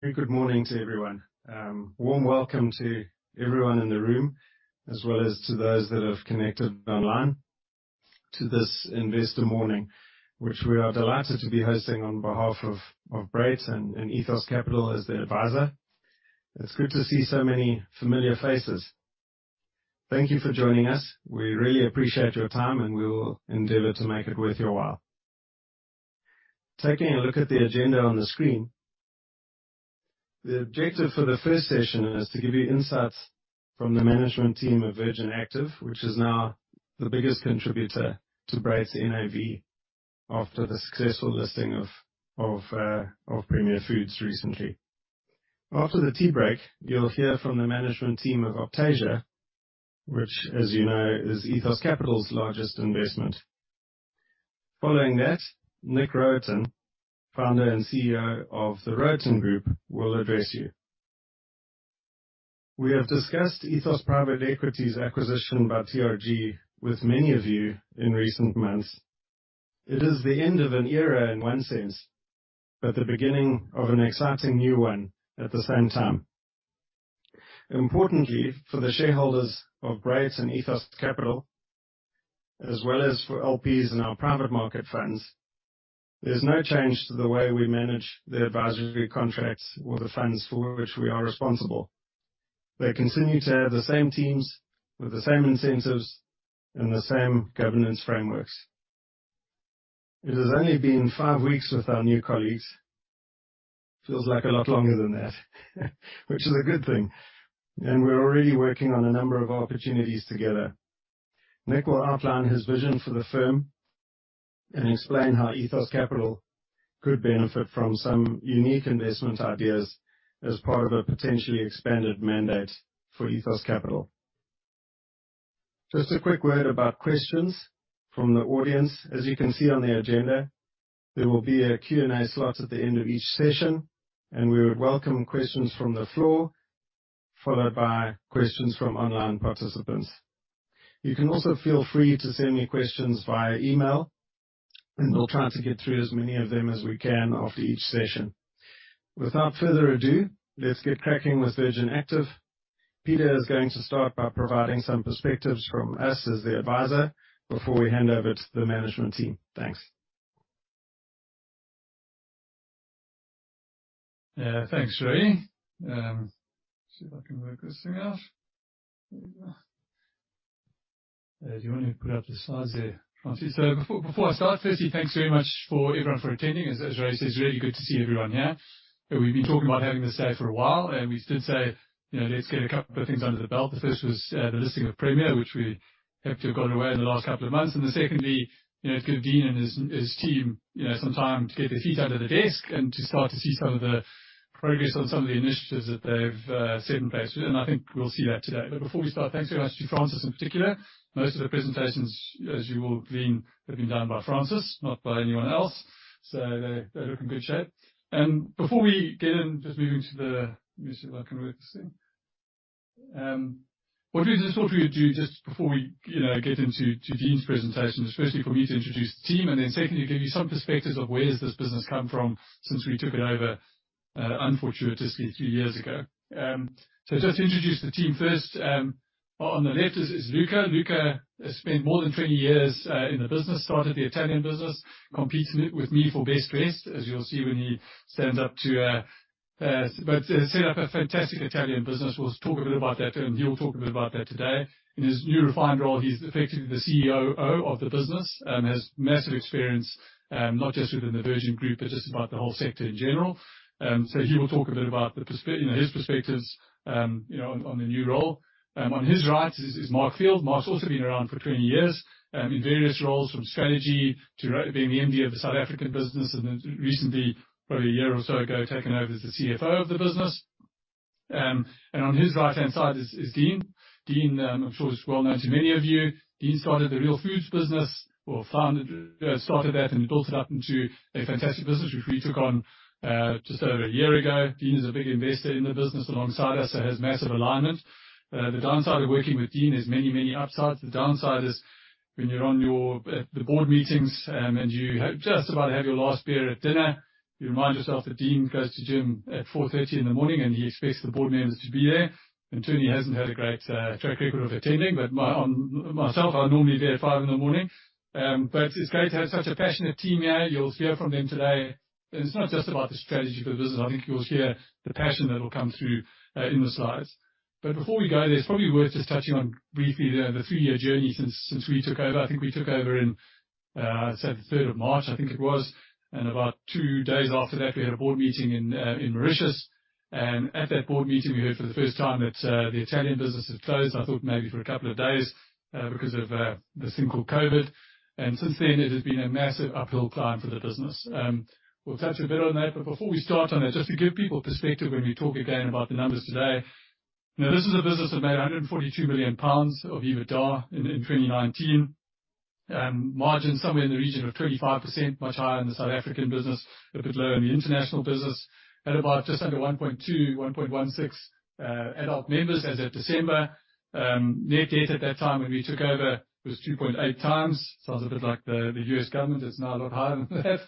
A good morning to everyone. Warm welcome to everyone in the room, as well as to those that have connected online to this investor morning, which we are delighted to be hosting on behalf of Brait and Ethos Capital as the advisor. It's good to see so many familiar faces. Thank you for joining us. We really appreciate your time, and we will endeavor to make it worth your while. Taking a look at the agenda on the screen. The objective for the first session is to give you insights from the management team of Virgin Active, which is now the biggest contributor to Brait NAV after the successful listing of Premier Foods recently. After the tea break, you'll hear from the management team of Optasia, which, as you know, is Ethos Capital's largest investment. Following that, Nick Rohatyn, founder and CEO of The Rohatyn Group, will address you. We have discussed Ethos Private Equity's acquisition by TRG with many of you in recent months. It is the end of an era in one sense, but the beginning of an exciting new one at the same time. Importantly, for the shareholders of Brait and Ethos Capital, as well as for LPs and our private market funds, there's no change to the way we manage the advisory contracts or the funds for which we are responsible. They continue to have the same teams with the same incentives and the same governance frameworks. It has only been five weeks with our new colleagues. Feels like a lot longer than that which is a good thing, we're already working on a number of opportunities together. Nick will outline his vision for the firm and explain how Ethos Capital could benefit from some unique investment ideas as part of a potentially expanded mandate for Ethos Capital. Just a quick word about questions from the audience. As you can see on the agenda, there will be a Q&A slot at the end of each session, we would welcome questions from the floor, followed by questions from online participants. You can also feel free to send me questions via email, we'll try to get through as many of them as we can after each session. Without further ado, let's get cracking with Virgin Active. Peter is going to start by providing some perspectives from us as the advisor before we hand over to the management team. Thanks. Yeah. Thanks, Ray. See if I can work this thing out. There we go. Do you want to put up the slides there, Francis? Before I start, firstly, thanks very much everyone for attending. As Ray said, it's really good to see everyone here. We've been talking about having this say for a while, we did say, let's get a couple of things under the belt. The first was the listing of Premier, which we have to have gone away in the last couple of months. Secondly, it gave Dean and his team some time to get their feet under the desk and to start to see some of the progress on some of the initiatives that they've set in place. I think we'll see that today. Before we start, thanks very much to Francis in particular. They look in good shape. Let me see if I can work this thing. Before we get into Dean's presentation, especially for me to introduce the team, and then secondly, give you some perspective of where has this business come from since we took it over, unfortunately, three years ago. Just to introduce the team first. On the left is Luca. Luca has spent more than 20 years in the business, started the Italian business, competes with me for best dressed, as you'll see when he stands up to Set up a fantastic Italian business. We'll talk a bit about that, and he'll talk a bit about that today. In his new refined role, he's effectively the CEO of the business, has massive experience, not just within the Virgin Group, but just about the whole sector in general. He will talk a bit about his perspectives on the new role. On his right is Mark Field. Mark's also been around for 20 years in various roles, from strategy to being the MD of the South African business, recently, probably a year or so ago, taken over as the CFO of the business. On his right-hand side is Dean. Dean, I'm sure is well known to many of you. Dean founded the Real Foods business and built it up into a fantastic business, which we took on just over a year ago. Dean is a big investor in the business alongside us, has massive alignment. The downside of working with Dean is many upsides. The downside is when you're at the board meetings, you just about have your last beer at dinner, you remind yourself that Dean goes to gym at 4:30 A.M., he expects the board members to be there. Tony hasn't had a great track record of attending, myself, I'm normally there at 5:00 A.M. It's great to have such a passionate team here. You'll hear from them today. It's not just about the strategy for the business. I think you'll hear the passion that will come through in the slides. Before we go, there's probably worth just touching on briefly the three-year journey since we took over. I think we took over in, I'd say the 3rd of March, I think it was, about two days after that, we had a board meeting in Mauritius. At that board meeting, we heard for the first time that the Italian business had closed. I thought maybe for a couple of days because of this thing called COVID. Since then, it has been a massive uphill climb for the business. We'll touch a bit on that. Before we start on that, just to give people perspective when we talk again about the numbers today. This is a business that made 142 million pounds of EBITDA in 2019. Margins somewhere in the region of 25%, much higher in the South African business, a bit lower in the international business. Had about just under 1.2, 1.16 adult members as of December. Net debt at that time when we took over was 2.8x. Sounds a bit like the U.S. government. It's now a lot higher than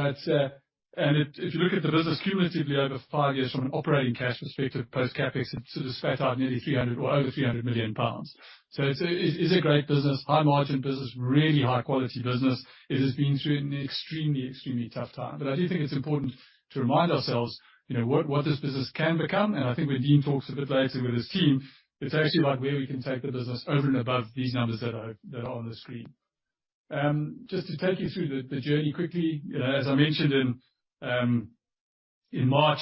that. If you look at the business cumulatively over five years from an operating cash perspective, post CapEx, it spat out nearly 300 million or over 300 million pounds. It is a great business, high margin business, really high quality business. It has been through an extremely tough time. I do think it's important to remind ourselves what this business can become, and I think when Dean talks a bit later with his team, it's actually about where we can take the business over and above these numbers that are on the screen. Just to take you through the journey quickly. As I mentioned in March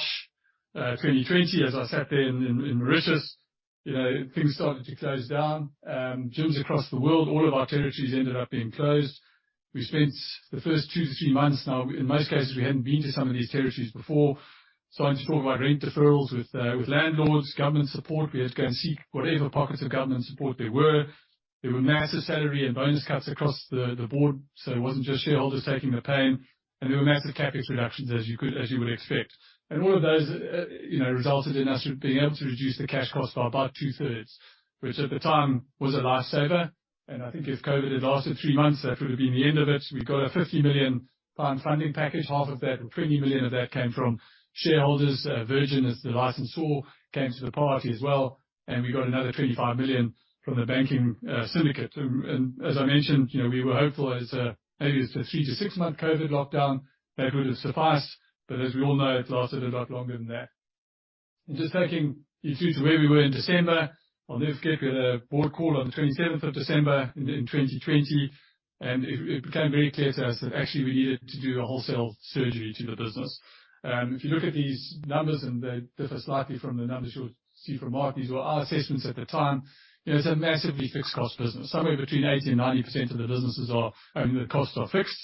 2020, as I sat there in Mauritius, things started to close down. Gyms across the world, all of our territories ended up being closed. We spent the first two to three months, now, in most cases, we hadn't been to some of these territories before, starting to talk about rent deferrals with landlords, government support. We had to go and seek whatever pockets of government support there were. There were massive salary and bonus cuts across the board, it wasn't just shareholders taking the pain. There were massive CapEx reductions as you would expect. All of those resulted in us being able to reduce the cash cost by about two-thirds, which at the time was a lifesaver. I think if COVID had lasted three months, that would've been the end of it. We got a 50 million pound funding package. Half of that, 20 million of that came from shareholders. Virgin, as the licensed saw, came to the party as well, we got another 25 million from the banking syndicate. As I mentioned, we were hopeful maybe it's a three- to six-month COVID lockdown that would've sufficed, as we all know, it's lasted a lot longer than that. Just taking you through to where we were in December. I'll never forget we had a board call on the 27th of December in 2020, it became very clear to us that actually we needed to do a wholesale surgery to the business. If you look at these numbers, and they differ slightly from the numbers you'll see from Mark, these were our assessments at the time. It's a massively fixed cost business. Somewhere between 80% and 90% of the businesses, the costs are fixed.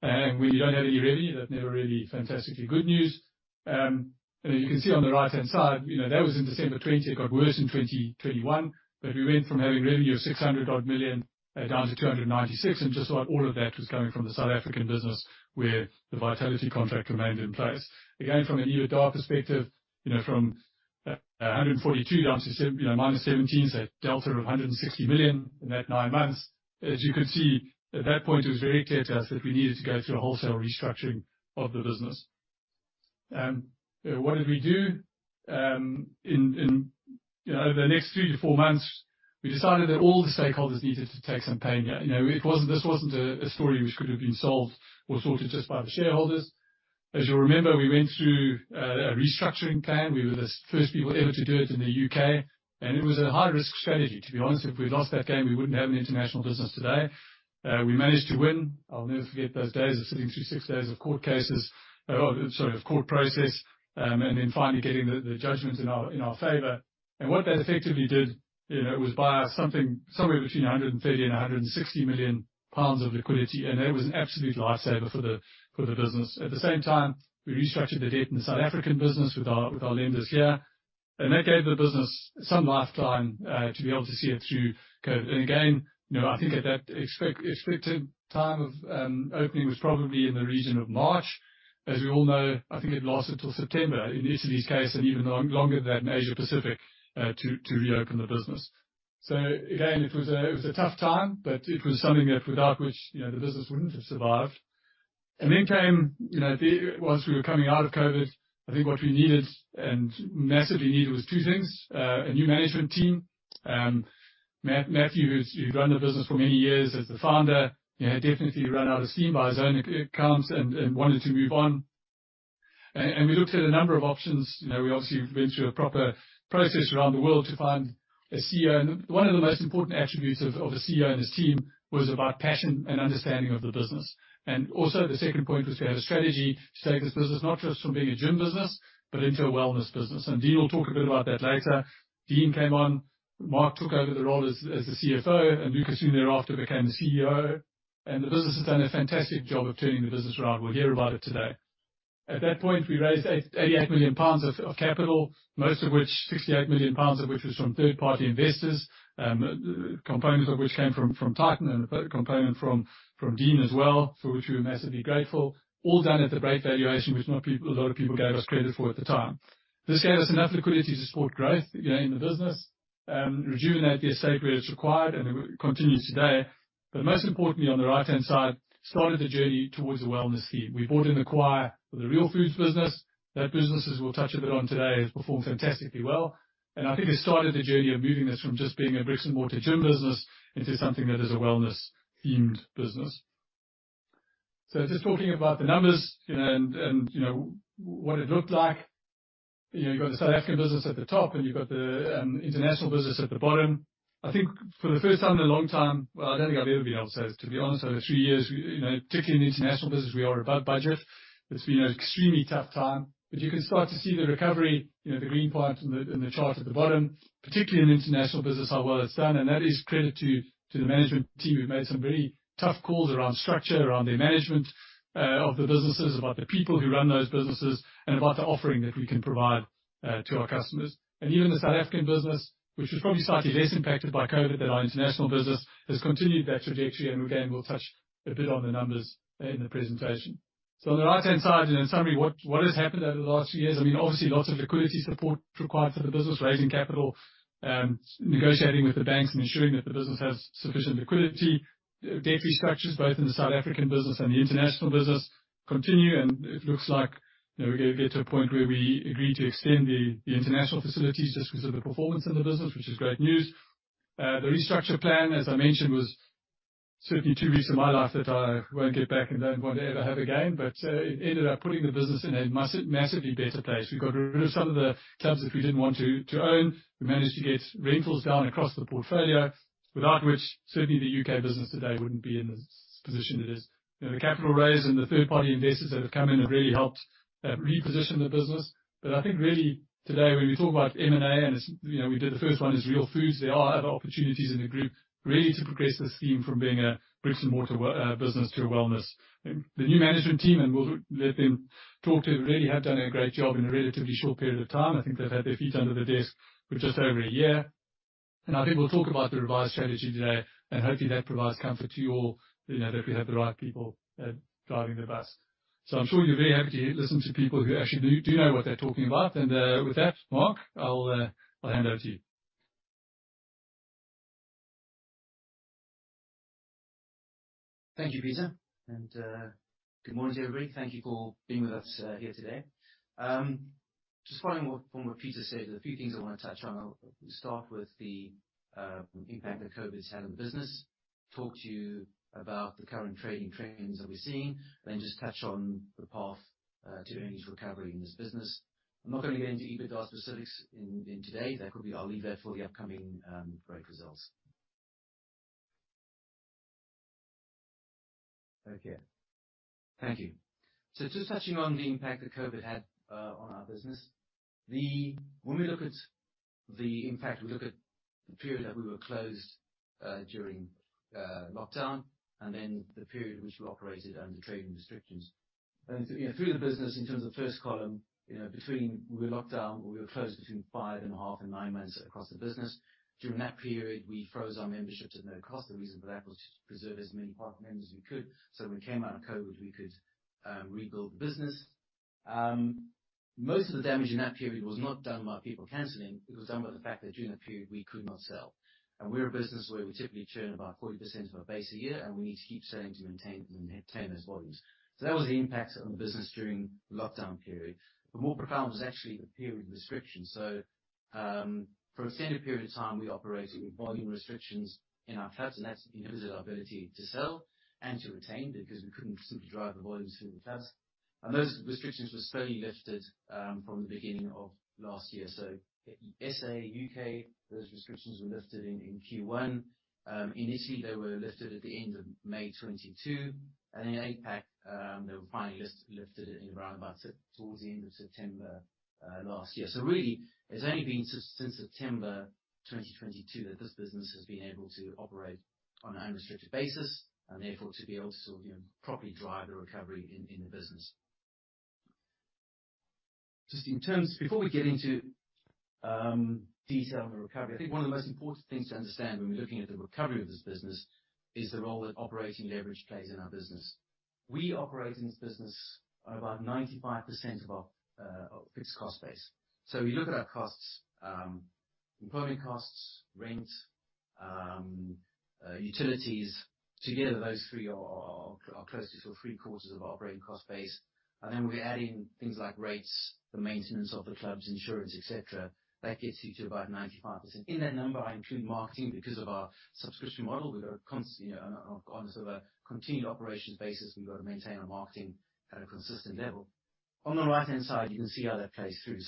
When you don't have any revenue, that never really fantastically good news. You can see on the right-hand side, that was in December 2020, it got worse in 2021. We went from having revenue of 600 odd million down to 296 million, and just about all of that was coming from the South African business where the Vitality contract remained in place. Again, from an EBITDA perspective, from 142 million down to minus 17 million, it's a delta of 160 million in that nine months. You could see, at that point it was very clear to us that we needed to go through a wholesale restructuring of the business. What did we do? Over the next three to four months, we decided that all the stakeholders needed to take some pain here. This wasn't a story which could have been solved or sorted just by the shareholders. As you'll remember, we went through a restructuring plan. We were the first people ever to do it in the U.K., and it was a high-risk strategy, to be honest. If we'd lost that game, we wouldn't have an international business today. We managed to win. I'll never forget those days of sitting through six days of court process, then finally getting the judgment in our favor. What that effectively did, it was buy us something, somewhere between 130 million-160 million pounds of liquidity. That was an absolute lifesaver for the business. At the same time, we restructured the debt in the South African business with our lenders here, that gave the business some lifeline, to be able to see it through COVID. Again, I think at that expected time of opening was probably in the region of March. As we all know, I think it lasted till September, in Italy's case even longer than that in APAC, to reopen the business. It was a tough time, but it was something that without which the business wouldn't have survived. Then came, once we were coming out of COVID, I think what we needed and massively needed was two things. A new management team. Matthew, who'd run the business for many years as the founder, had definitely run out of steam by his own accounts and wanted to move on. We looked at a number of options. We obviously went through a proper process around the world to find a CEO. One of the most important attributes of a CEO and his team was about passion and understanding of the business. The second point was to have a strategy to take this business not just from being a gym business, into a wellness business. Dean will talk a bit about that later. Dean came on, Mark took over the role as the CFO, Luca soon thereafter became the CEO, and the business has done a fantastic job of turning the business around. We'll hear about it today. At that point, we raised 88 million pounds of capital, most of which, 68 million pounds of which was from third-party investors, components of which came from Titan and a component from Dean as well, for which we were massively grateful. All done at the brait valuation, which a lot of people gave us credit for at the time. This gave us enough liquidity to support growth in the business, resume that via safe where it is required, and it continues today. Most importantly, on the right-hand side, started the journey towards a wellness theme. We brought in the Kauai for the Real Foods business. That business as we'll touch a bit on today, has performed fantastically well. I think we started the journey of moving this from just being a bricks and mortar gym business into something that is a wellness-themed business. Just talking about the numbers and what it looked like. You've got the South African business at the top and you've got the international business at the bottom. I think for the first time in a long time, well, I don't think I've ever been able to say this, to be honest, over three years, particularly in the international business, we are above budget. It's been an extremely tough time. You can start to see the recovery, the green part in the chart at the bottom, particularly in the international business, how well it's done. That is credit to the management team who've made some very tough calls around structure, around their management of the businesses, about the people who run those businesses, and about the offering that we can provide to our customers. Even the South African business, which was probably slightly less impacted by COVID than our international business, has continued that trajectory, and again, we'll touch a bit on the numbers in the presentation. On the right-hand side, in a summary, what has happened over the last few years, obviously lots of liquidity support required for the business, raising capital, negotiating with the banks and ensuring that the business has sufficient liquidity. Debt restructures both in the South African business and the international business continue, it looks like we're going to get to a point where we agree to extend the international facilities just because of the performance in the business, which is great news. The restructure plan, as I mentioned, was certainly two weeks of my life that I won't get back and don't want to ever have again. It ended up putting the business in a massively better place. We got rid of some of the clubs that we didn't want to own. We managed to get rentals down across the portfolio, without which certainly the U.K. business today wouldn't be in the position it is. The capital raise and the third-party investors that have come in have really helped reposition the business. I think really today, when we talk about M&A, and we did the first one is Real Foods, there are other opportunities in the group really to progress this theme from being a bricks and mortar business to a wellness. The new management team, and we'll let them talk to, really have done a great job in a relatively short period of time. I think they've had their feet under the desk for just over one year. I think we'll talk about the revised strategy today, and hopefully that provides comfort to you all that we have the right people driving the bus. I'm sure you're very happy to listen to people who actually do know what they're talking about. With that, Mark, I'll hand over to you. Thank you, Peter, and good morning, everybody. Thank you for being with us here today. Just following up from what Peter said, there are a few things I want to touch on. I'll start with the impact that COVID's had on the business, talk to you about the current trading trends that we're seeing, then just touch on the path to earnings recovery in this business. I'm not going to get into EBITDA specifics today. I'll leave that for the upcoming results. Okay. Thank you. Just touching on the impact that COVID had on our business. When we look at the impact, we look at the period that we were closed during lockdown, and then the period in which we operated under trading restrictions. Through the business in terms of first column, between we were locked down or we were closed between five and a half and nine months across the business. During that period, we froze our memberships at no cost. The reason for that was to preserve as many partner members as we could, so when we came out of COVID, we could rebuild the business. Most of the damage in that period was not done by people canceling, it was done by the fact that during that period, we could not sell. We're a business where we typically churn about 40% of our base a year, and we need to keep selling to maintain those volumes. That was the impact on the business during the lockdown period. More profound was actually the period of restrictions. For an extended period of time, we operated with volume restrictions in our clubs, and that inhibited our ability to sell and to retain because we couldn't simply drive the volumes through the clubs. Those restrictions were slowly lifted from the beginning of last year. S.A., U.K., those restrictions were lifted in Q1. In Italy, they were lifted at the end of May 2022, then APAC, they were finally lifted around about towards the end of September last year. Really, it's only been since September 2022 that this business has been able to operate on an unrestricted basis, and therefore, to be able to properly drive the recovery in the business. Before we get into detail on the recovery, I think one of the most important things to understand when we're looking at the recovery of this business is the role that operating leverage plays in our business. We operate in this business on about 95% of our fixed cost base. We look at our costs, employment costs, rent, utilities. Together, those three are close to sort of three-quarters of our operating cost base. Then we add in things like rates, the maintenance of the clubs, insurance, et cetera. That gets you to about 95%. In that number, I include marketing because of our subscription model. On a continued operations basis, we've got to maintain our marketing at a consistent level. On the right-hand side, you can see how that plays through.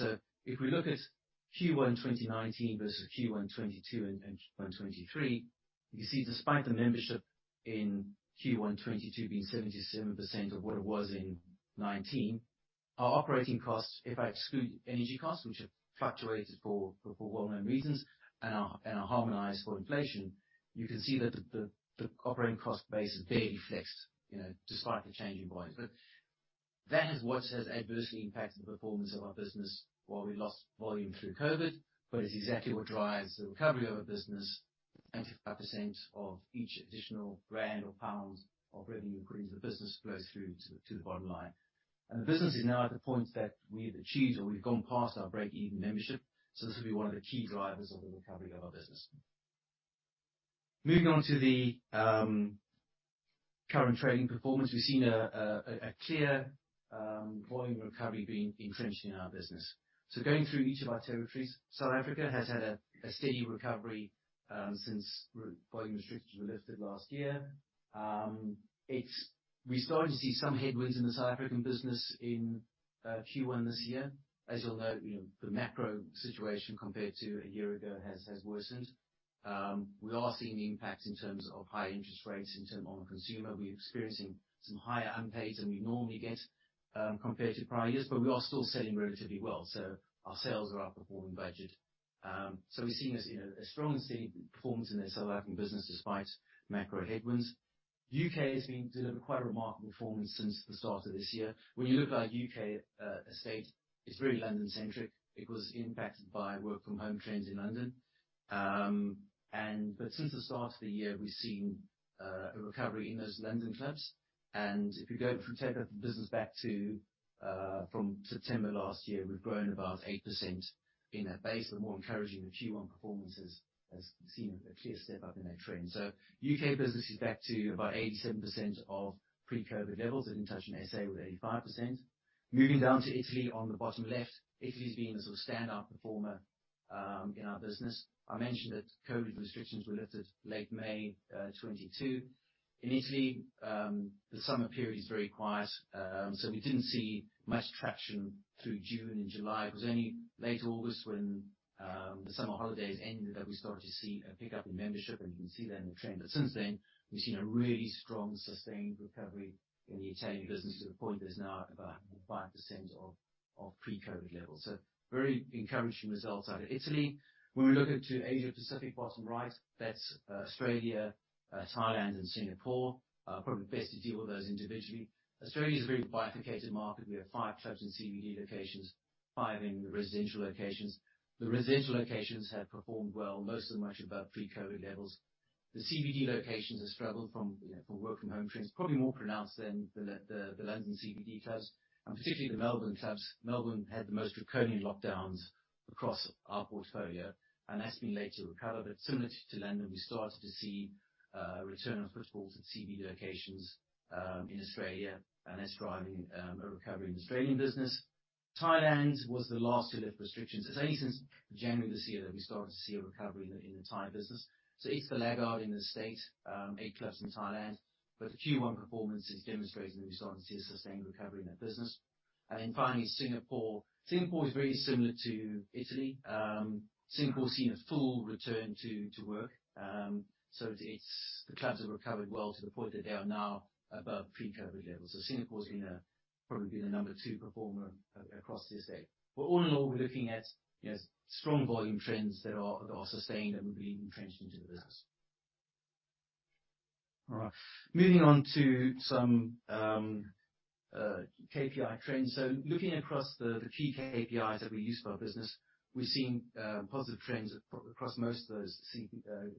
If we look at Q1 2019 versus Q1 2022 and Q1 2023, you can see despite the membership in Q1 2022 being 77% of what it was in 2019, our operating costs, if I exclude energy costs, which have fluctuated for well-known reasons and are harmonized for inflation, you can see that the operating cost base has barely flexed despite the change in volumes. That is what has adversely impacted the performance of our business while we lost volume through COVID, but it is exactly what drives the recovery of a business. 95% of each additional ZAR or GBP of revenue you bring into the business flows through to the bottom line. The business is now at the point that we have achieved or we have gone past our break-even membership. This will be one of the key drivers of the recovery of our business. Moving on to the current trading performance, we have seen a clear volume recovery being entrenched in our business. Going through each of our territories, South Africa has had a steady recovery since volume restrictions were lifted last year. We started to see some headwinds in the South African business in Q1 this year. As you will note, the macro situation compared to a year ago has worsened. We are seeing the impact in terms of higher interest rates on the consumer. We are experiencing some higher unpaids than we normally get compared to prior years, but we are still selling relatively well, so our sales are outperforming budget. We are seeing a strong and steady performance in the South African business despite macro headwinds. U.K. has been delivering quite a remarkable performance since the start of this year. You look at our U.K. estate, it is very London centric. It was impacted by work from home trends in London. Since the start of the year, we have seen a recovery in those London clubs. If you go from 10 business back to from September last year, we have grown about 8% in that base. The more encouraging, the Q1 performance has seen a clear step up in that trend. U.K. business is back to about 87% of pre-COVID levels. I did not touch on SA with 85%. Moving down to Italy on the bottom left, Italy has been a sort of standout performer in our business. I mentioned that COVID restrictions were lifted late May 2022. In Italy, the summer period is very quiet, so we did not see much traction through June and July. It was only late August when the summer holidays ended that we started to see a pickup in membership, and you can see that in the trend. Since then, we have seen a really strong sustained recovery in the Italian business to the point that it is now about 105% of pre-COVID levels. Very encouraging results out of Italy. We look into Asia Pacific, bottom right, that is Australia, Thailand and Singapore. Probably best to deal with those individually. Australia is a very bifurcated market. We have five clubs in CBD locations, five in the residential locations. The residential locations have performed well, most are much above pre-COVID levels. The CBD locations have struggled from work from home trends, probably more pronounced than the London CBD clubs and particularly the Melbourne clubs. Melbourne had the most draconian lockdowns across our portfolio, and that has been late to recover. Similar to London, we started to see a return of footfalls at CBD locations, in Australia and that is driving a recovery in Australian business. Thailand was the last to lift restrictions. It's only since January this year that we started to see a recovery in the Thai business. It's the laggard in the estate, eight clubs in Thailand. The Q1 performance is demonstrating that we're starting to see a sustained recovery in that business. Finally, Singapore. Singapore's seen a full return to work. The clubs have recovered well to the point that they are now above pre-COVID levels. Singapore's probably been the number 2 performer across the estate. All in all, we're looking at strong volume trends that are sustained and really entrenched into the business. Moving on to some KPI trends. Looking across the key KPIs that we use for our business, we're seeing positive trends across most of those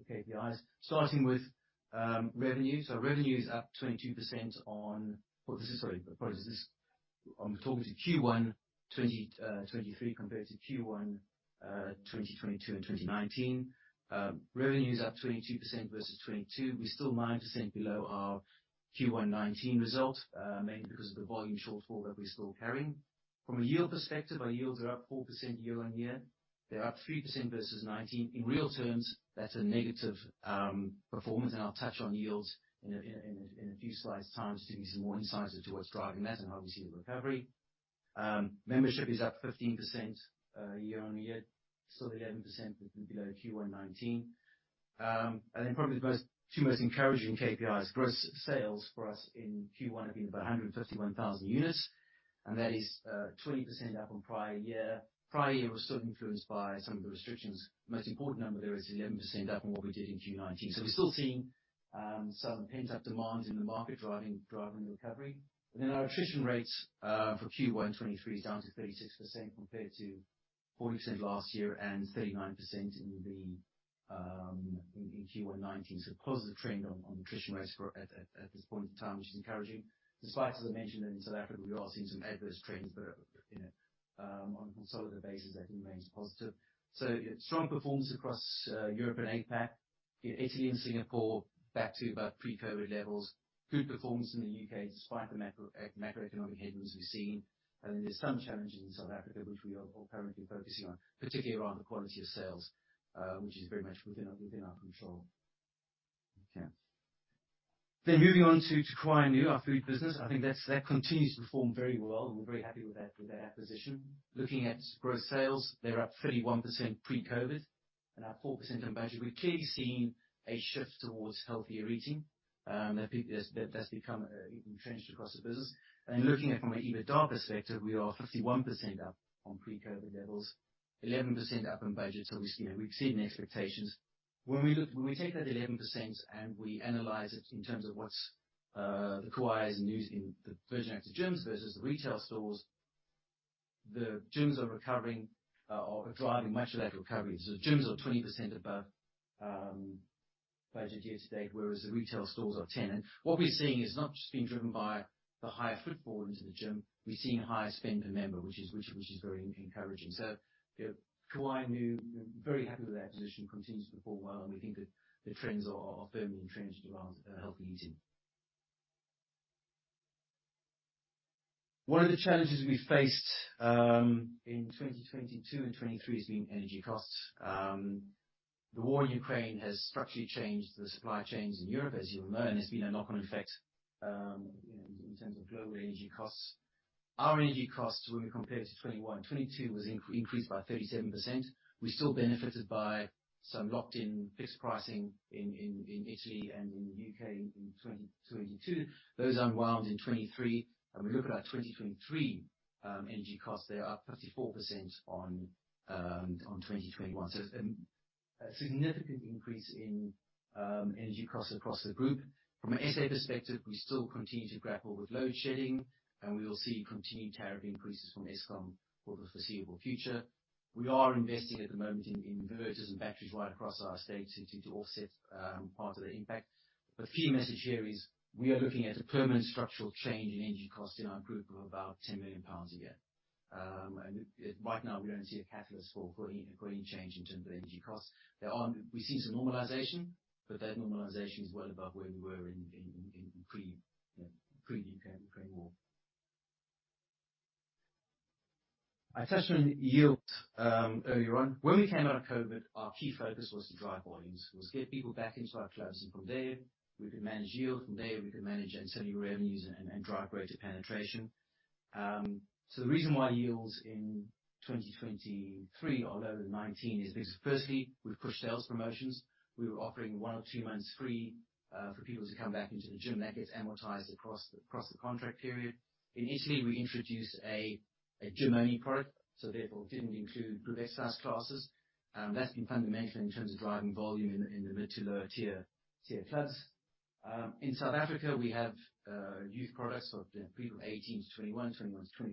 KPIs, starting with revenue. Revenue is up 22% on Sorry, I'm talking to Q1 2023 compared to Q1 2022 and 2019. Revenue is up 22% versus 2022, we're still 9% below our Q1 2019 result, mainly because of the volume shortfall that we're still carrying. From a yield perspective, our yields are up 4% year-on-year. They're up 3% versus 2019. In real terms, that's a negative performance, and I'll touch on yields in a few slides' time to give you some more insights into what's driving that and obviously the recovery. Membership is up 15% year-on-year, still 11% below Q1 2019. Probably the two most encouraging KPIs, gross sales for us in Q1 have been about 151,000 units, and that is 20% up on prior year. Prior year was still influenced by some of the restrictions. Most important number there is 11% up on what we did in Q1 2019. We're still seeing some pent-up demand in the market driving the recovery. Our attrition rates for Q1 2023 is down to 36% compared to 40% last year and 39% in Q1 2019. Positive trend on attrition rates at this point in time, which is encouraging despite, as I mentioned, in South Africa, we are seeing some adverse trends. On a consolidated basis, that remains positive. Strong performance across Europe and APAC. Italy and Singapore back to about pre-COVID levels. Good performance in the U.K. despite the macroeconomic headwinds we've seen. There's some challenges in South Africa which we are currently focusing on, particularly around the quality of sales, which is very much within our control. Okay. Moving on to Kauai, our food business. I think that continues to perform very well, and we're very happy with that acquisition. Looking at gross sales, they're up 31% pre-COVID and up 4% on budget. We've clearly seen a shift towards healthier eating. I think that's become entrenched across the business. Looking at it from an EBITDA perspective, we are 51% up on pre-COVID levels, 11% up on budget. We've exceeded expectations. When we take that 11% and we analyze it in terms of what's the core news in the Virgin Active gyms versus the retail stores, the gyms are recovering or are driving much of that recovery. Gyms are 20% above budget year to date, whereas the retail stores are 10%. What we're seeing is not just being driven by the higher footfall into the gym, we're seeing higher spend per member, which is very encouraging. Kauai, very happy with the acquisition, continues to perform well, and we think that the trends are firmly entrenched around healthy eating. One of the challenges we faced in 2022 and 2023 has been energy costs. The war in Ukraine has structurally changed the supply chains in Europe, as you'll know, and there's been a knock-on effect in terms of global energy costs. Our energy costs when we compare to 2021 and 2022 was increased by 37%. We still benefited by some locked-in fixed pricing in Italy and in the U.K. in 2022. Those unwound in 2023. We look at our 2023 energy costs, they are up 54% on 2021. A significant increase in energy costs across the group. From an SA perspective, we still continue to grapple with load shedding, and we will see continued tariff increases from Eskom for the foreseeable future. We are investing at the moment in inverters and batteries right across our estate to offset part of the impact. The key message here is, we are looking at a permanent structural change in energy costs in our group of about 10 million pounds a year. Right now, we don't see a catalyst for any change in terms of energy costs. We're seeing some normalization, but that normalization is well above where we were in pre-Ukraine war. I touched on yields earlier on. When we came out of COVID, our key focus was to drive volumes, was to get people back into our clubs, and from there, we could manage yield, from there, we could manage ancillary revenues and drive greater penetration. The reason why yields in 2023 are lower than 2019 is because firstly, we've pushed sales promotions. We were offering one or two months free for people to come back into the gym. That gets amortized across the contract period. In Italy, we introduced a gym-only product, so therefore, didn't include group exercise classes. That's been fundamental in terms of driving volume in the mid to lower tier clubs. In South Africa, we have youth products for people 18-21,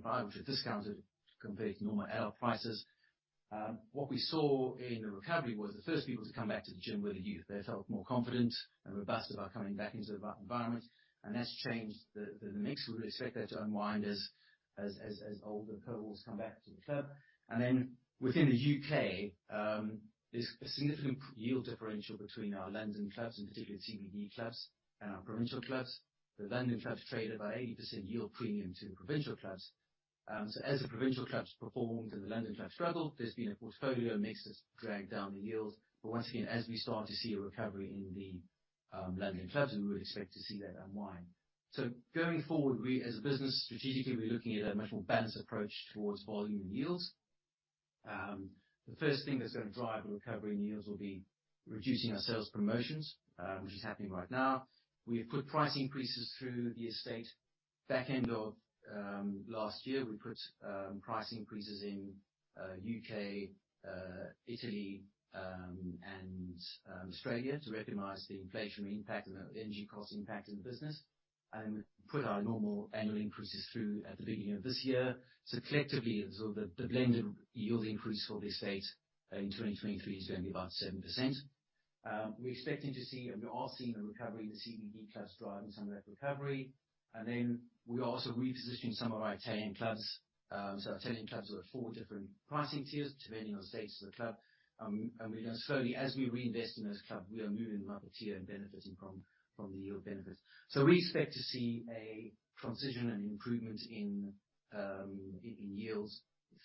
21-25, which are discounted compared to normal adult prices. What we saw in the recovery was the first people to come back to the gym were the youth. They felt more confident and robust about coming back into that environment. That's changed the mix. We would expect that to unwind as older cohorts come back to the club. Within the U.K., there's a significant yield differential between our London clubs, in particular CBD clubs, and our provincial clubs. The London clubs trade about 80% yield premium to the provincial clubs. As the provincial clubs performed and the London clubs struggled, there's been a portfolio mix that's dragged down the yields. Once again, as we start to see a recovery in the London clubs, we would expect to see that unwind. Going forward, we as a business, strategically, we're looking at a much more balanced approach towards volume and yields. The first thing that's going to drive a recovery in yields will be reducing our sales promotions, which is happening right now. We have put price increases through the estate. Back end of last year, we put price increases in U.K., Italy, and Australia to recognize the inflationary impact and the energy cost impact in the business, and put our normal annual increases through at the beginning of this year. Collectively, the blended yield increase for the estate in 2023 is going to be about 7%. We're expecting to see, and we are seeing a recovery, the CBD clubs driving some of that recovery. We are also repositioning some of our Italian clubs. Our Italian clubs are at four different pricing tiers, depending on the status of the club. We are slowly, as we reinvest in those clubs, we are moving them up a tier and benefiting from the yield benefits. We expect to see a transition and improvement in yields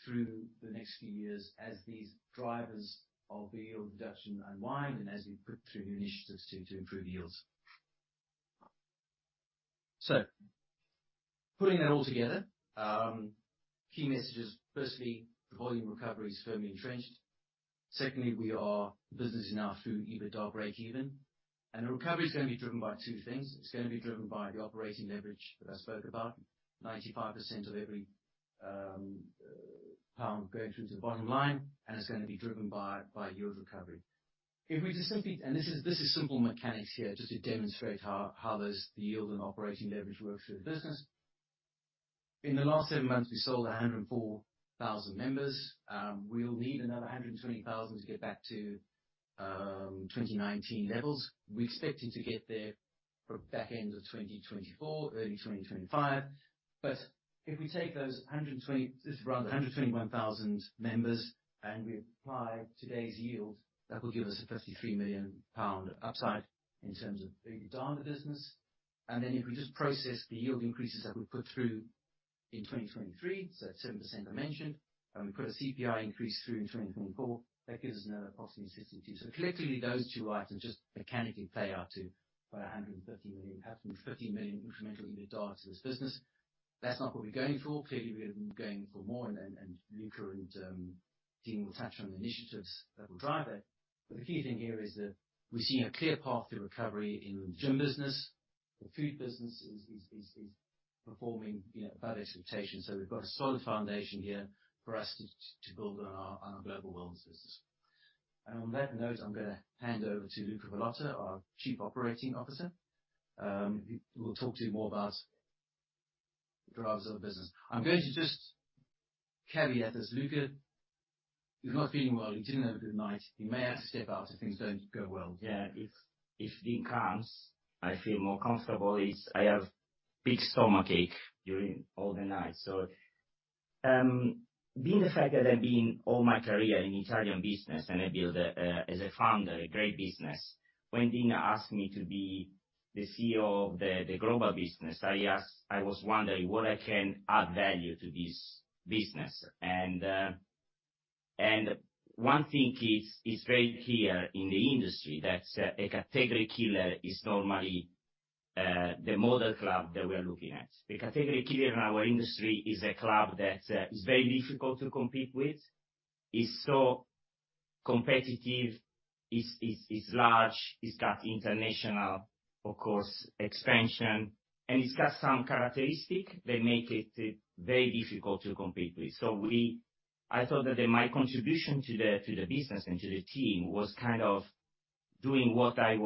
through the next few years as these drivers of the yield reduction unwind and as we put through new initiatives to improve yields. Putting that all together, key messages, firstly, the volume recovery is firmly entrenched. Secondly, we are business enough through EBITDA break even. The recovery is going to be driven by two things. It's going to be driven by the operating leverage that I spoke about, 95% of every GBP going through to the bottom line, and it's going to be driven by yield recovery. This is simple mechanics here just to demonstrate how the yield and operating leverage works for the business. In the last seven months, we sold 104,000 members. We'll need another 120,000 to get back to 2019 levels. We're expecting to get there back end of 2024, early 2025. If we take those, just round it, 121,000 members and we apply today's yield, that will give us a 53 million pound upside in terms of EBITDA in the business. If we just process the yield increases that we put through in 2023, so that 7% I mentioned, and we put a CPI increase through in 2024, that gives us another approximately 15 million. Collectively, those two items just mechanically play out to about 130 million, perhaps 115 million incremental EBITDA to this business. That's not what we're going for. Clearly, we are going for more, and Luca and Dean will touch on the initiatives that will drive that. The key thing here is that we're seeing a clear path to recovery in the gym business. The food business is performing above expectation. We've got a solid foundation here for us to build on our global wellness business. On that note, I'm going to hand over to Luca Valotta, our Chief Operating Officer, who will talk to you more about the drivers of the business. I'm going to just caveat this. Luca is not feeling well. He didn't have a good night. He may have to step out if things don't go well. If Dean comes, I feel more comfortable. I have big stomach ache during all the night. Being the fact that I've been all my career in Italian business, and I build, as a founder, a great business, when Dean asked me to be the CEO of the global business, I was wondering where I can add value to this business. One thing is right here in the industry, that a category killer is normally the model club that we are looking at. The category killer in our industry is a club that is very difficult to compete with, is so competitive, is large, it's got international, of course, expansion, and it's got some characteristic that make it very difficult to compete with. I thought that my contribution to the business and to the team was kind of doing what I've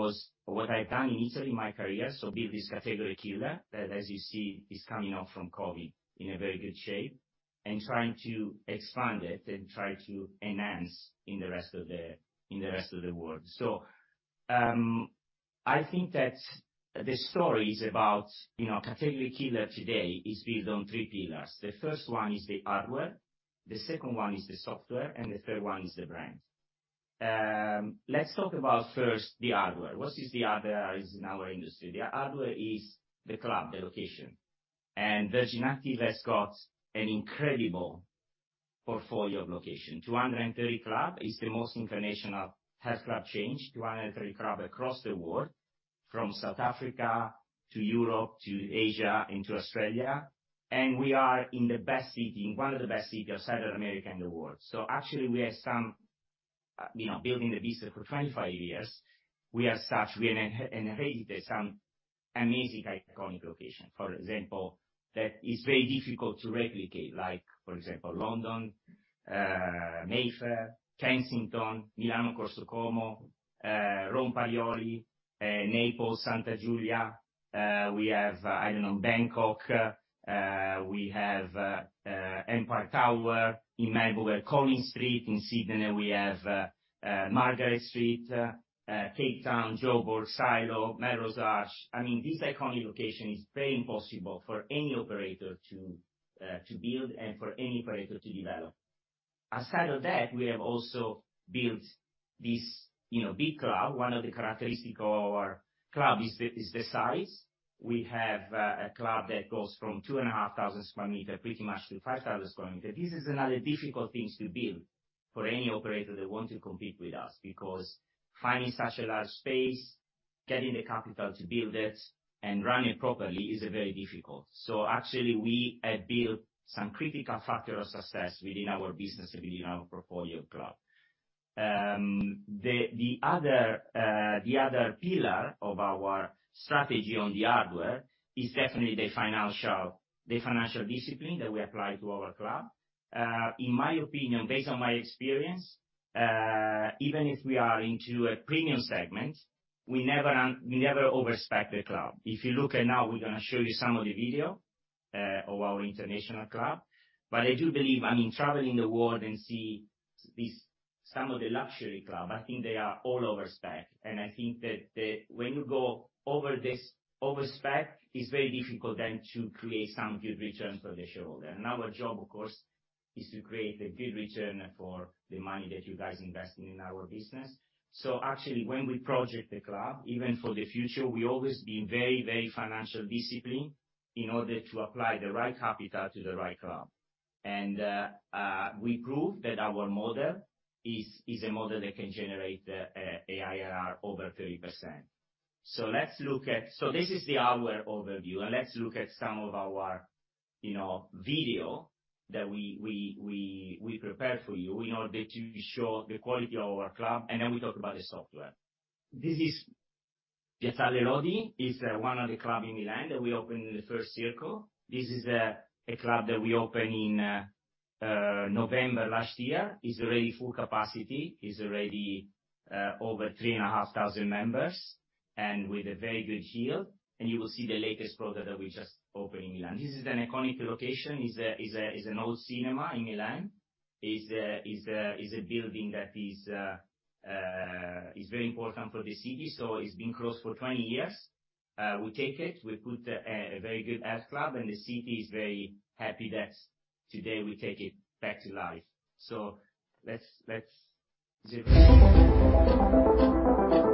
done in Italy in my career, so build this category killer that, as you see, is coming off from COVID in a very good shape, and trying to expand it and trying to enhance in the rest of the world. I think that the story is about category killer today is built on three pillars. The first one is the hardware, the second one is the software, and the third one is the brand. Let's talk about first the hardware. What is the hardware in our industry? The hardware is the club, the location, and Virgin Active has got an incredible portfolio of location. 230 club is the most international health club chain. 230 club across the world, from South Africa to Europe, to Asia, and to Australia. We are in one of the best city of Southern America in the world. Actually, building the business for 25 years, we inherited some amazing iconic location, for example, that is very difficult to replicate. Like, for example, London, Mayfair, Kensington, Milano Corso Como, Rome Parioli, Naples Santa Giulia. We have, I don't know, Bangkok. We have Empire Tower in Melbourne, Collins Street. In Sydney, we have Margaret Street, Cape Town, Joburg, Silo, Melrose Arch. These iconic location is very impossible for any operator to build and for any operator to develop. Aside of that, we have also built this big club. One of the characteristic of our club is the size. We have a club that goes from 2,500 square meter, pretty much to 5,000 square meter. This is another difficult thing to build for any operator that want to compete with us, because finding such a large space, getting the capital to build it, and run it properly is very difficult. Actually, we have built some critical factor of success within our business and within our portfolio club. The other pillar of our strategy on the hardware is definitely the financial discipline that we apply to our club. In my opinion, based on my experience, even if we are into a premium segment, we never overspec the club. If you look at now, we're going to show you some of the video of our international club. Traveling the world and see some of the luxury club, I think they are all overspec. I think that when you go overspec, it's very difficult then to create some good returns for the shareholder. Our job, of course, is to create a good return for the money that you guys invest in our business. Actually, when we project the club, even for the future, we always been very financial discipline in order to apply the right capital to the right club. We prove that our model is a model that can generate the IRR over 30%. This is the hardware overview, and let's look at some of our video that we prepared for you in order to show the quality of our club, and then we talk about the software. This is Teatro delle Voci, is one of the club in Milan that we open in the first circle. This is a club that we open in November last year. Is already full capacity, is already over 3,500 members, and with a very good yield. You will see the latest product that we just open in Milan. This is an iconic location, is an old cinema in Milan, is a building that is very important for the city. It's been closed for 20 years. We take it, we put a very good health club. The city is very happy that today we take it back to life. After 14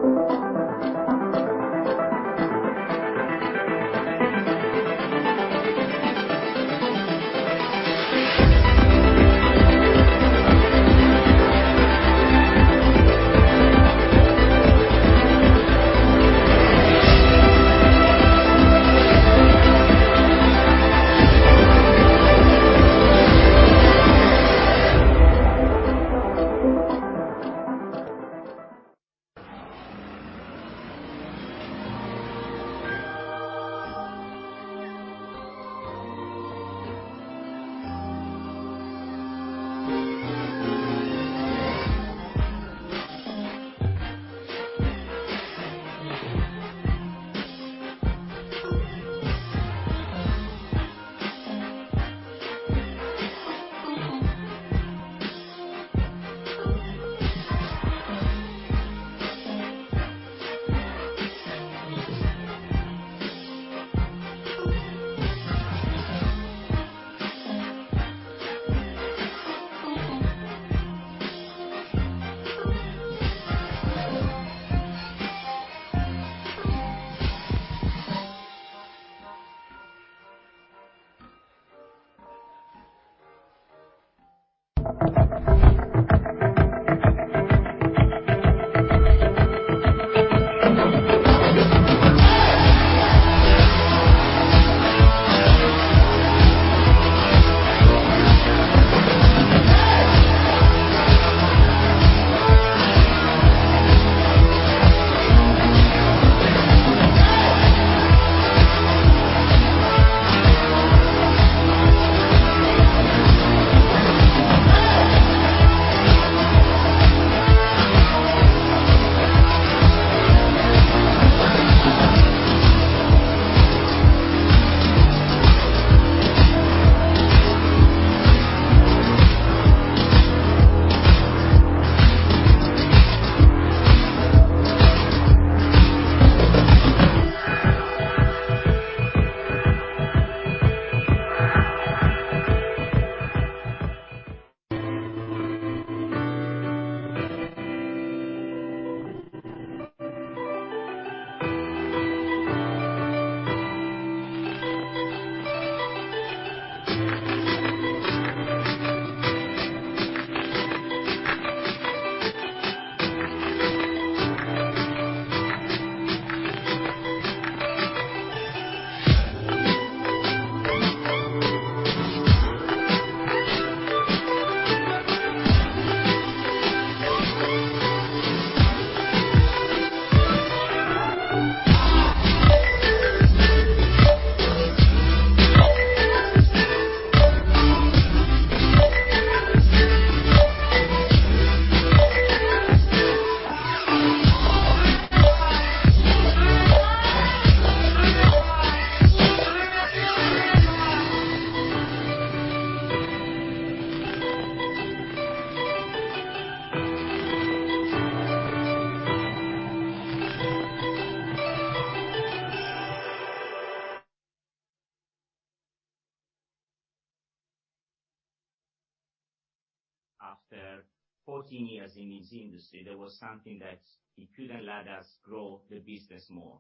years in this industry, there was something that it couldn't let us grow the business more.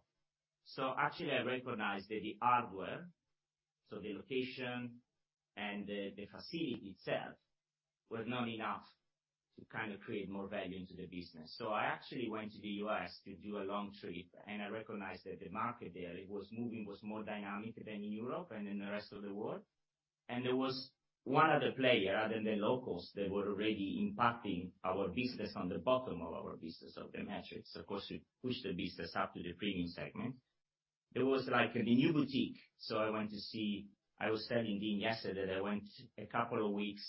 Actually, I recognized that the hardware, so the location and the facility itself, was not enough to create more value into the business. I actually went to the U.S. to do a long trip, and I recognized that the market there, it was moving, was more dynamic than in Europe and in the rest of the world. There was one other player other than the locals that were already impacting our business on the bottom of our business, of The Matrix. Of course, we pushed the business up to the premium segment. There was like the new boutique. I went to see. I was telling Dean yesterday that I went a couple of weeks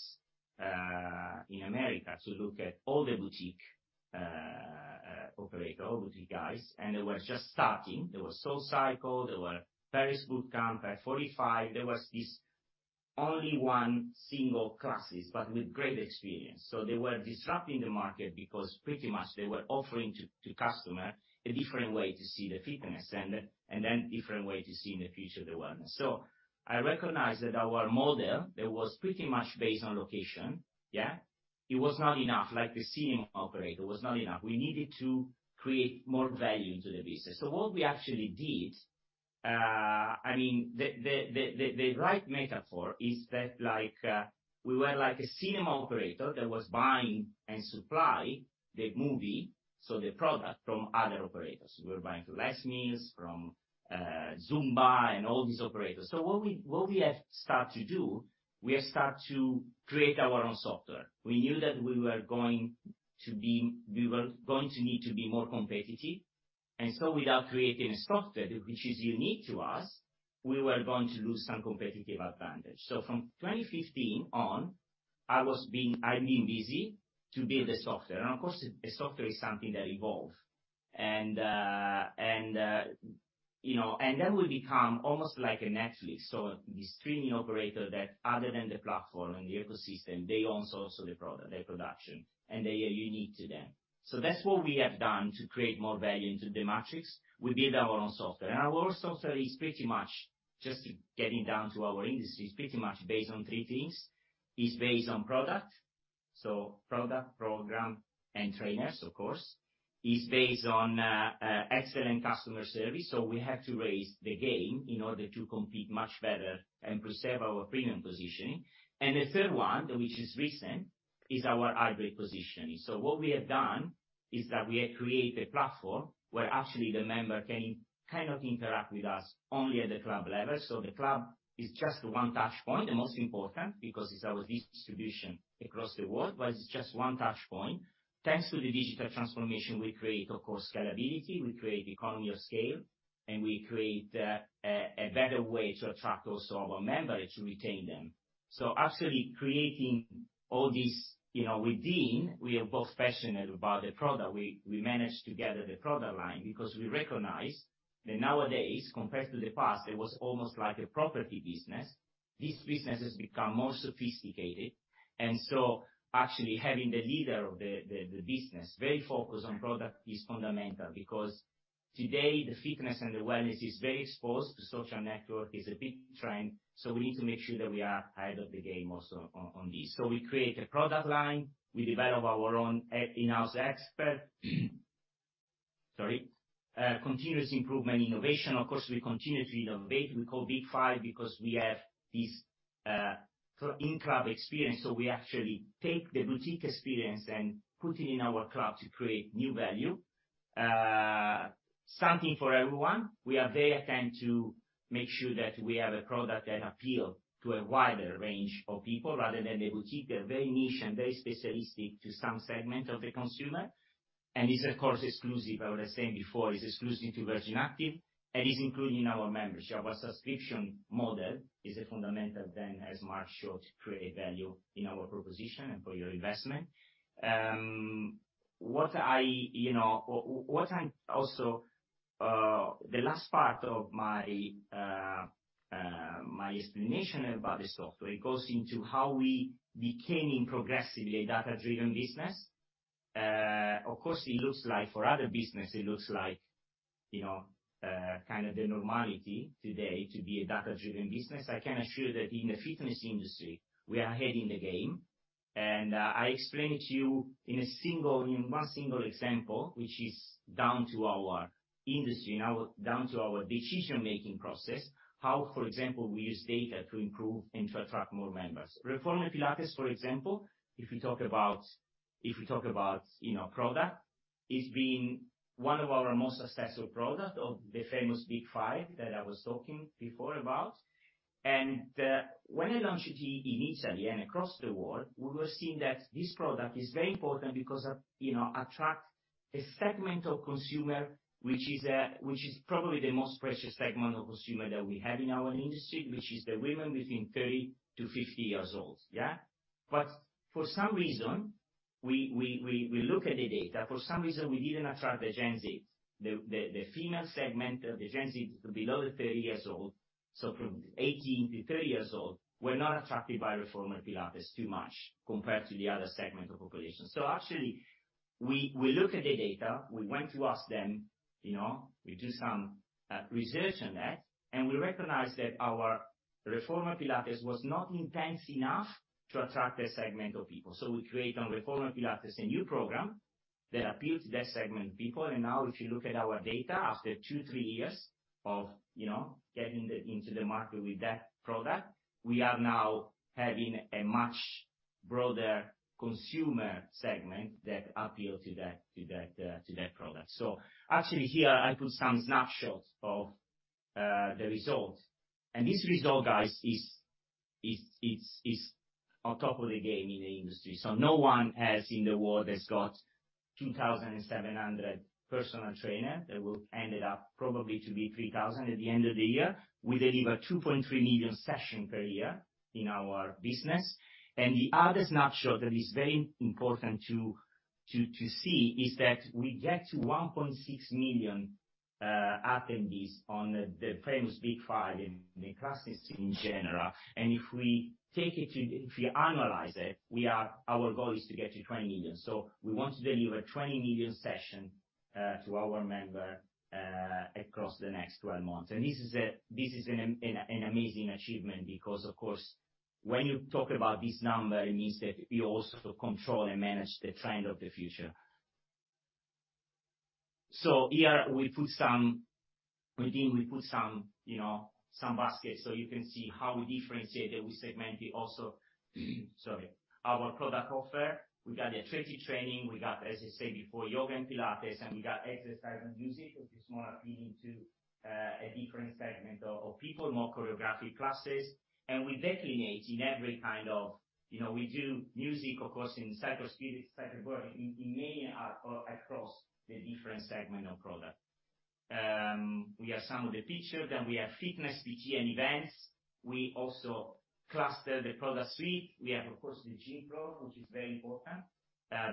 in America to look at all the boutique operator, all boutique guys, and they were just starting. There was SoulCycle, there were various boot camp F45. There was this only one single classes, but with great experience. They were disrupting the market because pretty much they were offering to customer a different way to see the fitness and then different way to see in the future the wellness. I recognized that our model that was pretty much based on location, yeah, it was not enough, like the cinema operator, it was not enough. We needed to create more value into the business. What we actually did, the right metaphor is that we were like a cinema operator that was buying and supply the movie, so the product from other operators. We were buying from Les Mills, from Zumba, and all these operators. What we have start to do, we have start to create our own software. We knew that we were going to need to be more competitive. Without creating a software, which is unique to us, we were going to lose some competitive advantage. From 2015 on, I've been busy to build a software. Of course, a software is something that evolve. Then we become almost like a Netflix. This streaming operator that other than the platform and the ecosystem, they own also the product, the production, and they are unique to them. That's what we have done to create more value into The Matrix, we build our own software. Our software is pretty much, just getting down to our industry, is pretty much based on three things. It is based on product. Product, program, and trainers, of course. It is based on excellent customer service. We have to raise the game in order to compete much better and preserve our premium positioning. The third one, which is recent, is our hybrid positioning. What we have done is that we have created a platform where actually the member can interact with us only at the club level. The club is just one touch point, the most important, because it's our distribution across the world, but it's just one touch point. Thanks to the digital transformation, we create, of course, scalability, we create economy of scale, and we create a better way to attract also our members to retain them. Actually creating all this, with Dean, we are both passionate about the product. We managed to gather the product line because we recognized that nowadays, compared to the past, it was almost like a property business. This business has become more sophisticated, and actually having the leader of the business very focused on product is fundamental, because today the fitness and the wellness is very exposed to social network, is a big trend. We need to make sure that we are ahead of the game also on this. We create a product line. We develop our own in-house expert. Sorry. Continuous improvement, innovation. Of course, we continue to innovate, we call Big Five because we have this in-club experience. We actually take the boutique experience and put it in our club to create new value. Something for everyone, we are very attentive to make sure that we have a product that appeal to a wider range of people rather than the boutique. They're very niche and very specific to some segment of the consumer. This, of course, exclusive, I was saying before, is exclusive to Virgin Active and is included in our membership. Our subscription model is a fundamental then, as Mark showed, to create value in our proposition and for your investment. The last part of my explanation about the software goes into how we became, progressively, a data-driven business. Of course, for other business, it looks like the normality today to be a data-driven business. I can assure you that in the fitness industry, we are ahead in the game. I explain it to you in one single example, which is down to our industry, down to our decision-making process, how, for example, we use data to improve and to attract more members. Reformer Pilates, for example, if we talk about product, it's been one of our most successful product of the famous Big Five that I was talking before about. When I launched it in Italy and across the world, we were seeing that this product is very important because attract a segment of consumer, which is probably the most precious segment of consumer that we have in our industry, which is the women between 30 to 50 years old. For some reason, we look at the data, for some reason, we didn't attract the Gen Z. The female segment of the Gen Z below the 30 years old, so from 18 to 30 years old, were not attracted by Reformer Pilates too much compared to the other segment of population. Actually, we look at the data. We went to ask them, we do some research on that, and we recognize that our Reformer Pilates was not intense enough to attract that segment of people. Now if you look at our data after two, three years of getting into the market with that product, we are now having a much broader consumer segment that appeal to that product. Actually here I put some snapshots of the result. This result, guys, is on top of the game in the industry. No one has in the world has got 2,700 personal trainer, that will ended up probably to be 3,000 at the end of the year. We deliver 2.3 million session per year in our business. The other snapshot that is very important to see is that we get to 1.6 million attendees on the famous Big 5 in the classics in general. If we annualize it, our goal is to get to 20 million. We want to deliver 20 million session to our member across the next 12 months. This is an amazing achievement because, of course, when you talk about this number, it means that you also control and manage the trend of the future. Here within, we put some basket so you can see how we differentiate and we segment it also, sorry, our product offer. We got the Trinity training, we got, as I said before, yoga and Pilates, and we got exercise and music, which is more appealing to a different segment of people, more choreographic classes. We do music, of course, in cycle spinning, cycle work, in many across the different segment of product. We have some of the picture. We have fitness, BG, and events. We also cluster the product suite. We have, of course, the gym floor, which is very important,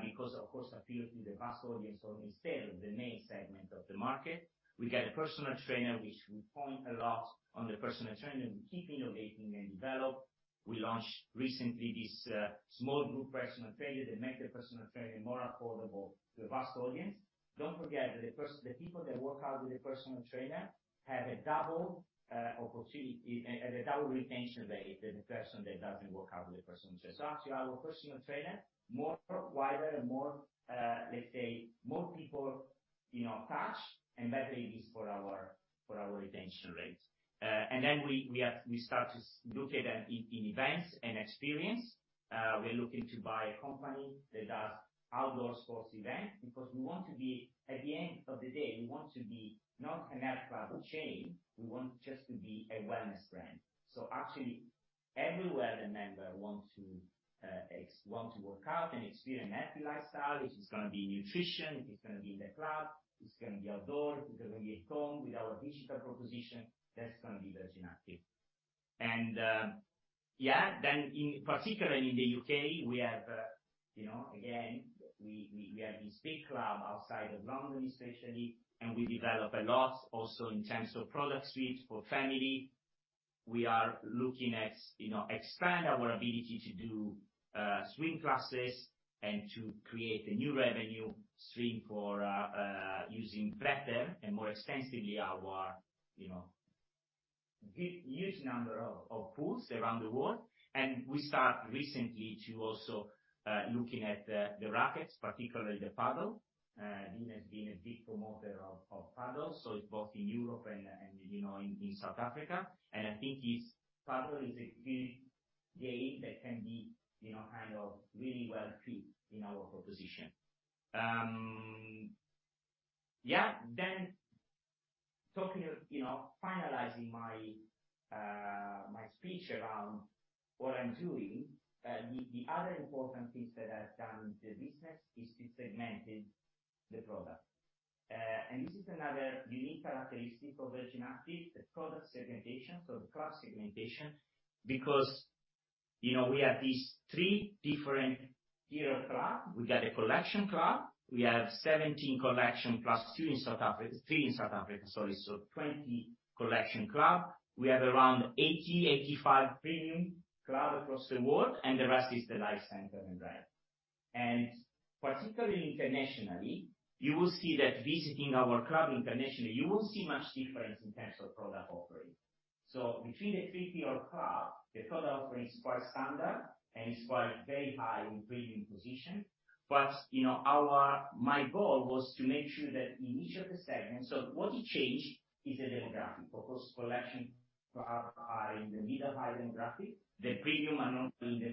because of course appeal to the vast audience or instead of the main segment of the market. We get a personal trainer, which we point a lot on the personal trainer. We keep innovating and develop. We launched recently this small group personal trainer that make the personal trainer more affordable to a vast audience. Don't forget that the people that work out with a personal trainer have a double retention rate than the person that doesn't work out with a personal trainer. Actually, our personal trainer, more wider and more, let's say, more people attached, and better it is for our retention rate. Then we start to look at in events and experience. We're looking to buy a company that does outdoor sports event because at the end of the day, we want to be not an health club chain, we want just to be a wellness brand. Actually, everywhere the member want to work out and experience healthy lifestyle, which is going to be nutrition, which is going to be in the club, it's going to be outdoor, it's going to be at home with our digital proposition, that's going to be Virgin Active. Yeah. Particularly in the U.K., again, we have this big club outside of London, especially, and we develop a lot also in terms of product suites for family. We are looking at expand our ability to do swim classes and to create a new revenue stream for using better and more extensively our huge number of pools around the world. We start recently to also looking at the rackets, particularly the Padel. Dean has been a big promoter of Padel, so it's both in Europe and in South Africa. I think Padel is a good game that can be kind of really well fit in our proposition. Yeah. Finalizing my speech around what I'm doing, the other important things that I've done in the business is to segment the product. This is another unique characteristic of Virgin Active, the product segmentation. The club segmentation, because we have these three different tier of club. We got a collection club, we have 17 collection, plus two in South Africa, three in South Africa, sorry. 20 collection club. We have around 80, 85 premium club across the world, and the rest is the life center and (rec). Particularly internationally, you will see that visiting our club internationally, you won't see much difference in terms of product offering. Between the 3 tier club, the product offering is quite standard and it's quite very high in premium position. My goal was to make sure that in each of the segments, what it change is the demographic, because collection club are in the middle to high demographic. The premium are not in the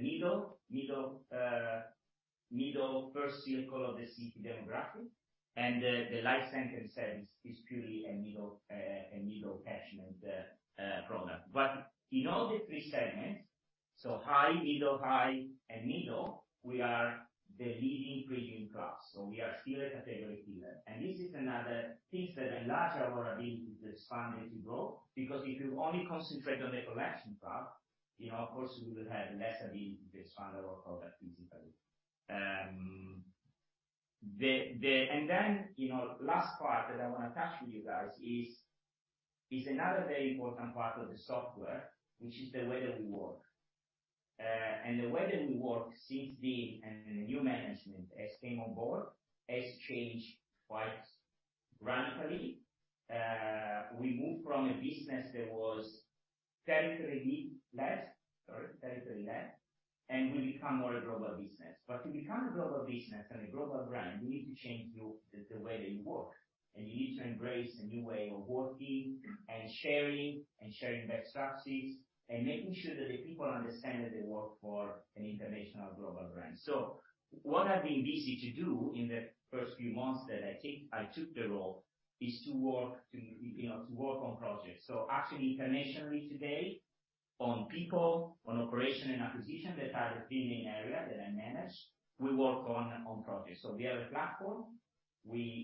middle first circle of the city demographic. The life center service is purely a middle catchment product. In all the three segments, so high, middle, high, and middle, we are the leading premium club. We are still a category pillar. This is another piece that enlarge our ability to expand as we grow, because if you only concentrate on the collection club, of course, we will have lesser ability to expand our product physically. Last part that I want to touch with you guys is another very important part of the software, which is the way that we work. The way that we work since the new management has came on board has changed quite radically. We moved from a business that was territory-led, sorry, territory-led, we become more a global business. To become a global business and a global brand, you need to change the way that you work, you need to embrace a new way of working and sharing best practices, making sure that the people understand that they work for an international global brand. What I've been busy to do in the first few months that I took the role is to work on projects. Actually internationally today on people, on operation and acquisition that are the three main area that I manage. We work on projects. We have a platform. We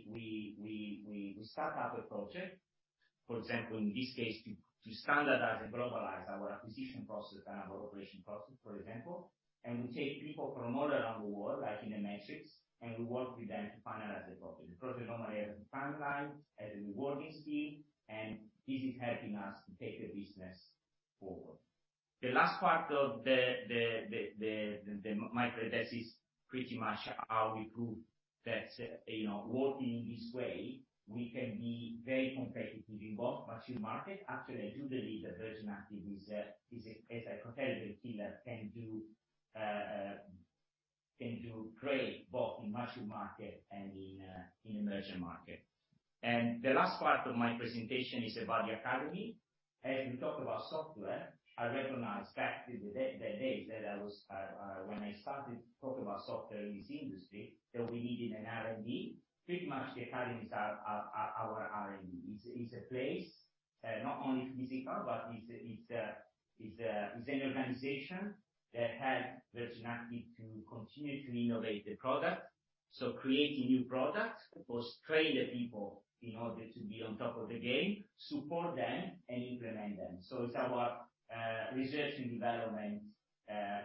start up a project, for example, in this case, to standardize and globalize our acquisition process and our operation process, for example. We take people from all around the world, like in a matrix, and we work with them to finalize the project. The project normally has a timeline, has a rewarding scheme, and this is helping us to take the business forward. The last part of my presentation is pretty much how we prove that working in this way, we can be very competitive in both mature market. Actually, I do believe that Virgin Active as a category killer can do great both in mature market and in emerging market. The last part of my presentation is about the academy. As we talk about software, I recognize back in the days that when I started to talk about software in this industry, that we needed an R&D. Pretty much the academy is our R&D. It's a place, not only physical, but it's an organization that help Virgin Active to continue to innovate the product. Creating new products, of course, train the people in order to be on top of the game, support them, and implement them. It's our research and development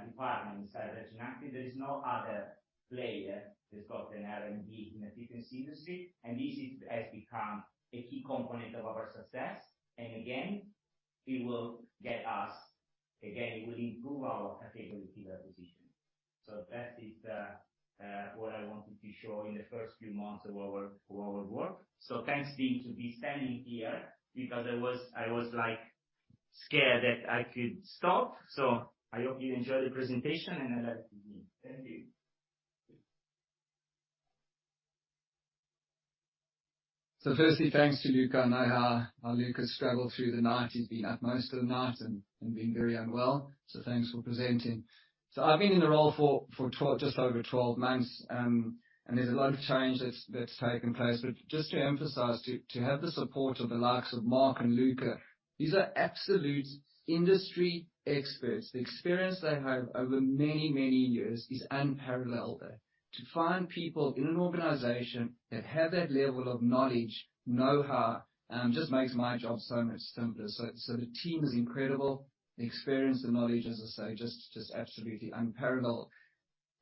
department inside Virgin Active. There is no other player that's got an R&D in the fitness industry, and this has become a key component of our success. Again, it will improve our category pillar position. That is what I wanted to show in the first few months of our work. Thanks, team, to be standing here because I was scared that I could stop. I hope you enjoy the presentation, and I'll let Steve. Thank you. Firstly, thanks to Luca. I know how Luca struggled through the night. He's been up most of the night and been very unwell, thanks for presenting. I've been in the role for just over 12 months, and there's a lot of change that's taken place. Just to emphasize, to have the support of the likes of Mark and Luca, these are absolute industry experts. The experience they have over many, many years is unparalleled. To find people in an organization that have that level of knowledge, know-how, just makes my job so much simpler. The team is incredible. The experience, the knowledge, as I say, just absolutely unparalleled.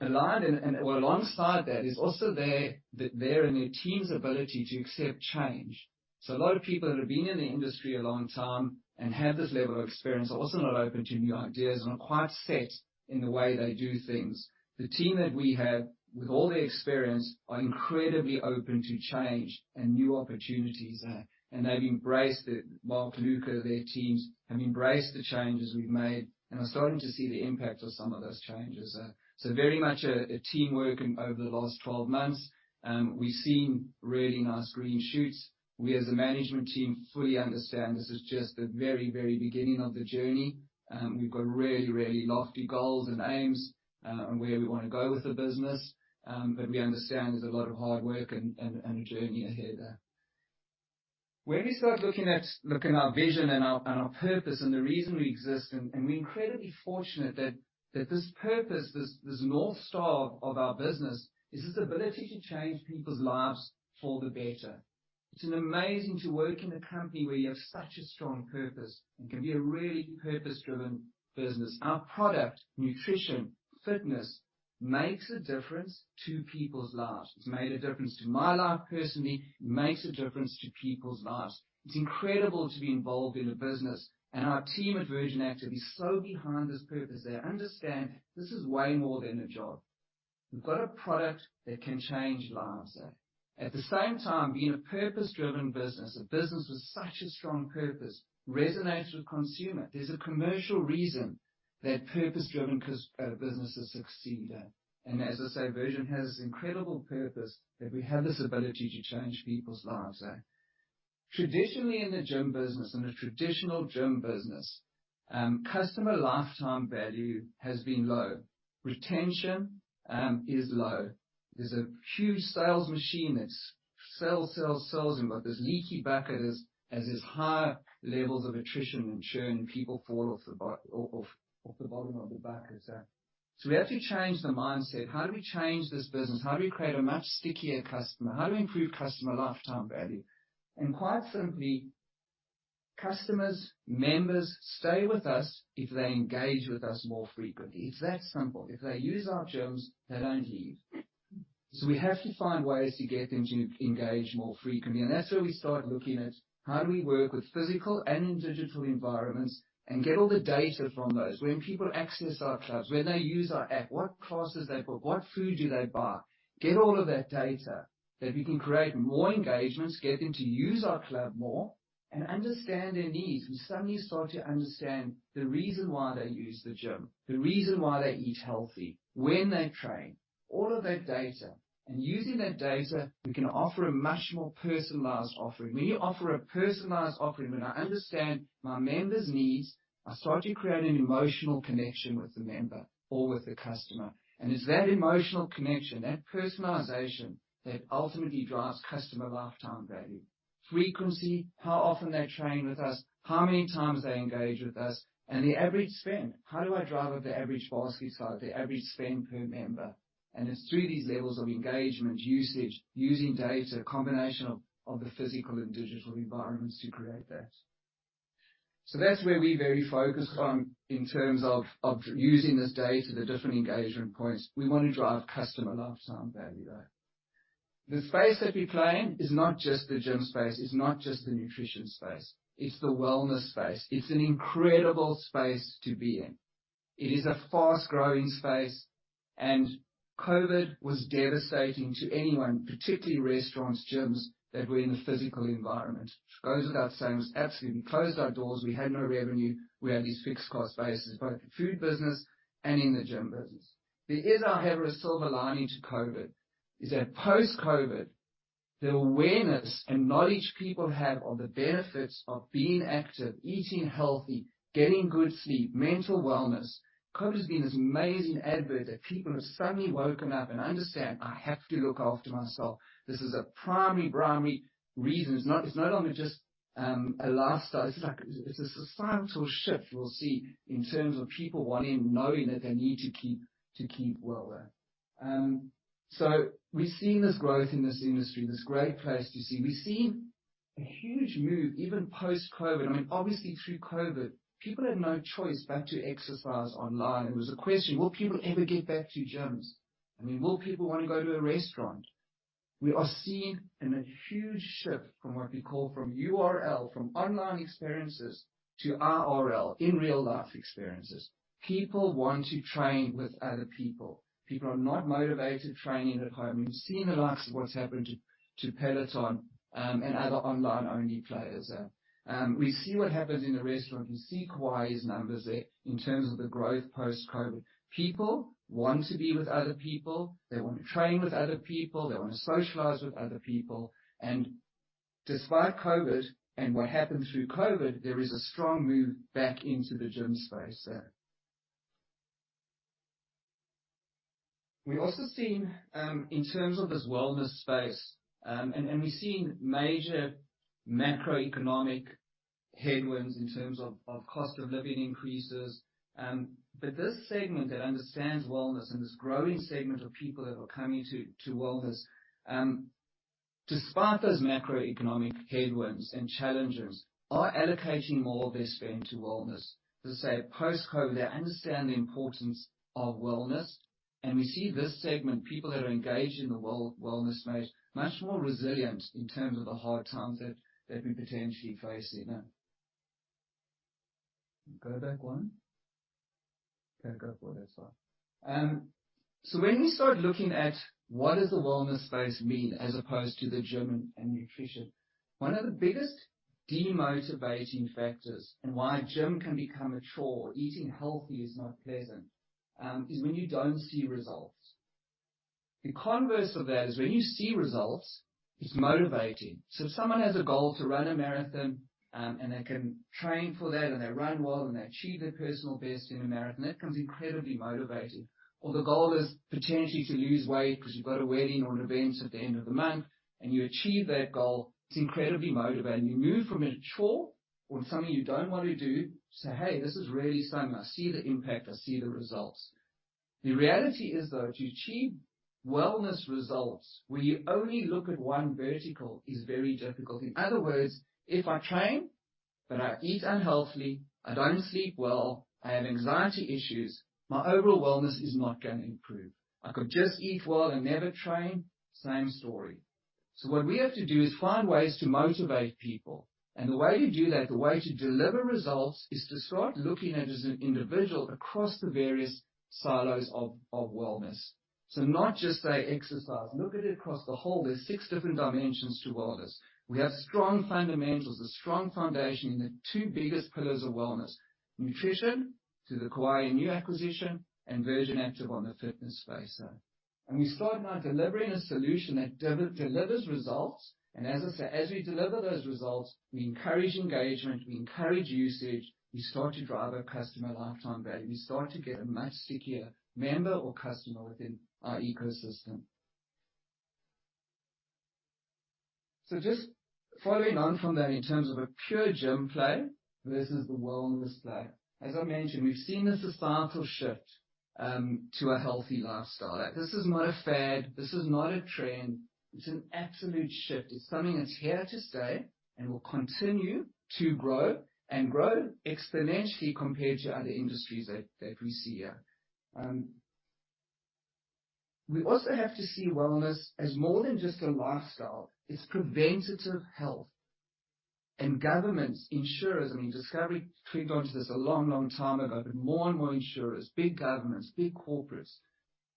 Aligned and/or alongside that is also their and their team's ability to accept change. A lot of people that have been in the industry a long time and have this level of experience are also not open to new ideas and are quite set in the way they do things. The team that we have, with all their experience, are incredibly open to change and new opportunities. They've embraced it. Mark, Luca, their teams have embraced the changes we've made, and are starting to see the impact of some of those changes. Very much a teamwork over the last 12 months, and we've seen really nice green shoots. We as a management team fully understand this is just the very, very beginning of the journey. We've got really, really lofty goals and aims, on where we want to go with the business. We understand there's a lot of hard work and a journey ahead. When we start looking at our vision and our purpose and the reason we exist, we're incredibly fortunate that this purpose, this north star of our business, is this ability to change people's lives for the better. It's amazing to work in a company where you have such a strong purpose and can be a really purpose-driven business. Our product, nutrition, fitness, makes a difference to people's lives. It's made a difference to my life personally. It makes a difference to people's lives. It's incredible to be involved in a business, and our team at Virgin Active is so behind this purpose. They understand this is way more than a job. We've got a product that can change lives. At the same time, being a purpose-driven business, a business with such a strong purpose resonates with consumer. There's a commercial reason that purpose-driven businesses succeed. As I say, Virgin has this incredible purpose that we have this ability to change people's lives. Traditionally, in the gym business, in a traditional gym business, customer lifetime value has been low. Retention is low. There's a huge sales machine that's sell, sell, but there's leaky buckets as there's higher levels of attrition and churn, and people fall off the bottom of the bucket. We have to change the mindset. How do we change this business? How do we create a much stickier customer? How do we improve customer lifetime value? Quite simply, customers, members stay with us if they engage with us more frequently. It's that simple. If they use our gyms, they don't leave. We have to find ways to get them to engage more frequently, that's where we start looking at how do we work with physical and in digital environments and get all the data from those. When people access our clubs, when they use our app, what classes they book, what food do they buy? Get all of that data that we can create more engagements, get them to use our club more, and understand their needs. We suddenly start to understand the reason why they use the gym, the reason why they eat healthy, when they train, all of that data. Using that data, we can offer a much more personalized offering. When you offer a personalized offering, when I understand my member's needs, I start to create an emotional connection with the member or with the customer. It's that emotional connection, that personalization, that ultimately drives customer lifetime value. Frequency, how often they train with us, how many times they engage with us, and the average spend. How do I drive up the average basket size, the average spend per member? It's through these levels of engagement, usage, using data, combination of the physical and digital environments to create that. That's where we're very focused on in terms of using this data, the different engagement points. We want to drive customer lifetime value there. The space that we play in is not just the gym space, it's not just the nutrition space, it's the wellness space. It's an incredible space to be in. It is a fast-growing space. COVID was devastating to anyone, particularly restaurants, gyms that were in the physical environment. It goes without saying, it was. We closed our doors. We had no revenue. We had these fixed cost bases, both the food business and in the gym business. There is, however, a silver lining to COVID, is that post-COVID, the awareness and knowledge people have on the benefits of being active, eating healthy, getting good sleep, mental wellness. COVID has been this amazing advert that people have suddenly woken up and understand, "I have to look after myself." This is a primary reason. It's no longer just a lifestyle, it's a societal shift we'll see in terms of people wanting, knowing that they need to keep well. We're seeing this growth in this industry, this great place to see. We're seeing a huge move, even post-COVID, I mean, obviously through COVID, people had no choice but to exercise online. It was a question, will people ever get back to gyms? I mean, will people want to go to a restaurant? We are seeing a huge shift from what we call from URL, from online experiences, to IRL, in-real-life experiences. People want to train with other people. People are not motivated training at home. We've seen the likes of what's happened to Peloton and other online-only players. We see what happens in the restaurant. We see (kuais) numbers there in terms of the growth post-COVID. People want to be with other people. They want to train with other people. They want to socialize with other people. Despite COVID and what happened through COVID, there is a strong move back into the gym space there. We also seen, in terms of this wellness space. We're seeing major macroeconomic headwinds in terms of cost of living increases. This segment that understands wellness and this growing segment of people that are coming to wellness, despite those macroeconomic headwinds and challenges, are allocating more of their spend to wellness. As I say, post-COVID, they understand the importance of wellness, and we see this segment, people that are engaged in the wellness space, much more resilient in terms of the hard times that we potentially face. Go back one. Okay, go forward a slide. When we start looking at what does the wellness space mean as opposed to the gym and nutrition, one of the biggest demotivating factors and why a gym can become a chore, eating healthy is not pleasant, is when you don't see results. The converse of that is when you see results, it's motivating. If someone has a goal to run a marathon, and they can train for that, and they run well, and they achieve their personal best in a marathon, that becomes incredibly motivating. The goal is potentially to lose weight because you've got a wedding or an event at the end of the month, and you achieve that goal, it's incredibly motivating. You move from a chore or something you don't want to do, say, "Hey, this is really something. I see the impact. I see the results." The reality is, though, to achieve wellness results where you only look at one vertical is very difficult. In other words, if I train but I eat unhealthily, I don't sleep well, I have anxiety issues, my overall wellness is not going to improve. I could just eat well and never train, same story. What we have to do is find ways to motivate people. The way to do that, the way to deliver results, is to start looking at it as an individual across the various silos of wellness. Not just say exercise, look at it across the whole. There are six different dimensions to wellness. We have strong fundamentals, a strong foundation in the two biggest pillars of wellness, nutrition through the Kauai new acquisition and Virgin Active on the fitness space. We start now delivering a solution that delivers results. As I said, as we deliver those results, we encourage engagement, we encourage usage, we start to drive a customer lifetime value. We start to get a much stickier member or customer within our ecosystem. Just following on from that in terms of a pure gym play versus the wellness play. As I mentioned, we've seen a societal shift to a healthy lifestyle. This is not a fad, this is not a trend, it's an absolute shift. It's something that's here to stay and will continue to grow and grow exponentially compared to other industries that we see here. We also have to see wellness as more than just a lifestyle. It's preventative health and governments, insurers, I mean, Discovery clicked onto this a long, long time ago, but more and more insurers, big governments, big corporates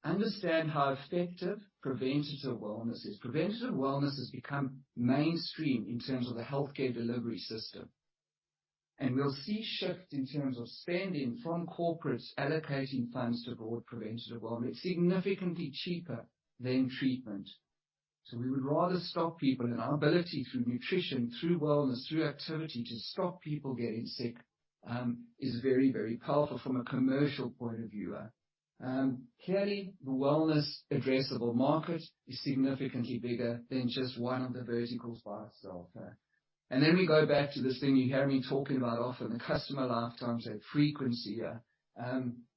understand how effective preventative wellness is. Preventative wellness has become mainstream in terms of the healthcare delivery system. We'll see shifts in terms of spending from corporates allocating funds toward preventative wellness. Significantly cheaper than treatment. We would rather stop people-- our ability through nutrition, through wellness, through activity to stop people getting sick, is very, very powerful from a commercial point of view. Clearly, the wellness addressable market is significantly bigger than just one of the verticals by itself. We go back to this thing you hear me talking about often, the customer lifetime, that frequency,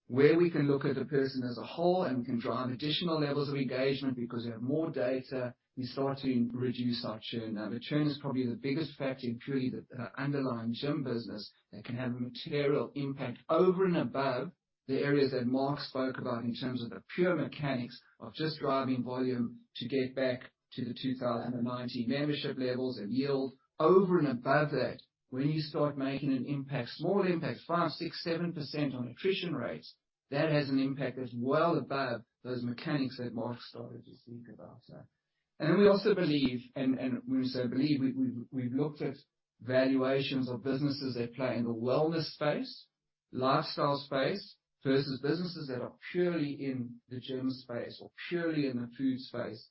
where we can look at a person as a whole, and we can drive additional levels of engagement because we have more data, we start to reduce our churn. Now, the churn is probably the biggest factor in purely the underlying gym business that can have a material impact over and above the areas that Mark spoke about in terms of the pure mechanics of just driving volume to get back to the 2019 membership levels and yield. Over and above that, when you start making an impact, small impacts, 5%, 6%, 7% on attrition rates, that has an impact that's well above those mechanics that Mark started to speak about. We also believe, and when we say believe, we've looked at valuations of businesses that play in the wellness space, lifestyle space, versus businesses that are purely in the gym space or purely in the food space.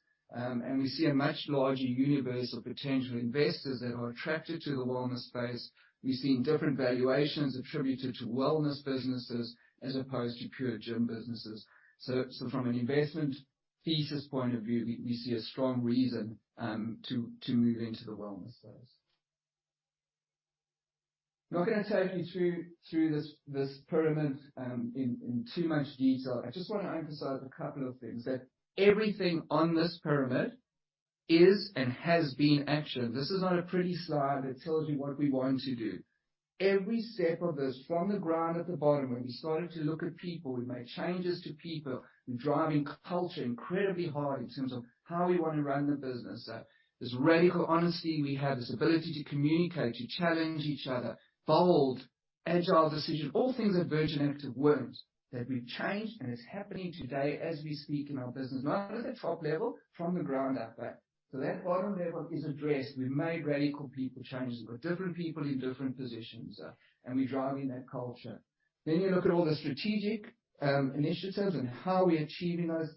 We see a much larger universe of potential investors that are attracted to the wellness space. We've seen different valuations attributed to wellness businesses as opposed to pure gym businesses. From an investment thesis point of view, we see a strong reason to move into the wellness space. Not gonna take you through this pyramid in too much detail. I just want to emphasize a couple of things, that everything on this pyramid is and has been actioned. This is not a pretty slide that tells you what we want to do. Every step of this, from the ground at the bottom, when we started to look at people, we made changes to people. We're driving culture incredibly hard in terms of how we want to run the business. This radical honesty we have, this ability to communicate, to challenge each other, bold, agile decision, all things that Virgin Active weren't, that we've changed and it's happening today as we speak in our business. Not at the top level, from the ground up. That bottom level is addressed. We've made radical people changes. We've got different people in different positions, and we're driving that culture. You look at all the strategic initiatives and how we're achieving those,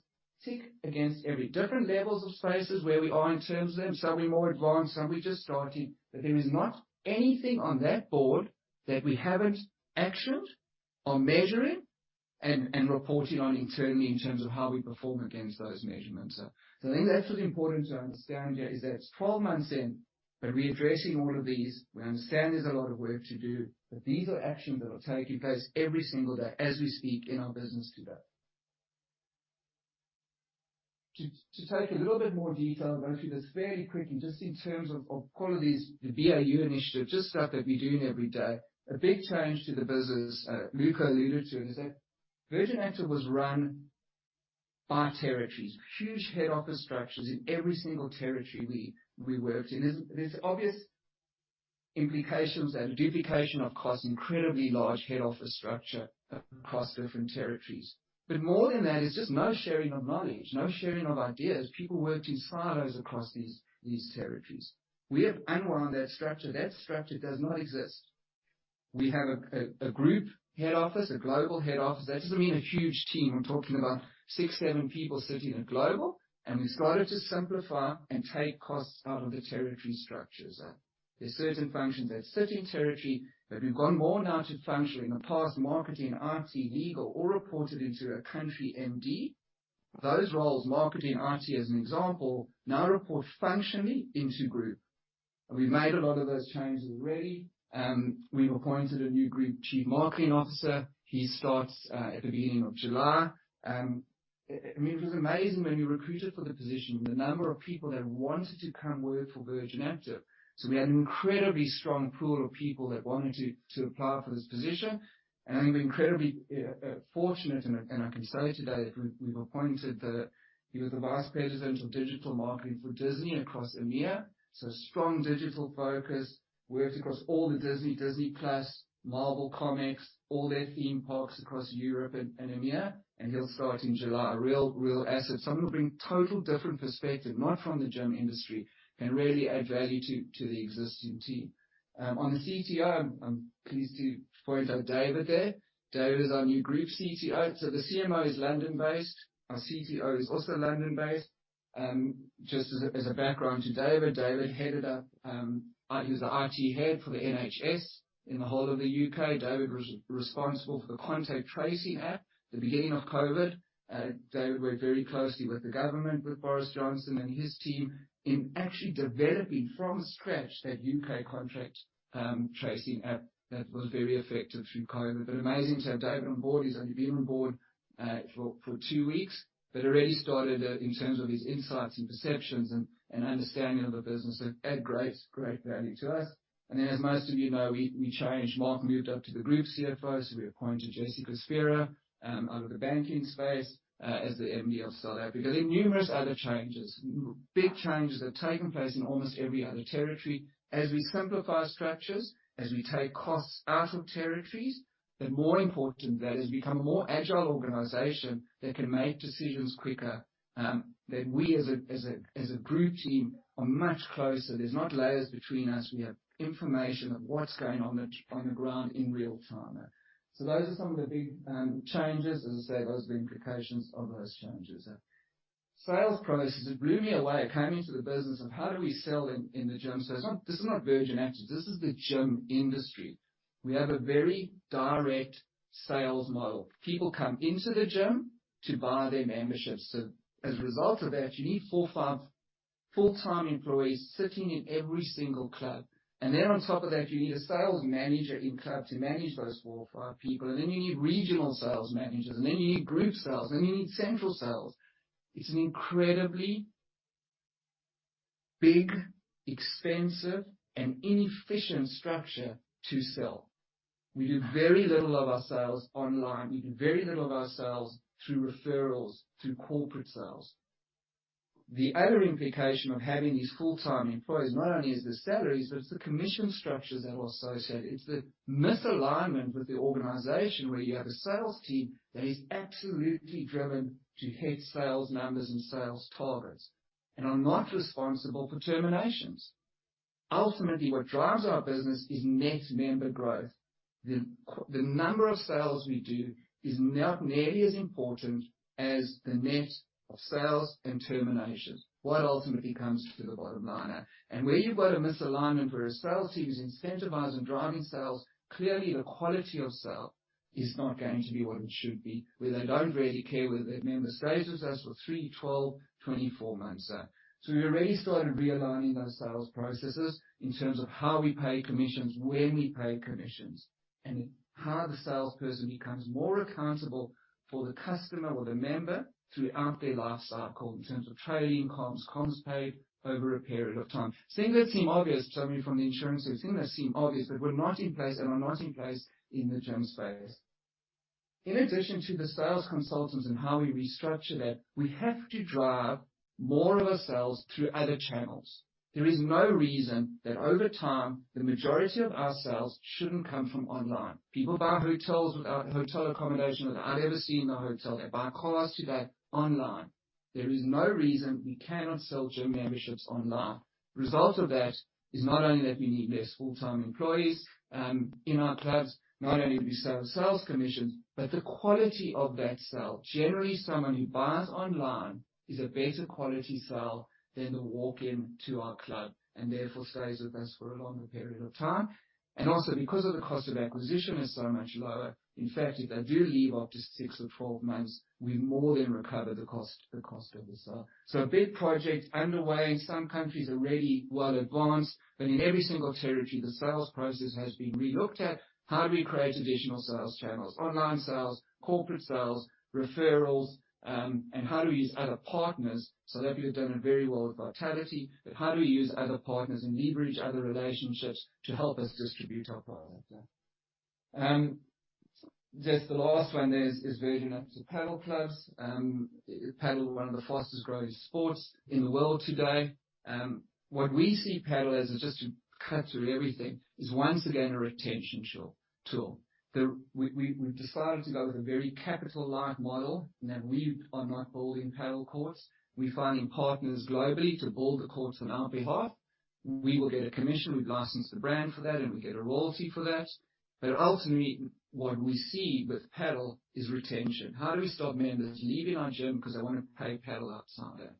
tick against every different levels of spaces where we are in terms of them. Some will be more advanced, some we're just starting. There is not anything on that board that we haven't actioned or measuring and reporting on internally in terms of how we perform against those measurements. The thing that's important to understand here is that it's 12 months in, but we're addressing all of these. We understand there's a lot of work to do, but these are actions that are taking place every single day as we speak in our business today. To take a little bit more detail, I'll go through this fairly quickly just in terms of call it is the BAU initiative, just stuff that we do every day. A big change to the business, Luca alluded to it, is that Virgin Active was run by territories, huge head office structures in every single territory we worked in. There's obvious implications there. Duplication of cost, incredibly large head office structure across different territories. More than that, it's just no sharing of knowledge, no sharing of ideas. People worked in silos across these territories. We have unwound that structure. That structure does not exist. We have a group head office, a global head office. That doesn't mean a huge team. I'm talking about six, seven people sitting at global, and we started to simplify and take costs out of the territory structures. There's certain functions at a certain territory that we've got more now to function. In the past, marketing, IT, legal, all reported into a country MD. Those roles, marketing and IT as an example, now report functionally into group. We've made a lot of those changes already. We've appointed a new group chief marketing officer. He starts at the beginning of July. It was amazing when we recruited for the position, the number of people that wanted to come work for Virgin Active. We had an incredibly strong pool of people that wanted to apply for this position. I think we're incredibly fortunate, and I can say today that we've appointed the vice president of digital marketing for Disney across EMEA. Strong digital focus, worked across all the Disney+, Marvel Comics, all their theme parks across Europe and EMEA, and he'll start in July. A real asset. Someone who'll bring total different perspective, not from the gym industry, can really add value to the existing team. On the CTO, I'm pleased to point out David there. David is our new group CTO. The CMO is London-based, our CTO is also London-based. Just as a background to David, he headed up, he was the IT head for the NHS in the whole of the U.K. David was responsible for the contact tracing app at the beginning of COVID. David worked very closely with the government, with Boris Johnson and his team, in actually developing from scratch that U.K. contract tracing app that was very effective through COVID. Amazing to have David on board. He's only been on board for two weeks, but already started in terms of his insights and perceptions and understanding of the business add great value to us. As most of you know, we changed. Mark moved up to the group CFO. We appointed Jessica Spira out of the banking space as the MD of South Africa. Numerous other changes, big changes have taken place in almost every other territory. As we simplify structures, as we take costs out of territories, more important that has become a more agile organization that can make decisions quicker, that we as a group team are much closer. There's not layers between us. We have information of what's going on the ground in real time. Those are some of the big changes. As I say, those are the implications of those changes. Sales process, it blew me away. I came into the business of how do we sell in the gym? This is not Virgin Active, this is the gym industry. We have a very direct sales model. People come into the gym to buy their memberships. As a result of that, you need four or five full-time employees sitting in every single club. On top of that, you need a sales manager in club to manage those four or five people. You need regional sales managers, you need group sales, you need central sales. It's an incredibly big, expensive, and inefficient structure to sell. We do very little of our sales online. We do very little of our sales through referrals, through corporate sales. The other implication of having these full-time employees, not only is the salaries, but it's the commission structures that are associated. It's the misalignment with the organization, where you have a sales team that is absolutely driven to hit sales numbers and sales targets and are not responsible for terminations. Ultimately, what drives our business is net member growth. The number of sales we do is not nearly as important as the net of sales and terminations, what ultimately comes to the bottom line. Where you've got a misalignment where a sales team is incentivized and driving sales, clearly the quality of sale is not going to be what it should be, where they don't really care whether that member stays with us for three, 12, 24 months. We already started realigning those sales processes in terms of how we pay commissions, when we pay commissions, and how the salesperson becomes more accountable for the customer or the member throughout their life cycle in terms of training, comms paid over a period of time. Some of you from the insurance sector, things that seem obvious but were not in place and are not in place in the gym space. In addition to the sales consultants and how we restructure that, we have to drive more of our sales through other channels. There is no reason that over time, the majority of our sales shouldn't come from online. People buy hotels without hotel accommodation, without ever seeing the hotel. They buy cars today online. There is no reason we cannot sell gym memberships online. Result of that is not only that we need less full-time employees in our clubs, not only do we save sales commissions, but the quality of that sale. Generally, someone who buys online is a better quality sale than the walk-in to our club, and therefore stays with us for a longer period of time. Also because of the cost of acquisition is so much lower. In fact, if they do leave after six or 12 months, we more than recover the cost of the sale. A big project underway in some countries already well advanced, but in every single territory, the sales process has been relooked at. How do we create additional sales channels, online sales, corporate sales, referrals, and how do we use other partners? South Africa's done it very well with Vitality. How do we use other partners and leverage other relationships to help us distribute our product? Just the last one there is Virgin Active Padel clubs. Padel, one of the fastest growing sports in the world today. What we see Padel as is just to cut through everything, is once again a retention tool. We've decided to go with a very capital-light model, and that we are not building Padel courts. We're finding partners globally to build the courts on our behalf. We will get a commission, we've licensed the brand for that, and we get a royalty for that. Ultimately, what we see with Padel is retention. How do we stop members leaving our gym because they want to play padel outside?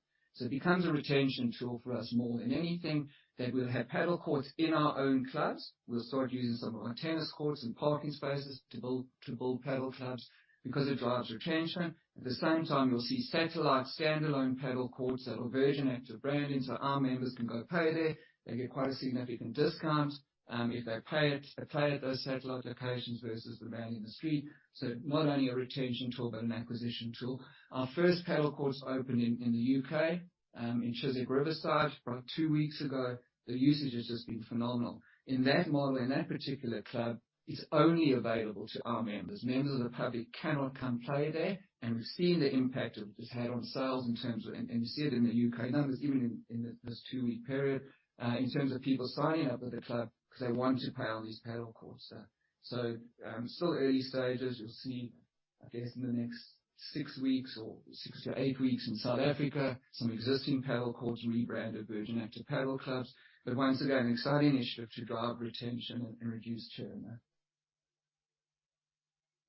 It becomes a retention tool for us more than anything, that we'll have padel courts in our own clubs. We'll start using some of our tennis courts and parking spaces to build padel clubs because it drives retention. At the same time, you'll see satellite standalone padel courts that are Virgin Active branding, so our members can go play there. They get quite a significant discount, if they play at those satellite locations versus the man in the street. Not only a retention tool but an acquisition tool. Our first padel courts opened in the U.K., in Chiswick Riverside about two weeks ago. The usage has just been phenomenal. In that model, in that particular club, it's only available to our members. Members of the public cannot come play there, and we've seen the impact it has had on sales and you see it in the U.K. numbers, even in this two-week period, in terms of people signing up with the club because they want to play on these padel courts, so still early stages. You'll see, I guess, in the next six weeks or six to eight weeks in South Africa, some existing padel courts rebrand as Virgin Active padel clubs. Once again, an exciting initiative to drive retention and reduce churn.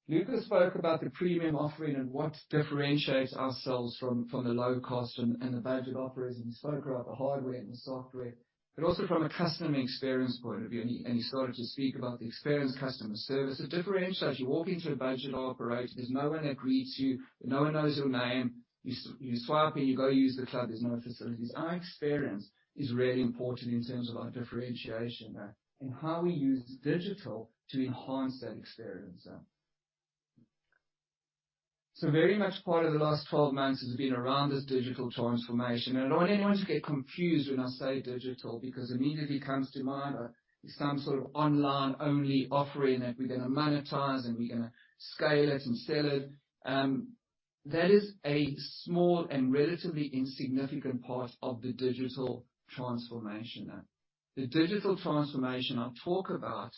Luca spoke about the premium offering and what differentiates ourselves from the low cost and the budget operators, and he spoke about the hardware and the software, but also from a customer experience point of view, and he started to speak about the experience, customer service. The differentiator is you walk into a budget operator, there's no one that greets you, no one knows your name. You swipe in, you go use the club, there's no facilities. Our experience is really important in terms of our differentiation, and how we use digital to enhance that experience. Very much part of the last 12 months has been around this digital transformation. I don't want anyone to get confused when I say digital, because immediately comes to mind is some sort of online only offering that we're going to monetize and we're going to scale it and sell it. That is a small and relatively insignificant part of the digital transformation. The digital transformation I'll talk about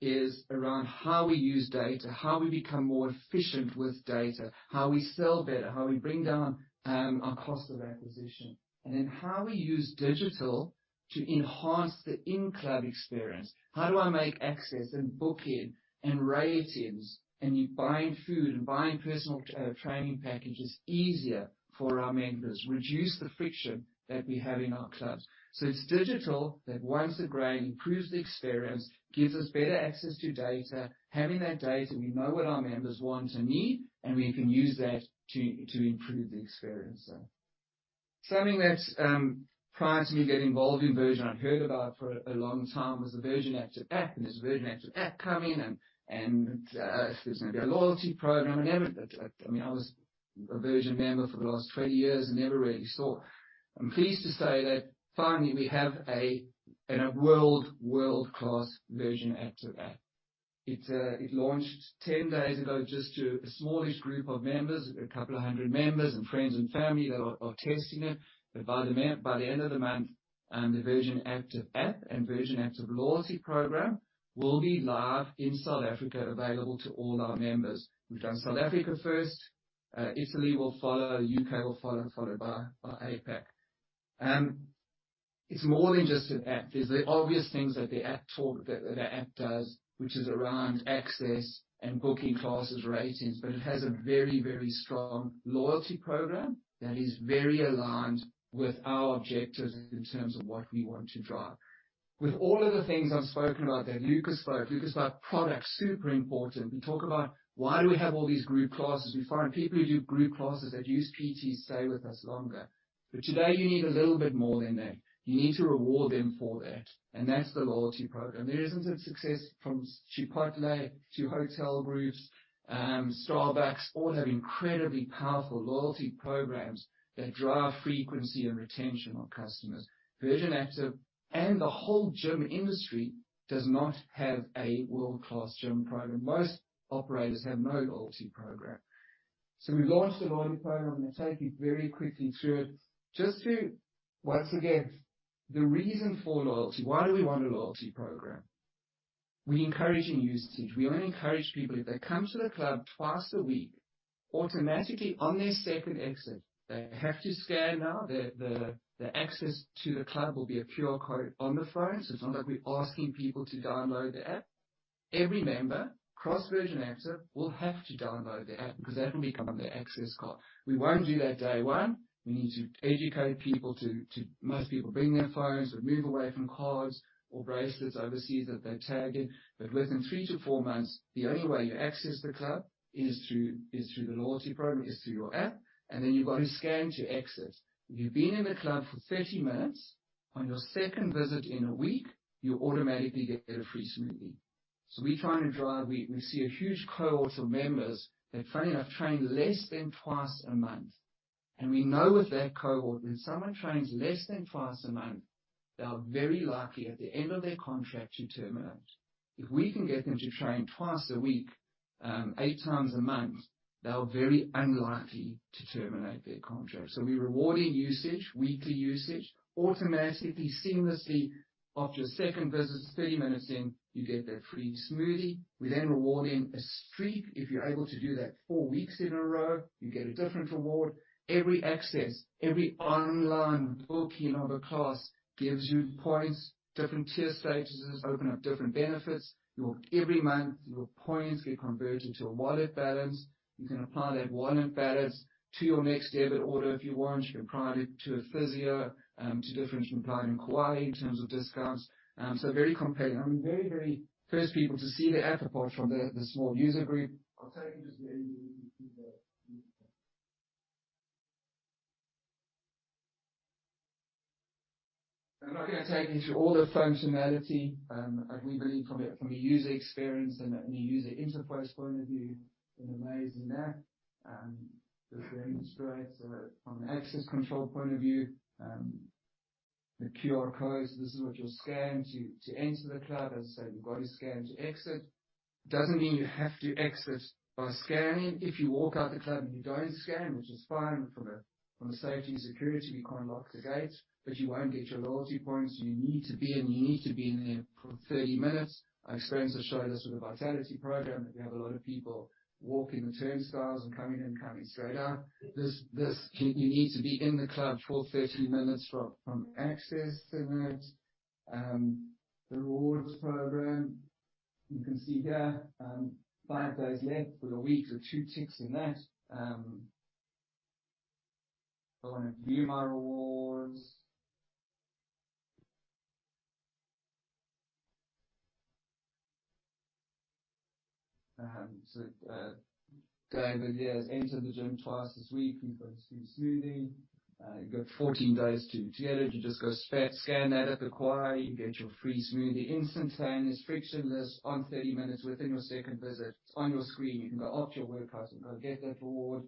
is around how we use data, how we become more efficient with data, how we sell better, how we bring down our cost of acquisition, and then how we use digital to enhance the in-club experience. How do I make access and booking and ratings and you buying food and buying personal training packages easier for our members? Reduce the friction that we have in our clubs. It's digital that once again, improves the experience, gives us better access to data. Having that data, we know what our members want and need, and we can use that to improve the experience. Something that prior to me getting involved in Virgin, I'd heard about for a long time, was the Virgin Active app, and this Virgin Active app coming and there's going to be a loyalty program. I was a Virgin member for the last 20 years and never really saw it. I'm pleased to say that finally we have a world-class Virgin Active app. It launched 10 days ago just to a smallish group of members, a couple of hundred members and friends and family that are testing it. By the end of the month, the Virgin Active app and Virgin Active loyalty program will be live in South Africa, available to all our members. We've done South Africa first, Italy will follow, U.K. will follow, followed by APAC. It's more than just an app. There's the obvious things that the app does, which is around access and booking classes, ratings, but it has a very strong loyalty program that is very aligned with our objectives in terms of what we want to drive. With all of the things I've spoken about that Luca spoke product, super important. We talk about why do we have all these group classes? We find people who do group classes that use PT stay with us longer. Today, you need a little bit more than that. You need to reward them for that, and that's the loyalty program. There isn't a success from Chipotle to hotel groups, Starbucks, all have incredibly powerful loyalty programs that drive frequency and retention of customers. Virgin Active and the whole gym industry does not have a world-class gym program. Most operators have no loyalty program. We launched a loyalty program. I'm going to take you very quickly through it. Just to once again, the reason for loyalty, why do we want a loyalty program? We encourage usage. We want to encourage people, if they come to the club twice a week, automatically on their second exit, they have to scan now. The access to the club will be a QR code on the phone, so it's not like we're asking people to download the app. Every member, cross-Virgin Active, will have to download the app because that will become their access card. We won't do that day one. We need to educate people to most people bring their phones. We move away from cards or bracelets overseas that they tag in. Within three to four months, the only way you access the club is through the loyalty program, is through your app, and then you've got to scan to access. If you've been in the club for 30 minutes on your second visit in a week, you automatically get a free smoothie. We see a huge cohort of members that, funny enough, train less than twice a month. We know with that cohort, when someone trains less than twice a month, they are very likely, at the end of their contract, to terminate. If we can get them to train twice a week, eight times a month, they are very unlikely to terminate their contract. We're rewarding usage, weekly usage, automatically, seamlessly after a second visit, 30 minutes in. You get that free smoothie. We then reward in a streak. If you're able to do that four weeks in a row, you get a different reward. Every access, every online booking of a class gives you points. Different tier statuses open up different benefits. Every month, your points get converted to a wallet balance. You can apply that wallet balance to your next debit order if you want. You can apply it to a physio, to different supply in Kauai in terms of discounts. Very compelling. Very first people to see the app apart from the small user group. I'll take you just here. I'm not going to take you through all the functionality. We believe from a user experience and a user interface point of view, it's an amazing app. Just to demonstrate from an access control point of view, the QR codes, this is what you'll scan to enter the club. As I said, you've got to scan to exit. Doesn't mean you have to exit by scanning. If you walk out the club and you don't scan, which is fine from a safety and security, we can't lock the gate, you won't get your loyalty points. You need to be in there for 30 minutes. Our experience has showed us with the Vitality program, that we have a lot of people walking the turnstiles and coming in and coming straight out. You need to be in the club for 30 minutes from accessing it. The rewards program, you can see here, five days left for the week, two ticks in that. If I want to view my rewards. A guy that has entered the gym twice this week, he's got his free smoothie. You've got 14 days to get it. You just go scan that at the Kauai, you get your free smoothie. Instantaneous, frictionless, on 30 minutes within your second visit. It's on your screen. You can go off your workout and go get that reward.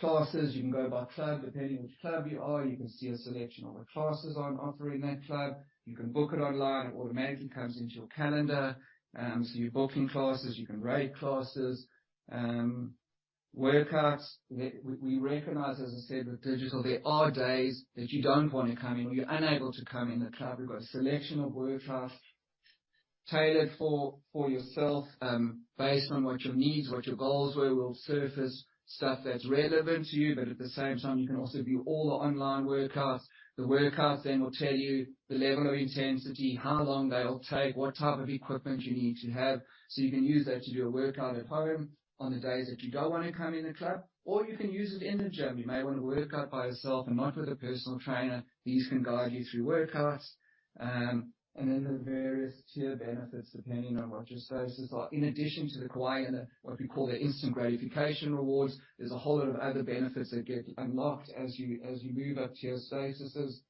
Classes, you can go by club. Depending on which club you are, you can see a selection of the classes on offer in that club. You can book it online, it automatically comes into your calendar. You're booking classes, you can rate classes. Workouts, we recognize, as I said, with digital, there are days that you don't want to come in or you're unable to come in the club. We've got a selection of workouts tailored for yourself, based on what your needs, what your goals were. We'll surface stuff that's relevant to you, but at the same time, you can also view all the online workouts. The workouts will tell you the level of intensity, how long they'll take, what type of equipment you need to have. You can use that to do a workout at home on the days that you don't want to come in the club, or you can use it in the gym. You may want to work out by yourself and not with a personal trainer. These can guide you through workouts. The various tier benefits, depending on what your statuses are. In addition to the Kauai and what we call the instant gratification rewards, there's a whole lot of other benefits that get unlocked as you move up tier statuses,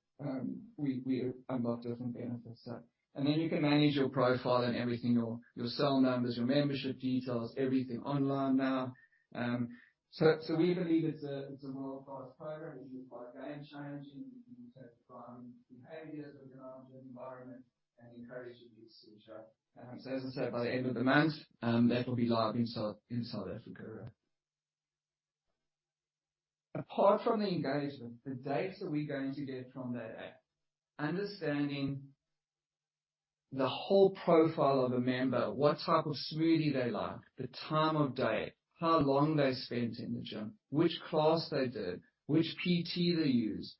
we unlock different benefits. You can manage your profile and everything, your cell numbers, your membership details, everything online now. We believe it's a world-class program. We believe quite game-changing in terms of behaviors within our gym environment and encouraging use to the gym. As I said, by the end of the month, that will be live in South Africa. Apart from the engagement, the data we're going to get from that app, understanding the whole profile of a member, what type of smoothie they like, the time of day, how long they spent in the gym, which class they did, which PT they used.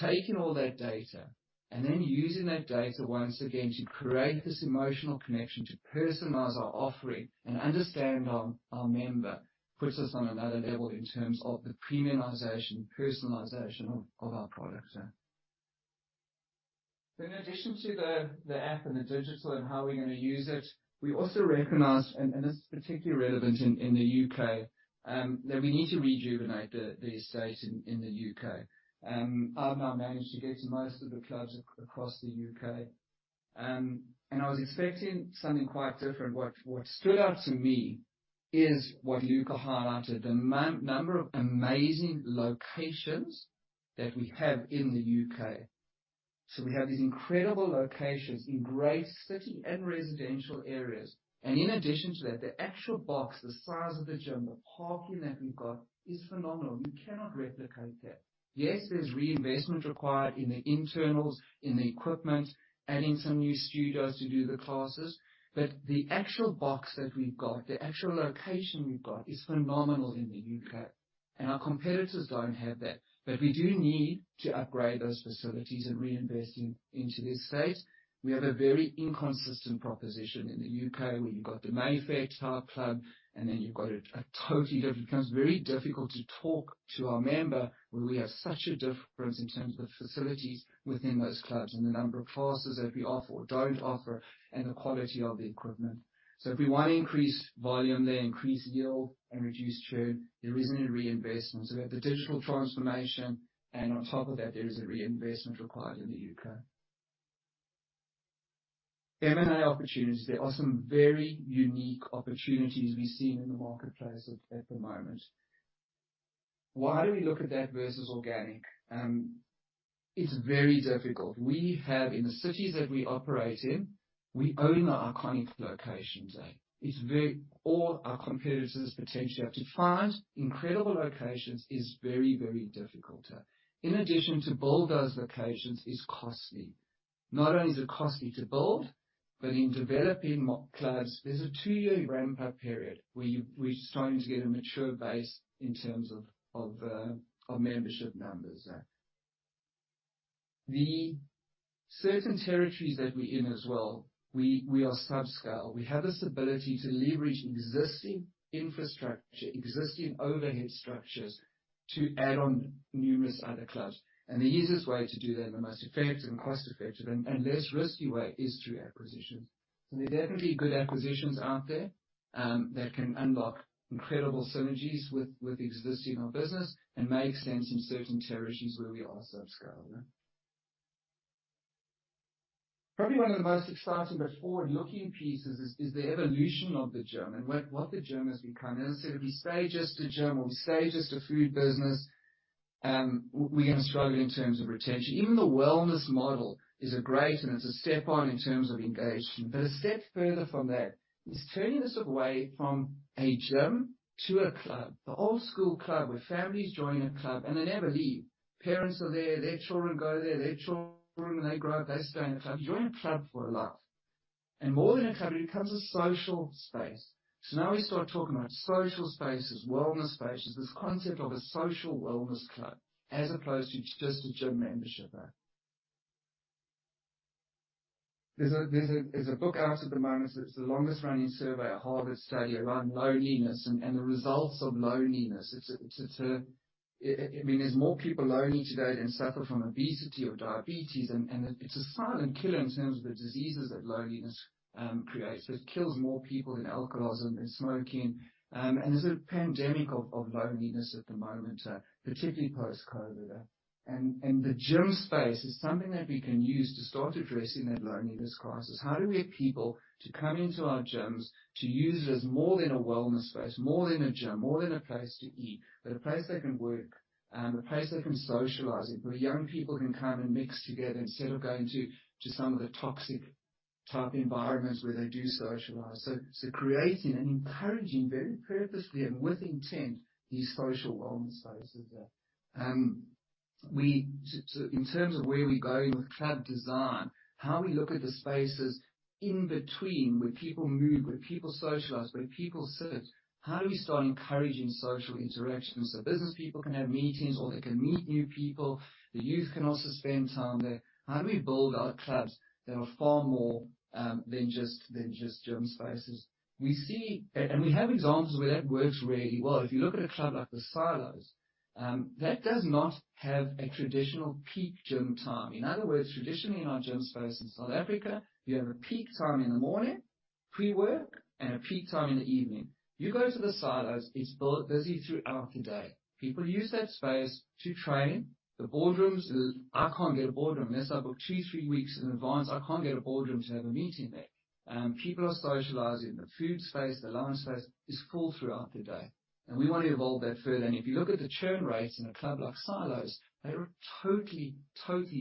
Taking all that data and then using that data once again to create this emotional connection, to personalize our offering and understand our member, puts us on another level in terms of the premiumization, personalization of our product. In addition to the app and the digital and how we're going to use it, we also recognize, and this is particularly relevant in the U.K., that we need to rejuvenate the estate in the U.K. I've now managed to get to most of the clubs across the U.K., and I was expecting something quite different. What stood out to me is what Luca highlighted, the number of amazing locations that we have in the U.K. We have these incredible locations in great city and residential areas. In addition to that, the actual box, the size of the gym, the parking that we've got is phenomenal. You cannot replicate that. Yes, there's reinvestment required in the internals, in the equipment, adding some new studios to do the classes. The actual box that we've got, the actual location we've got is phenomenal in the U.K., and our competitors don't have that. We do need to upgrade those facilities and reinvest into the estate. We have a very inconsistent proposition in the U.K. where you've got the Mayfair-type club. It becomes very difficult to talk to our member when we have such a difference in terms of facilities within those clubs and the number of classes that we offer or don't offer, and the quality of the equipment. If we want to increase volume there, increase yield, and reduce churn, there is a need for reinvestment. We have the digital transformation, and on top of that, there is a reinvestment required in the U.K. M&A opportunities. There are some very unique opportunities we're seeing in the marketplace at the moment. Why do we look at that versus organic? It's very difficult. We have, in the cities that we operate in, we own the iconic locations. All our competitors potentially have to find incredible locations is very, very difficult. In addition, to build those locations is costly. Not only is it costly to build, but in developing clubs, there's a two-year ramp-up period where you're starting to get a mature base in terms of membership numbers. The certain territories that we're in as well, we are subscale. We have this ability to leverage existing infrastructure, existing overhead structures, to add on numerous other clubs. The easiest way to do that, and the most effective and cost-effective and less risky way, is through acquisitions. There are definitely good acquisitions out there that can unlock incredible synergies with existing business and may extend some certain territories where we are subscale. Probably one of the most exciting but forward-looking pieces is the evolution of the gym and what the gym has become. As I said, if we stay just a gym or we stay just a food business, we're going to struggle in terms of retention. Even the wellness model is a great and it's a step on in terms of engagement. A step further from that is turning this away from a gym to a club, the old school club, where families join a club and they never leave. Parents are there. Their children go there. Their children, when they grow up, they stay in the club. You join a club for life. More than a club, it becomes a social space. Now we start talking about social spaces, wellness spaces, this concept of a Social Wellness Club, as opposed to just a gym membership. There's a book out at the moment. It's the longest-running survey, a Harvard study, around loneliness and the results of loneliness. There's more people lonely today than suffer from obesity or diabetes, and it's a silent killer in terms of the diseases that loneliness creates. It kills more people than alcoholism and smoking. There's a pandemic of loneliness at the moment, particularly post-COVID. The gym space is something that we can use to start addressing that loneliness crisis. How do we get people to come into our gyms, to use it as more than a wellness space, more than a gym, more than a place to eat, but a place they can work, a place they can socialize, where young people can come and mix together instead of going to some of the toxic type environments where they do socialize. Creating and encouraging very purposefully and with intent, these social wellness spaces. In terms of where we're going with club design, how we look at the spaces in between, where people move, where people socialize, where people sit, how do we start encouraging social interaction so business people can have meetings or they can meet new people? The youth can also spend time there. How do we build our clubs that are far more than just gym spaces? We have examples where that works really well. If you look at a club like The Silos, that does not have a traditional peak gym time. In other words, traditionally in our gym space in South Africa, you have a peak time in the morning, pre-work, and a peak time in the evening. You go to The Silos, it's busy throughout the day. People use that space to train. The boardrooms, I can't get a boardroom, unless I book two, three weeks in advance. I can't get a boardroom to have a meeting there. People are socializing, the food space, the lounge space is full throughout the day. We want to evolve that further. If you look at the churn rates in a club like Silos, they are totally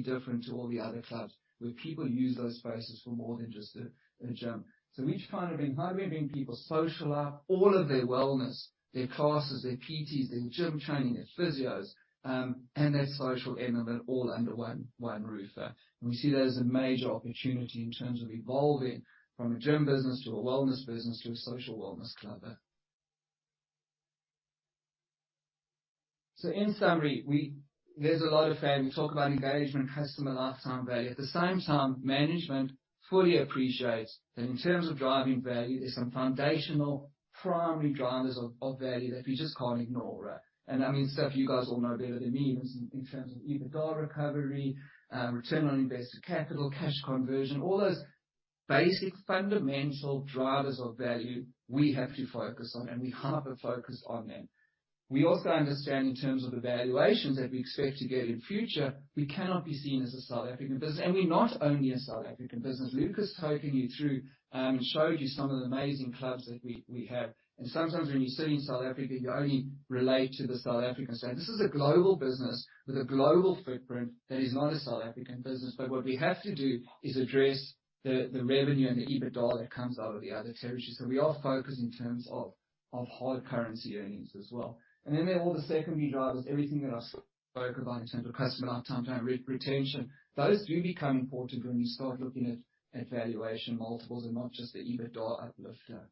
different to all the other clubs where people use those spaces for more than just a gym. We try to bring people to social, all of their wellness, their classes, their PTs, their gym training, their physios, and their social element all under one roof. We see that as a major opportunity in terms of evolving from a gym business to a wellness business to a Social Wellness Club. In summary, there's a lot of fan. We talk about engagement, customer lifetime value. At the same time, management fully appreciates that in terms of driving value, there is some foundational primary drivers of value that we just can't ignore. That means stuff you guys all know better than me, in terms of EBITDA recovery, return on invested capital, cash conversion, all those basic fundamental drivers of value we have to focus on. We hyper focus on them. We also understand in terms of the valuations that we expect to get in future, we cannot be seen as a South African business, and we're not only a South African business. Luca took you through and showed you some of the amazing clubs that we have. Sometimes when you're sitting in South Africa, you only relate to the South African side. This is a global business with a global footprint that is not a South African business. What we have to do is address the revenue and the EBITDA that comes out of the other territories. We are focused in terms of hard currency earnings as well. Then there are all the secondary drivers, everything that I've spoken about in terms of customer lifetime value, retention. Those do become important when you start looking at valuation multiples and not just the EBITDA uplifter.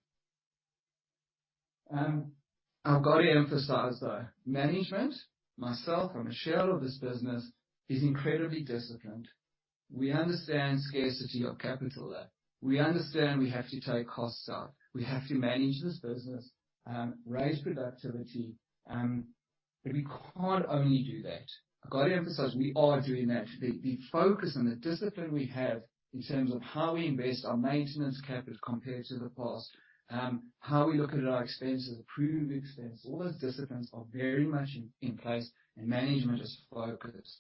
I've got to emphasize, though, management, myself, I'm a shareholder of this business, is incredibly disciplined. We understand scarcity of capital. We understand we have to take costs out. We have to manage this business, raise productivity. We can't only do that. I got to emphasize, we are doing that. The focus and the discipline we have in terms of how we invest our maintenance capital compared to the past, how we look at our expenses, approved expense, all those disciplines are very much in place. Management is focused.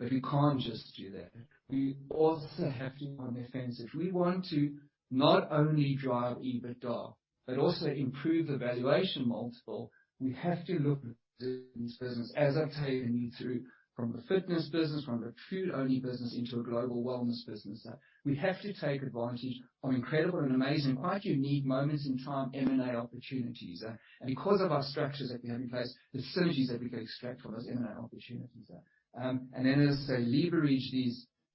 We can't just do that. We also have to be on the offensive. We want to not only drive EBITDA, but also improve the valuation multiple. We have to look at this business as I've taken you through from the fitness business, from the food-only business, into a global wellness business. We have to take advantage of incredible and amazing, quite unique moments in time, M&A opportunities. Because of our structures that we have in place, the synergies that we could extract from those M&A opportunities there. Then as I say, leverage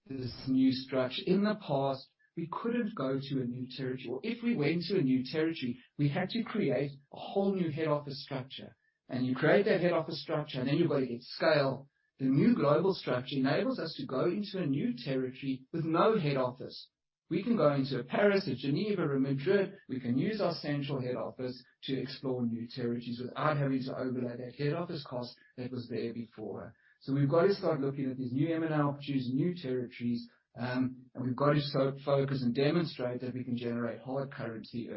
this new structure. In the past, we couldn't go to a new territory, or if we went to a new territory, we had to create a whole new head office structure. You create that head office structure, then you've got to get scale. The new global structure enables us to go into a new territory with no head office. We can go into a Paris, a Geneva, or Madrid. We can use our central head office to explore new territories without having to overlay that head office cost that was there before. We've got to start looking at these new M&A opportunities, new territories, and we've got to scope, focus, and demonstrate that we can generate hard currency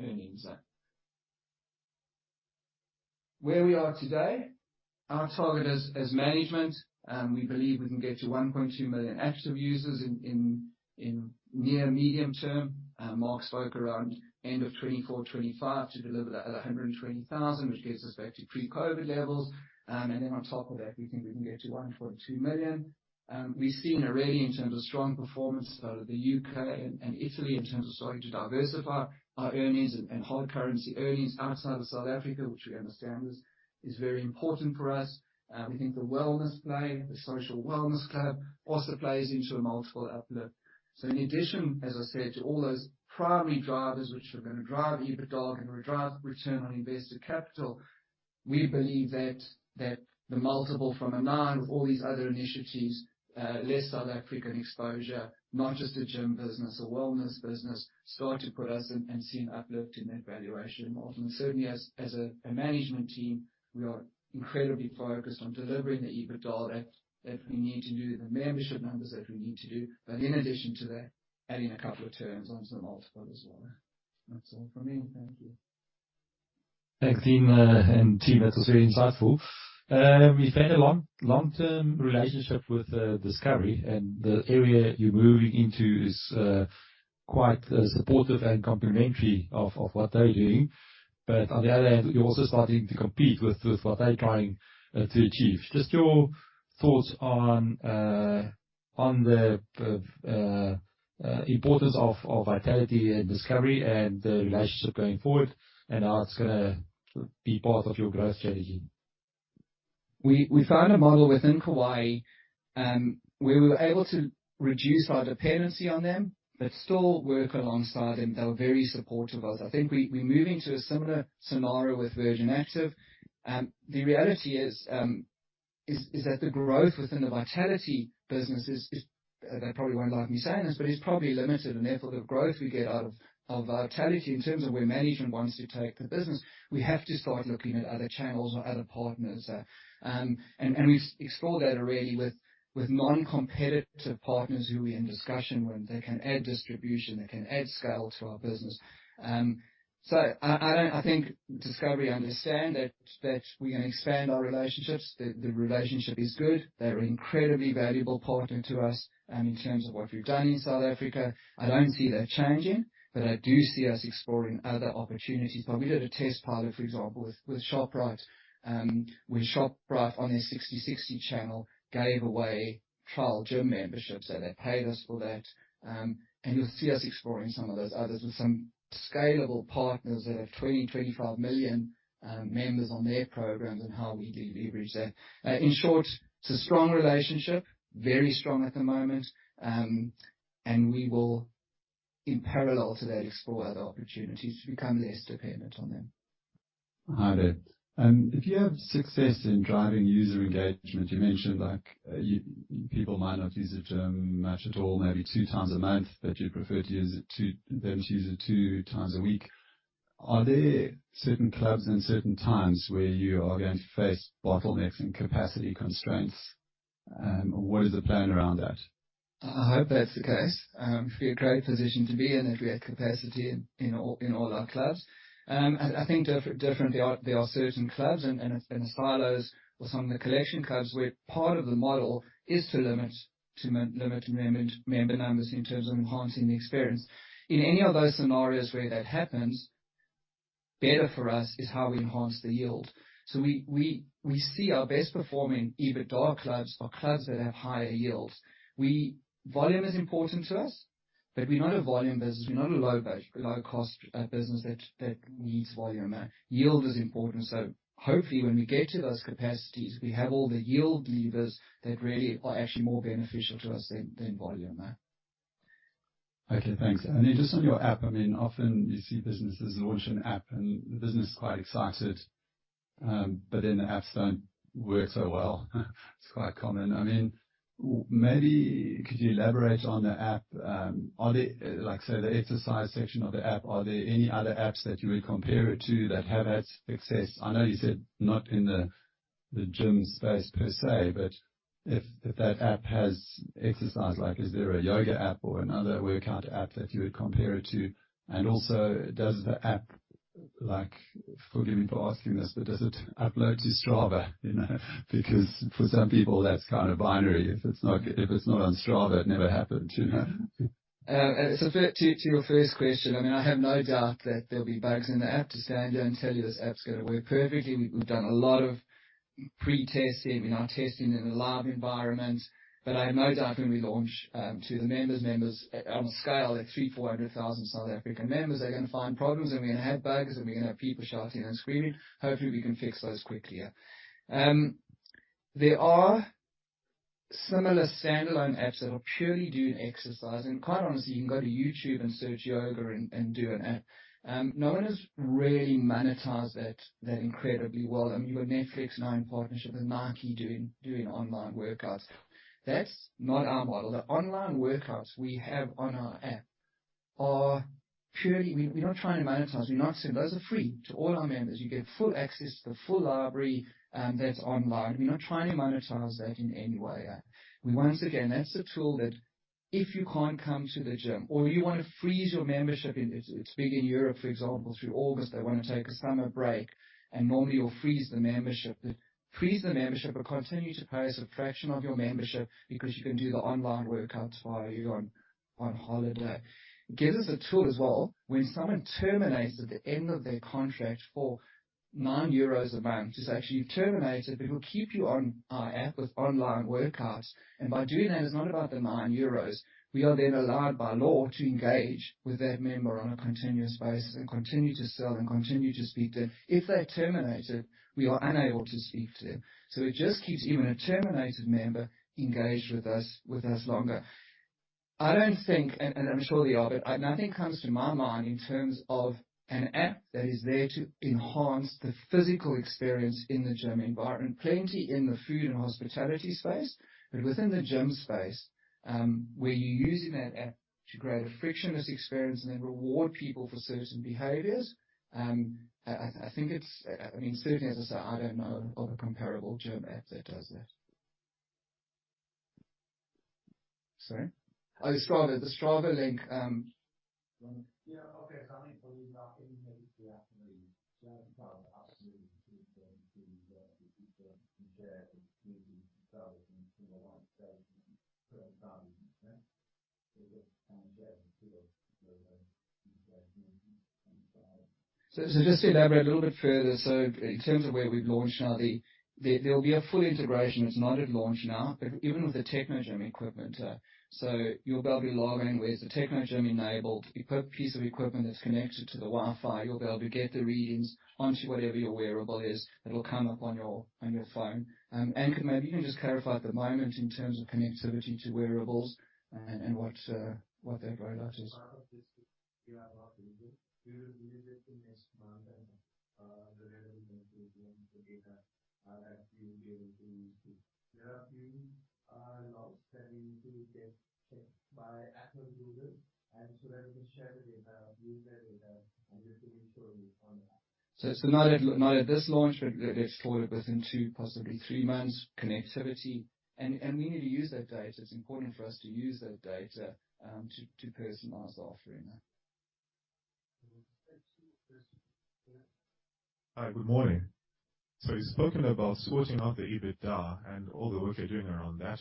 earnings. Where we are today, our target as management, we believe we can get to 1.2 million active users in near medium term. Mark spoke around end of 2024, 2025 to deliver that at 120,000, which gets us back to pre-COVID levels. On top of that, we think we can get to 1.2 million. We are seeing already in terms of strong performance out of the U.K. and Italy in terms of starting to diversify our earnings and hard currency earnings outside of South Africa, which we understand is very important for us. We think the wellness play, the Social Wellness Club, also plays into a multiple uplift. So in addition, as I said, to all those primary drivers which are going to drive EBITDA and will drive return on invested capital, we believe that the multiple from a nine with all these other initiatives, less South African exposure, not just a gym business, a wellness business, start to put us in and see an uplift in that valuation model. Certainly as a management team, we are incredibly focused on delivering the EBITDA that we need to do, the membership numbers that we need to do. In addition to that, adding a couple of terms on some multiple as well. That's all from me. Thank you. Thanks, team. Tim, that was very insightful. We've had a long-term relationship with Discovery, and the area you're moving into is quite supportive and complementary of what they're doing. On the other hand, you're also starting to compete with what they're trying to achieve. Just your thoughts on the importance of Vitality and Discovery and the relationship going forward, and how it's gonna be part of your growth strategy. We found a model within Kauai. We were able to reduce our dependency on them but still work alongside them. They were very supportive of us. I think we're moving to a similar scenario with Virgin Active. The reality is that the growth within the Vitality business is-- they probably won't like me saying this, but it's probably limited. Therefore, the growth we get out of Vitality in terms of where management wants to take the business, we have to start looking at other channels or other partners. We've explored that already with non-competitive partners who we're in discussion with. They can add distribution, they can add scale to our business. So I think Discovery understand that we're gonna expand our relationships. The relationship is good. They're an incredibly valuable partner to us, in terms of what we've done in South Africa. I don't see that changing, but I do see us exploring other opportunities. We did a test pilot, for example, with Shoprite, where Shoprite, on their Sixty60 channel, gave away trial gym memberships. They paid us for that. You'll see us exploring some of those others with some scalable partners that have 20, 25 million members on their programs and how we de-leverage that. In short, it's a strong relationship. Very strong at the moment. We will, in parallel to that, explore other opportunities to become less dependent on them. Hi, there. If you have success in driving user engagement, you mentioned people might not use the gym much at all, maybe two times a month, but you'd prefer them to use it two times a week. Are there certain clubs and certain times where you are going to face bottlenecks and capacity constraints? What is the plan around that? I hope that's the case. It'd be a great position to be in if we had capacity in all our clubs. I think differently, there are certain clubs and the Silos or some of the collection clubs where part of the model is to limit member numbers in terms of enhancing the experience. In any of those scenarios where that happens, better for us is how we enhance the yield. We see our best performing EBITDA clubs are clubs that have higher yields. Volume is important to us, but we're not a volume business. We're not a low-cost business that needs volume, yield is important. Hopefully, when we get to those capacities, we have all the yield levers that really are actually more beneficial to us than volume. Okay, thanks. Then just on your app, often you see businesses launch an app, the business is quite excited, then the apps don't work so well. It's quite common. Maybe could you elaborate on the app? On it, say the exercise section of the app, are there any other apps that you would compare it to that have had success? I know you said not in the gym space per se, but if that app has exercise, is there a yoga app or another workout app that you would compare it to? Also does the app, forgive me for asking this, but does it upload to Strava? Because for some people, that's kind of binary. If it's not on Strava, it never happened. To your first question, I have no doubt that there'll be bugs in the app. To say I don't tell you this app's gonna work perfectly, we've done a lot of pre-testing. We are testing in a lab environment. I have no doubt when we launch to the members on a scale at 300,000, 400,000 South African members, they're gonna find problems, and we're gonna have bugs, and we're gonna have people shouting and screaming. Hopefully, we can fix those quickly. Similar standalone apps that will purely do exercise, and quite honestly, you can go to YouTube and search yoga and do an app. No one has really monetized that incredibly well. Your Netflix now in partnership with Nike doing online workouts. That's not our model. The online workouts we have on our app are purely. We're not trying to monetize, we're not selling. Those are free to all our members. You get full access to the full library that's online. We're not trying to monetize that in any way. Once again, that's a tool that if you can't come to the gym or you want to freeze your membership, it's big in Europe, for example, through August, they want to take a summer break, and normally you'll freeze the membership. Freeze the membership, but continue to pay us a fraction of your membership because you can do the online workouts while you're on holiday. Gives us a tool as well, when someone terminates at the end of their contract for 9 euros a month, is actually you've terminated, but we'll keep you on our app with online workouts, and by doing that, it's not about the 9 euros. We are then allowed by law to engage with that member on a continuous basis and continue to sell and continue to speak to them. If they're terminated, we are unable to speak to them. It just keeps even a terminated member engaged with us longer. I don't think, and I'm sure there are, but nothing comes to my mind in terms of an app that is there to enhance the physical experience in the gym environment. Plenty in the food and hospitality space. Within the gym space, where you're using that app to create a frictionless experience and then reward people for certain behaviors. Certainly, as I say, I don't know of a comparable gym app that does that. Sorry? Oh, Strava. The Strava link. Yeah, okay. I think for the marketing piece we have to leave. I think our absolute and share the community itself and similar like services and current values. Just to kind of share the two of those Just to elaborate a little bit further. In terms of where we've launched now, there will be a full integration that's not at launch now, but even with the Technogym equipment. You'll be able to log in where there's a Technogym-enabled piece of equipment that's connected to the Wi-Fi. You'll be able to get the readings onto whatever your wearable is. It'll come up on your phone. Maybe you can just clarify at the moment in terms of connectivity to wearables and what that rollout is. Part of this we are about to do. We will release it in this month and the relevant information, the data that we will be able to use too. There are a few laws that we need to get checked by Apple and Google, that we can share the data, use that data, we have to ensure we comply. It's not at this launch, but it's probably within two, possibly three months connectivity. We need to use that data. It's important for us to use that data to personalize the offering. There was actually a question at the back. Hi, good morning. You've spoken about sorting out the EBITDA and all the work you're doing around that.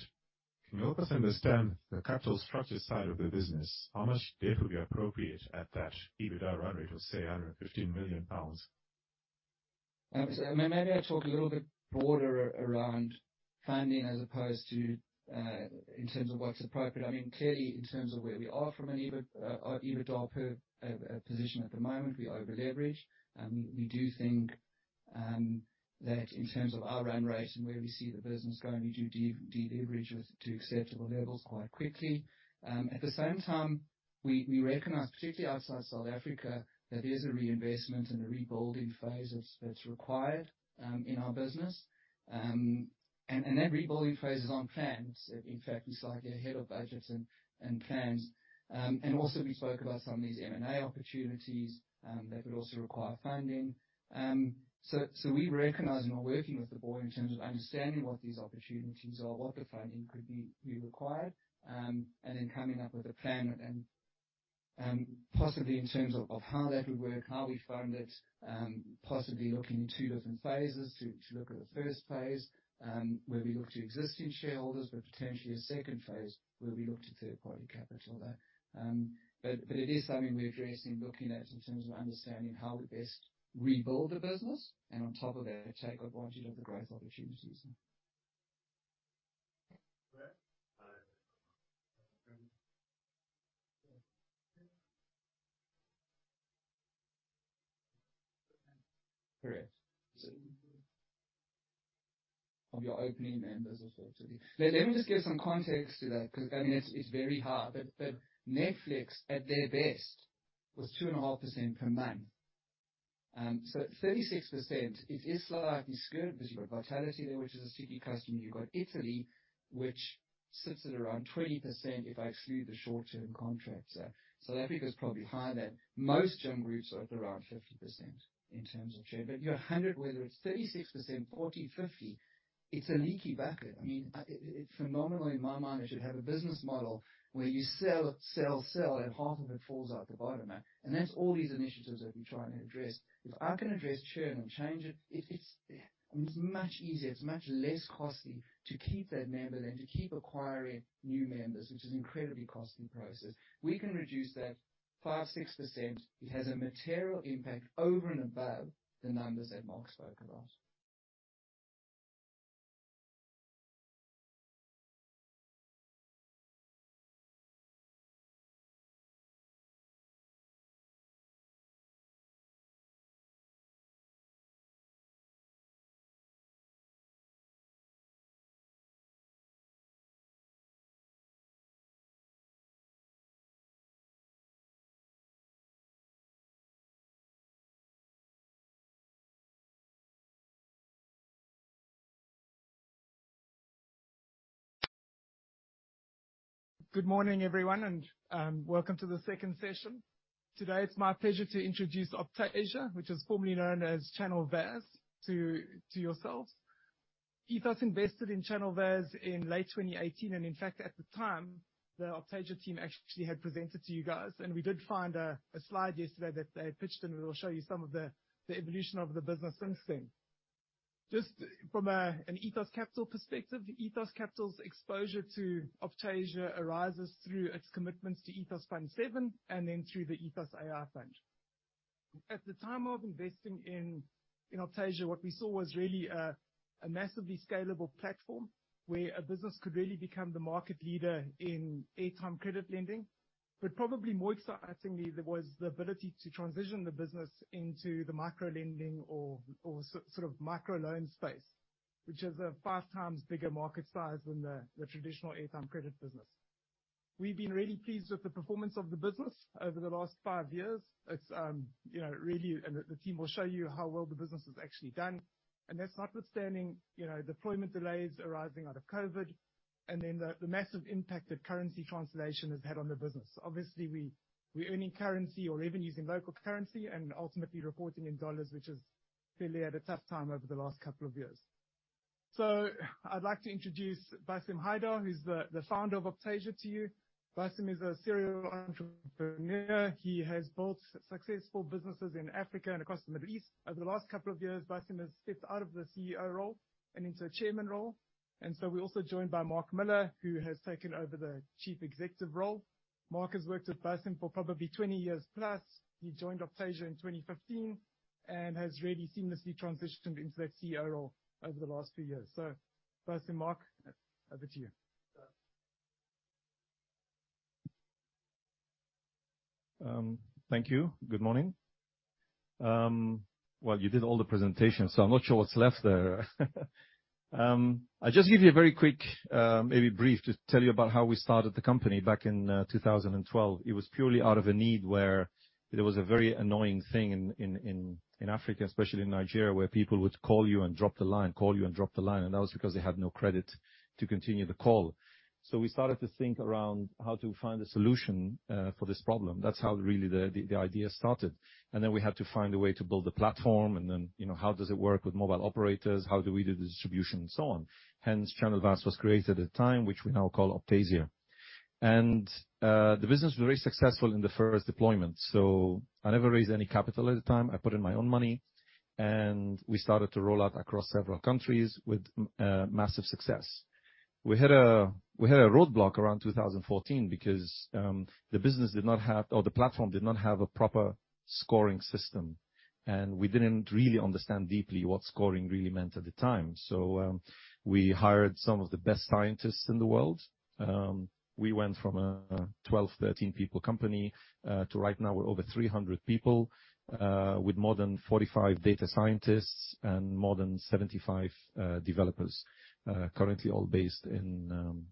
Can you help us understand the capital structure side of the business? How much debt would be appropriate at that EBITDA run rate of, say, 115 million pounds? Maybe I talk a little bit broader around funding as opposed to in terms of what's appropriate. Clearly, in terms of where we are from an EBITDA position at the moment, we over-leverage. We do think that in terms of our run rate and where we see the business going, we do deleverage to acceptable levels quite quickly. At the same time, we recognize, particularly outside South Africa, that there's a reinvestment and a rebuilding phase that's required in our business. That rebuilding phase is on plan. In fact, we slightly ahead of budgets and plans. Also, we spoke about some of these M&A opportunities that would also require funding. We recognize and are working with the board in terms of understanding what these opportunities are, what the funding could be required, and then coming up with a plan. Possibly in terms of how that would work, how we fund it, possibly looking in two different phases. To look at a first phase, where we look to existing shareholders, potentially a second phase where we look to third-party capital. It is something we're addressing, looking at in terms of understanding how we best rebuild the business and on top of that, take advantage of the growth opportunities. Brett? Correct. Of your opening members or so. Let me just give some context to that because it's very hard. Netflix, at their best, was 2.5% per month. 36%, it is slightly skewed because you've got Vitality there, which is a Cigna customer. You've got Italy, which sits at around 20% if I exclude the short-term contracts. South Africa is probably higher than most gym groups are at around 50% in terms of churn. You're 100, whether it's 36%, 40%, 50%, it's a leaky bucket. Phenomenally, in my mind, I should have a business model where you sell, sell, and half of it falls out the bottom. That's all these initiatives that we're trying to address. If I can address churn and change it's much easier. It's much less costly to keep that member than to keep acquiring new members, which is incredibly costly process. We can reduce that 5%, 6%, it has a material impact over and above the numbers that Mark spoke about. Good morning, everyone, and welcome to the second session. Today, it's my pleasure to introduce Optasia, which was formerly known as Channel VAS, to yourselves. Ethos invested in Channel VAS in late 2018. In fact, at the time, the Optasia team actually had presented to you guys, and we did find a slide yesterday that they had pitched, and we will show you some of the evolution of the business since then. Just from an Ethos Capital perspective, Ethos Capital's exposure to Optasia arises through its commitments to Ethos Fund VII and then through the Ethos AI Fund I. At the time of investing in Optasia, what we saw was really a massively scalable platform where a business could really become the market leader in airtime credit lending. Probably more excitingly, there was the ability to transition the business into the micro-lending or micro-loan space, which is a five times bigger market size than the traditional airtime credit business. We've been really pleased with the performance of the business over the last five years. The team will show you how well the business has actually done. That's notwithstanding deployment delays arising out of COVID and then the massive impact that currency translation has had on the business. Obviously, we earn in currency or revenues in local currency and ultimately reporting in USD, which has clearly had a tough time over the last couple of years. I'd like to introduce Bassim Haidar, who's the founder of Optasia, to you. Bassim is a serial entrepreneur. He has built successful businesses in Africa and across the Middle East. Over the last couple of years, Bassim has stepped out of the CEO role and into a chairman role. We're also joined by Mark Muller, who has taken over the chief executive role. Mark has worked with Bassim for probably 20 years plus. He joined Optasia in 2015 and has really seamlessly transitioned into that CEO role over the last few years. Bassim, Mark, over to you. Thank you. Good morning. Well, you did all the presentations, I'm not sure what's left there. I'll just give you a very quick, maybe brief to tell you about how we started the company back in 2012. It was purely out of a need where there was a very annoying thing in Africa, especially in Nigeria, where people would call you and drop the line. That was because they had no credit to continue the call. We started to think around how to find a solution for this problem. That's how really the idea started. Then we had to find a way to build a platform, and then how does it work with mobile operators, how do we do the distribution, and so on, hence, Channel VAS was created at the time, which we now call Optasia. The business was very successful in the first deployment. I never raised any capital at the time, I put in my own money, and we started to roll out across several countries with massive success. We hit a roadblock around 2014 because the business did not have, or the platform did not have a proper scoring system, and we didn't really understand deeply what scoring really meant at the time. We hired some of the best scientists in the world. We went from a 12, 13 people company to right now we're over 300 people, with more than 45 data scientists and more than 75 developers, currently all based in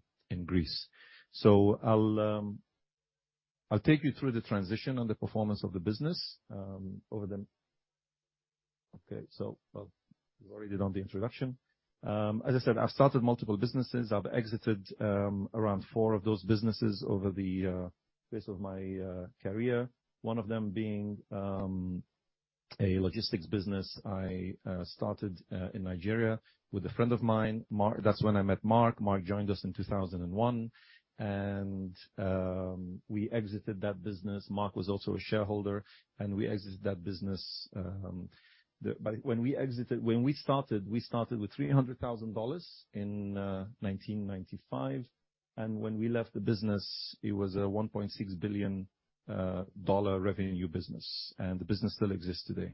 Greece. I'll take you through the transition and the performance of the business. Okay. Well, you've already done the introduction. As I said, I've started multiple businesses. I've exited around four of those businesses over the course of my career. One of them being a logistics business I started in Nigeria with a friend of mine, Mark. That's when I met Mark. Mark joined us in 2001. We exited that business. Mark was also a shareholder, and we exited that business. When we started, we started with $300,000 in 1995, and when we left the business, it was a $1.6 billion revenue business, and the business still exists today.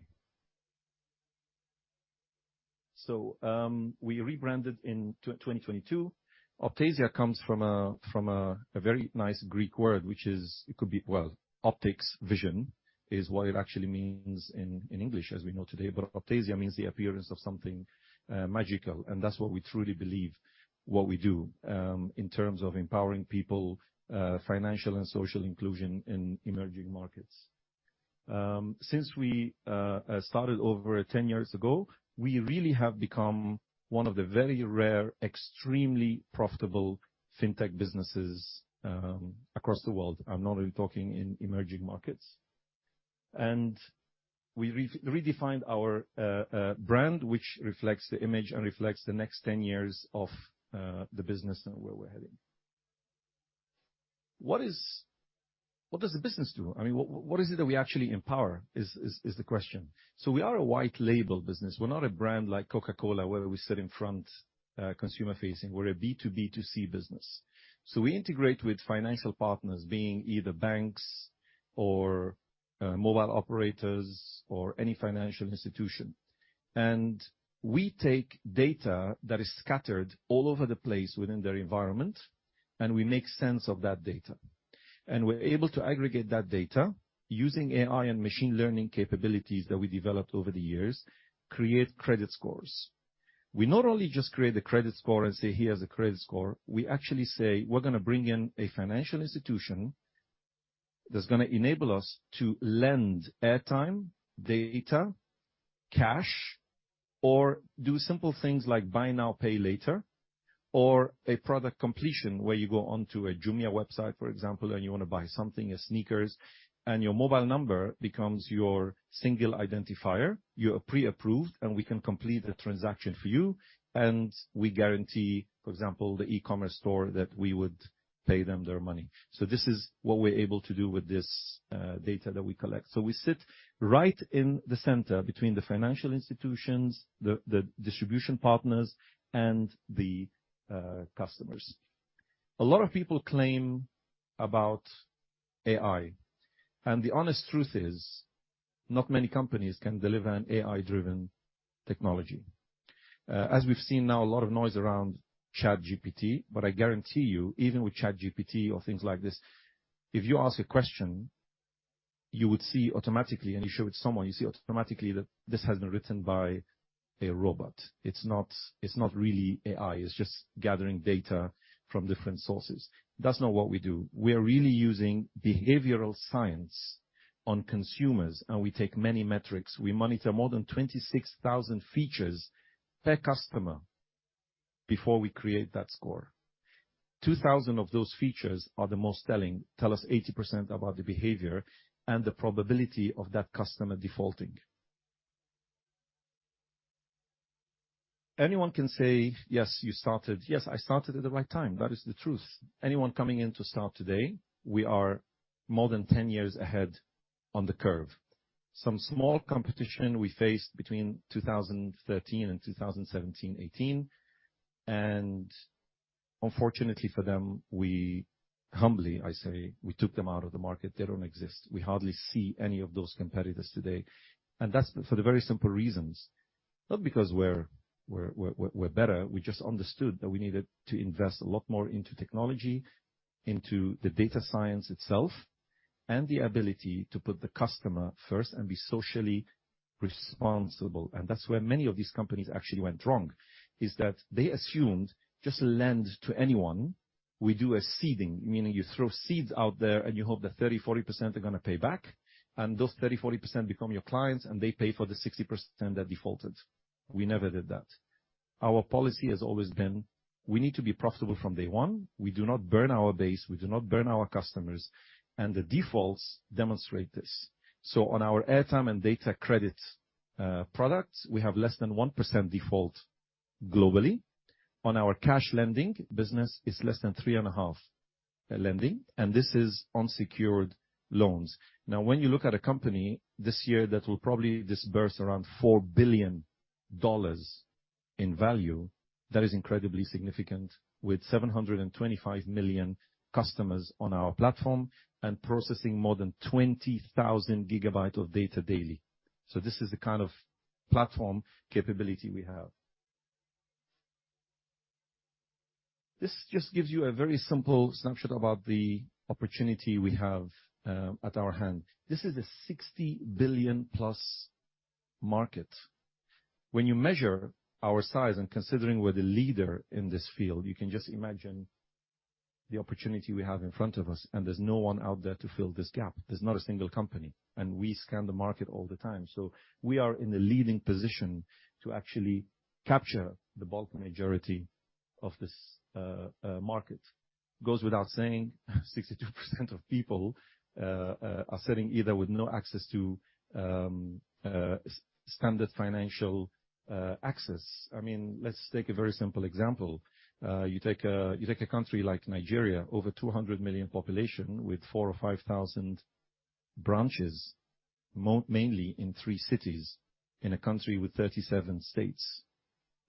We rebranded in 2022. Optasia comes from a very nice Greek word, which is, it could be, well, optics, vision, is what it actually means in English as we know today. Optasia means the appearance of something magical, and that's what we truly believe what we do, in terms of empowering people, financial and social inclusion in emerging markets. Since we started over 10 years ago, we really have become one of the very rare, extremely profitable fintech businesses across the world. I'm not only talking in emerging markets. We redefined our brand, which reflects the image and reflects the next 10 years of the business and where we're heading. What does the business do? I mean, what is it that we actually empower, is the question. We are a white label business. We're not a brand like Coca-Cola, where we sit in front consumer-facing. We're a B2B2C business. We integrate with financial partners, being either banks or mobile operators or any financial institution. We take data that is scattered all over the place within their environment. We make sense of that data. We're able to aggregate that data using AI and machine learning capabilities that we developed over the years, create credit scores. We not only just create the credit score and say, "Here's a credit score," we actually say, "We're going to bring in a financial institution that's going to enable us to lend air time, data, cash," or do simple things like buy now, pay later, or a product completion where you go onto a Jumia website, for example, and you want to buy something, sneakers, and your mobile number becomes your single identifier. You are pre-approved, and we can complete the transaction for you. We guarantee, for example, the e-commerce store that we would pay them their money. This is what we're able to do with this data that we collect. We sit right in the center between the financial institutions, the distribution partners, and the customers. A lot of people claim about AI, and the honest truth is, not many companies can deliver an AI-driven technology. As we've seen now, a lot of noise around ChatGPT, but I guarantee you, even with ChatGPT or things like this, if you ask a question, you would see automatically, and you show it to someone, you see automatically that this has been written by a robot. It's not really AI. It's just gathering data from different sources. That's not what we do. We are really using behavioral science on consumers, and we take many metrics. We monitor more than 26,000 features per customer before we create that score. 2,000 of those features are the most telling. Tell us 80% about the behavior and the probability of that customer defaulting. Anyone can say, "Yes, you started." Yes, I started at the right time. That is the truth. Anyone coming in to start today, we are more than 10 years ahead on the curve. Some small competition we faced between 2013 and 2017, 2018. Unfortunately for them, we humbly, I say, we took them out of the market. They don't exist. We hardly see any of those competitors today. That's for the very simple reasons, not because we're better. We just understood that we needed to invest a lot more into technology, into the data science itself, and the ability to put the customer first and be socially responsible. That's where many of these companies actually went wrong, is that they assumed, just lend to anyone. We do a seeding, meaning you throw seeds out there and you hope that 30%-40% are going to pay back, and those 30%-40% become your clients, and they pay for the 60% that defaulted. We never did that. Our policy has always been, we need to be profitable from day one. The defaults demonstrate this. On our airtime and data credit products, we have less than 1% default globally. On our cash lending business, it's less than 3.5% lending, and this is on secured loans. When you look at a company this year that will probably disburse around $4 billion in value, that is incredibly significant with 725 million customers on our platform and processing more than 20,000 gigabytes of data daily. This is the kind of platform capability we have. This just gives you a very simple snapshot about the opportunity we have at our hand. This is a 60 billion plus market. When you measure our size and considering we're the leader in this field, you can just imagine the opportunity we have in front of us, and there's no one out there to fill this gap. There's not a single company. We scan the market all the time. We are in the leading position to actually capture the bulk majority of this market. Goes without saying, 62% of people are sitting either with no access to standard financial access. Let's take a very simple example. You take a country like Nigeria, over 200 million population with 4,000 or 5,000 branches, mainly in three cities in a country with 37 states.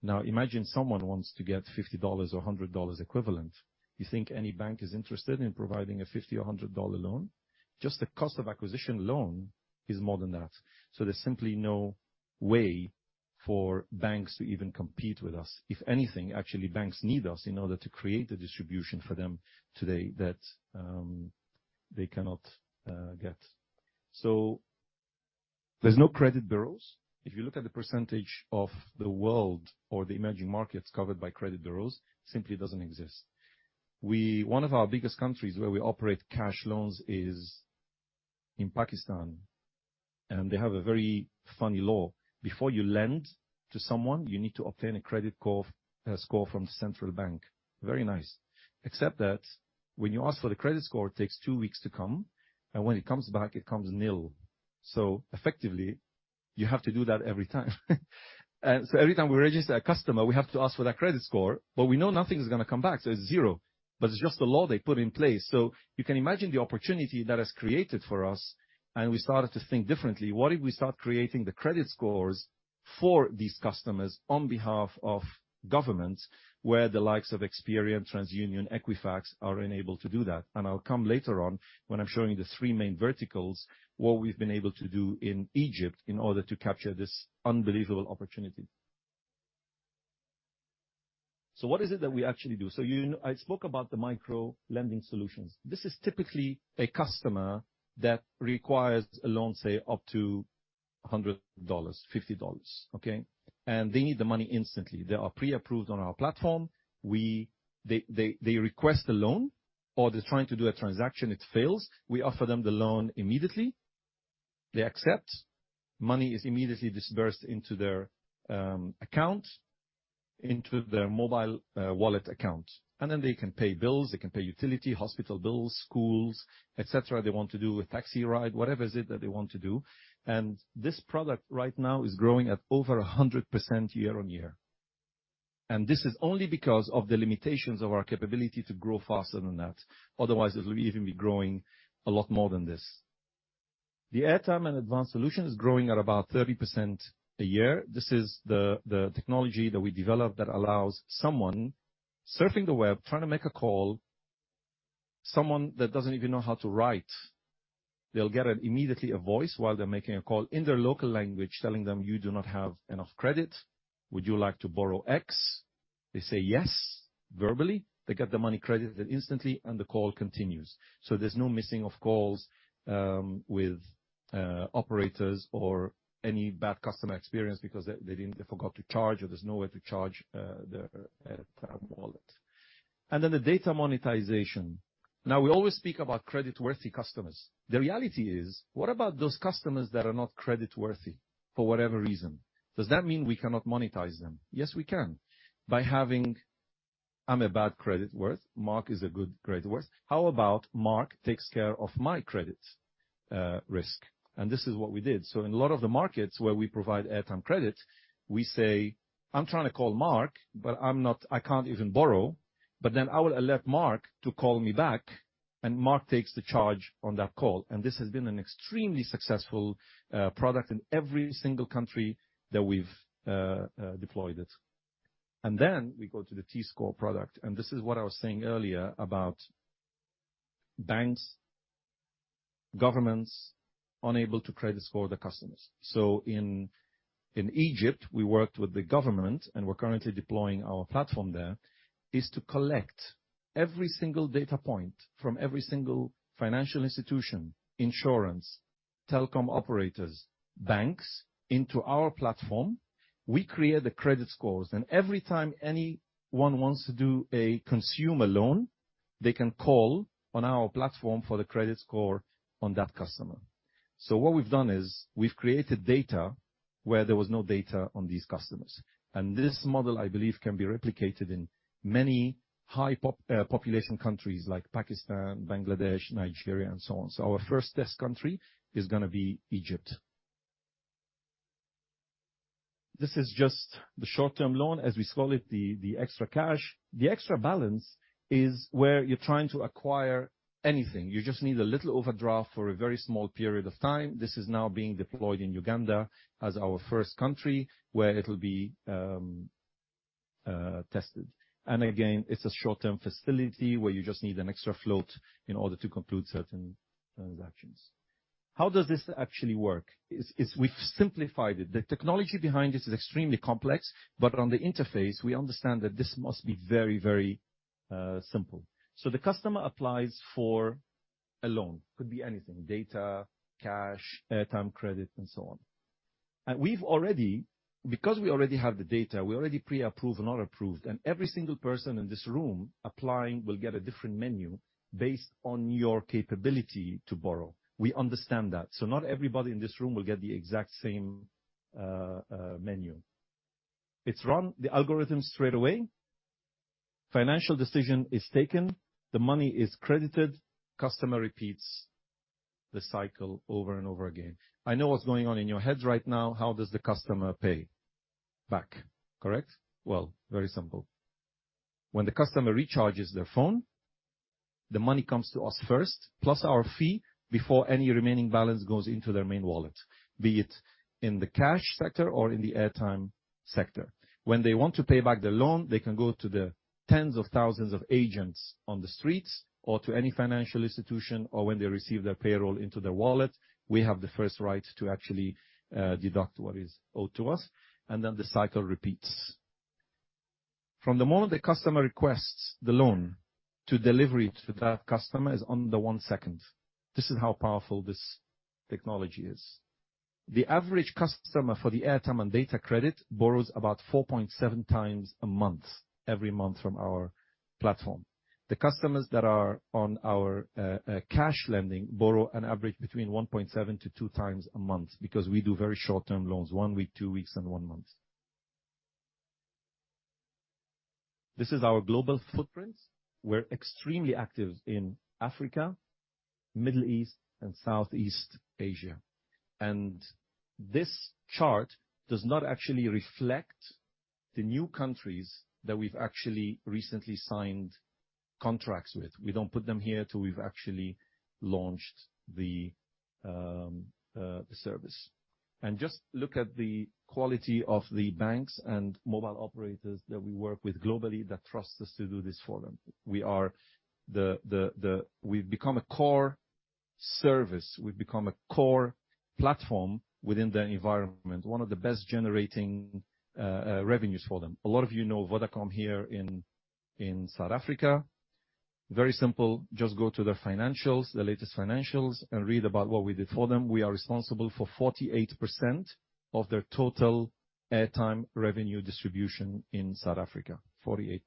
Imagine someone wants to get $50 or $100 equivalent. You think any bank is interested in providing a $50 or $100 loan? Just the cost of acquisition loan is more than that. There's simply no way for banks to even compete with us. If anything, actually, banks need us in order to create the distribution for them today that they cannot get. There's no credit bureaus. If you look at the percentage of the world or the emerging markets covered by credit bureaus, simply doesn't exist. One of our biggest countries where we operate cash loans is in Pakistan, and they have a very funny law. Before you lend to someone, you need to obtain a credit score from the central bank. Very nice. Except that when you ask for the credit score, it takes two weeks to come, and when it comes back, it comes nil. Effectively, you have to do that every time. Every time we register a customer, we have to ask for that credit score, but we know nothing is going to come back, so it's zero. It's just a law they put in place. You can imagine the opportunity that has created for us, and we started to think differently. What if we start creating the credit scores for these customers on behalf of government, where the likes of Experian, TransUnion, Equifax are unable to do that? I'll come later on when I'm showing the three main verticals, what we've been able to do in Egypt in order to capture this unbelievable opportunity. What is it that we actually do? I spoke about the micro lending solutions. This is typically a customer that requires a loan, say, up to $100, $50, okay? They need the money instantly. They are pre-approved on our platform. They request a loan, or they're trying to do a transaction, it fails, we offer them the loan immediately, they accept. Money is immediately disbursed into their account, into their mobile wallet account, and then they can pay bills, they can pay utility, hospital bills, schools, et cetera. They want to do a taxi ride, whatever is it that they want to do, and this product right now is growing at over 100% year-on-year. This is only because of the limitations of our capability to grow faster than that. Otherwise, it'll even be growing a lot more than this. The airtime and advanced solution is growing at about 30% a year. This is the technology that we developed that allows someone surfing the web, trying to make a call, someone that doesn't even know how to write. They'll get immediately a voice while they're making a call in their local language, telling them, "You do not have enough credit. Would you like to borrow X?" They say yes, verbally, they get the money credited instantly, the call continues. There's no missing of calls, with operators or any bad customer experience because they forgot to charge or there's no way to charge their airtime wallet. The data monetization. We always speak about creditworthy customers. The reality is, what about those customers that are not creditworthy for whatever reason? Does that mean we cannot monetize them? Yes, we can. By having, I'm a bad credit worth, Mark is a good credit worth. How about Mark takes care of my credit risk? This is what we did. In a lot of the markets where we provide airtime credit, we say, "I'm trying to call Mark, but I can't even borrow." I will alert Mark to call me back, Mark takes the charge on that call. This has been an extremely successful product in every single country that we've deployed it. We go to the T-Score product, this is what I was saying earlier about banks, governments unable to credit score the customers. In Egypt, we worked with the government, we're currently deploying our platform there, is to collect every single data point from every single financial institution, insurance, telecom operators, banks into our platform. We create the credit scores. Every time anyone wants to do a consumer loan, they can call on our platform for the credit score on that customer. What we've done is we've created data where there was no data on these customers. This model, I believe, can be replicated in many high population countries like Pakistan, Bangladesh, Nigeria, and so on. Our first test country is gonna be Egypt. This is just the short-term loan, as we call it, the extra cash. The extra balance is where you're trying to acquire anything. You just need a little overdraft for a very small period of time. This is now being deployed in Uganda as our first country, where it will be tested. Again, it's a short-term facility where you just need an extra float in order to conclude certain transactions. How does this actually work? We've simplified it. The technology behind this is extremely complex. On the interface, we understand that this must be very, very simple. The customer applies for a loan, could be anything, data, cash, airtime credit, and so on. We already have the data, we already pre-approve and auto-approve. Every single person in this room applying will get a different menu based on your capability to borrow. We understand that. Not everybody in this room will get the exact same menu. It's run the algorithm straight away. Financial decision is taken. The money is credited. Customer repeats the cycle over and over again. I know what's going on in your heads right now. How does the customer pay back? Correct? Well, very simple. When the customer recharges their phone, the money comes to us first, plus our fee, before any remaining balance goes into their main wallet, be it in the cash sector or in the airtime sector. When they want to pay back the loan, they can go to the tens of thousands of agents on the streets or to any financial institution, or when they receive their payroll into their wallet. We have the first right to actually deduct what is owed to us. Then the cycle repeats. From the moment the customer requests the loan to delivery to that customer is under one second. This is how powerful this technology is. The average customer for the airtime and data credit borrows about 4.7 times a month, every month from our platform. The customers that are on our cash lending borrow an average between 1.7 to two times a month because we do very short-term loans, one week, two weeks, and one month. This is our global footprint. We're extremely active in Africa, Middle East, and Southeast Asia. This chart does not actually reflect the new countries that we've actually recently signed contracts with. We don't put them here till we've actually launched the service. Just look at the quality of the banks and mobile operators that we work with globally that trust us to do this for them. We've become a core service. We've become a core platform within their environment, one of the best generating revenues for them. A lot of you know Vodacom here in South Africa. Very simple, just go to their financials, the latest financials, and read about what we did for them. We are responsible for 48% of their total airtime revenue distribution in South Africa. 48%.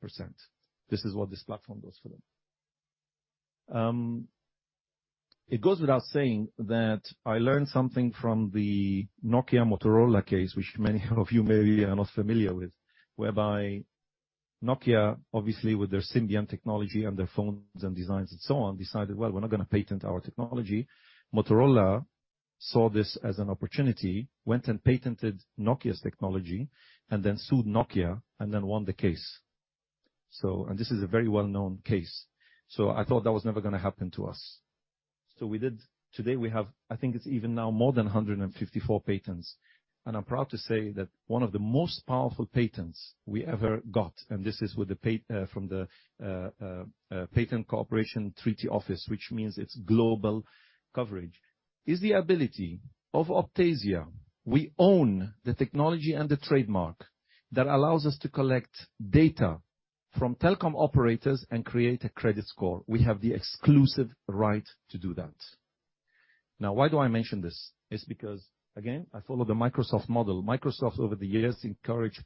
This is what this platform does for them. It goes without saying that I learned something from the Nokia Motorola case, which many of you may be are not familiar with, whereby Nokia, obviously with their Symbian technology and their phones and designs and so on, decided, "Well, we're not going to patent our technology." Motorola saw this as an opportunity, went and patented Nokia's technology, and then sued Nokia, then won the case. This is a very well-known case. I thought that was never going to happen to us. We did. Today we have, I think it's even now more than 154 patents. I'm proud to say that one of the most powerful patents we ever got, and this is from the Patent Cooperation Treaty Office, which means it's global coverage, is the ability of Optasia. We own the technology and the trademark that allows us to collect data from telecom operators and create a credit score. We have the exclusive right to do that. Why do I mention this? It's because, again, I follow the Microsoft model. Microsoft, over the years, encouraged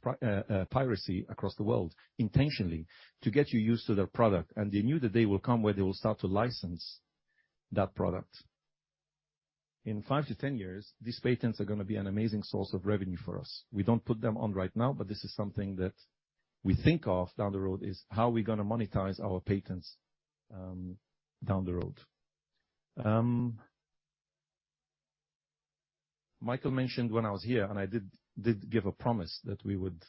piracy across the world intentionally to get you used to their product, and they knew the day will come where they will start to license that product. In 5-10 years, these patents are going to be an amazing source of revenue for us. We don't put them on right now, but this is something that we think of down the road, is how are we going to monetize our patents down the road? Michael mentioned when I was here, I did give a promise that we would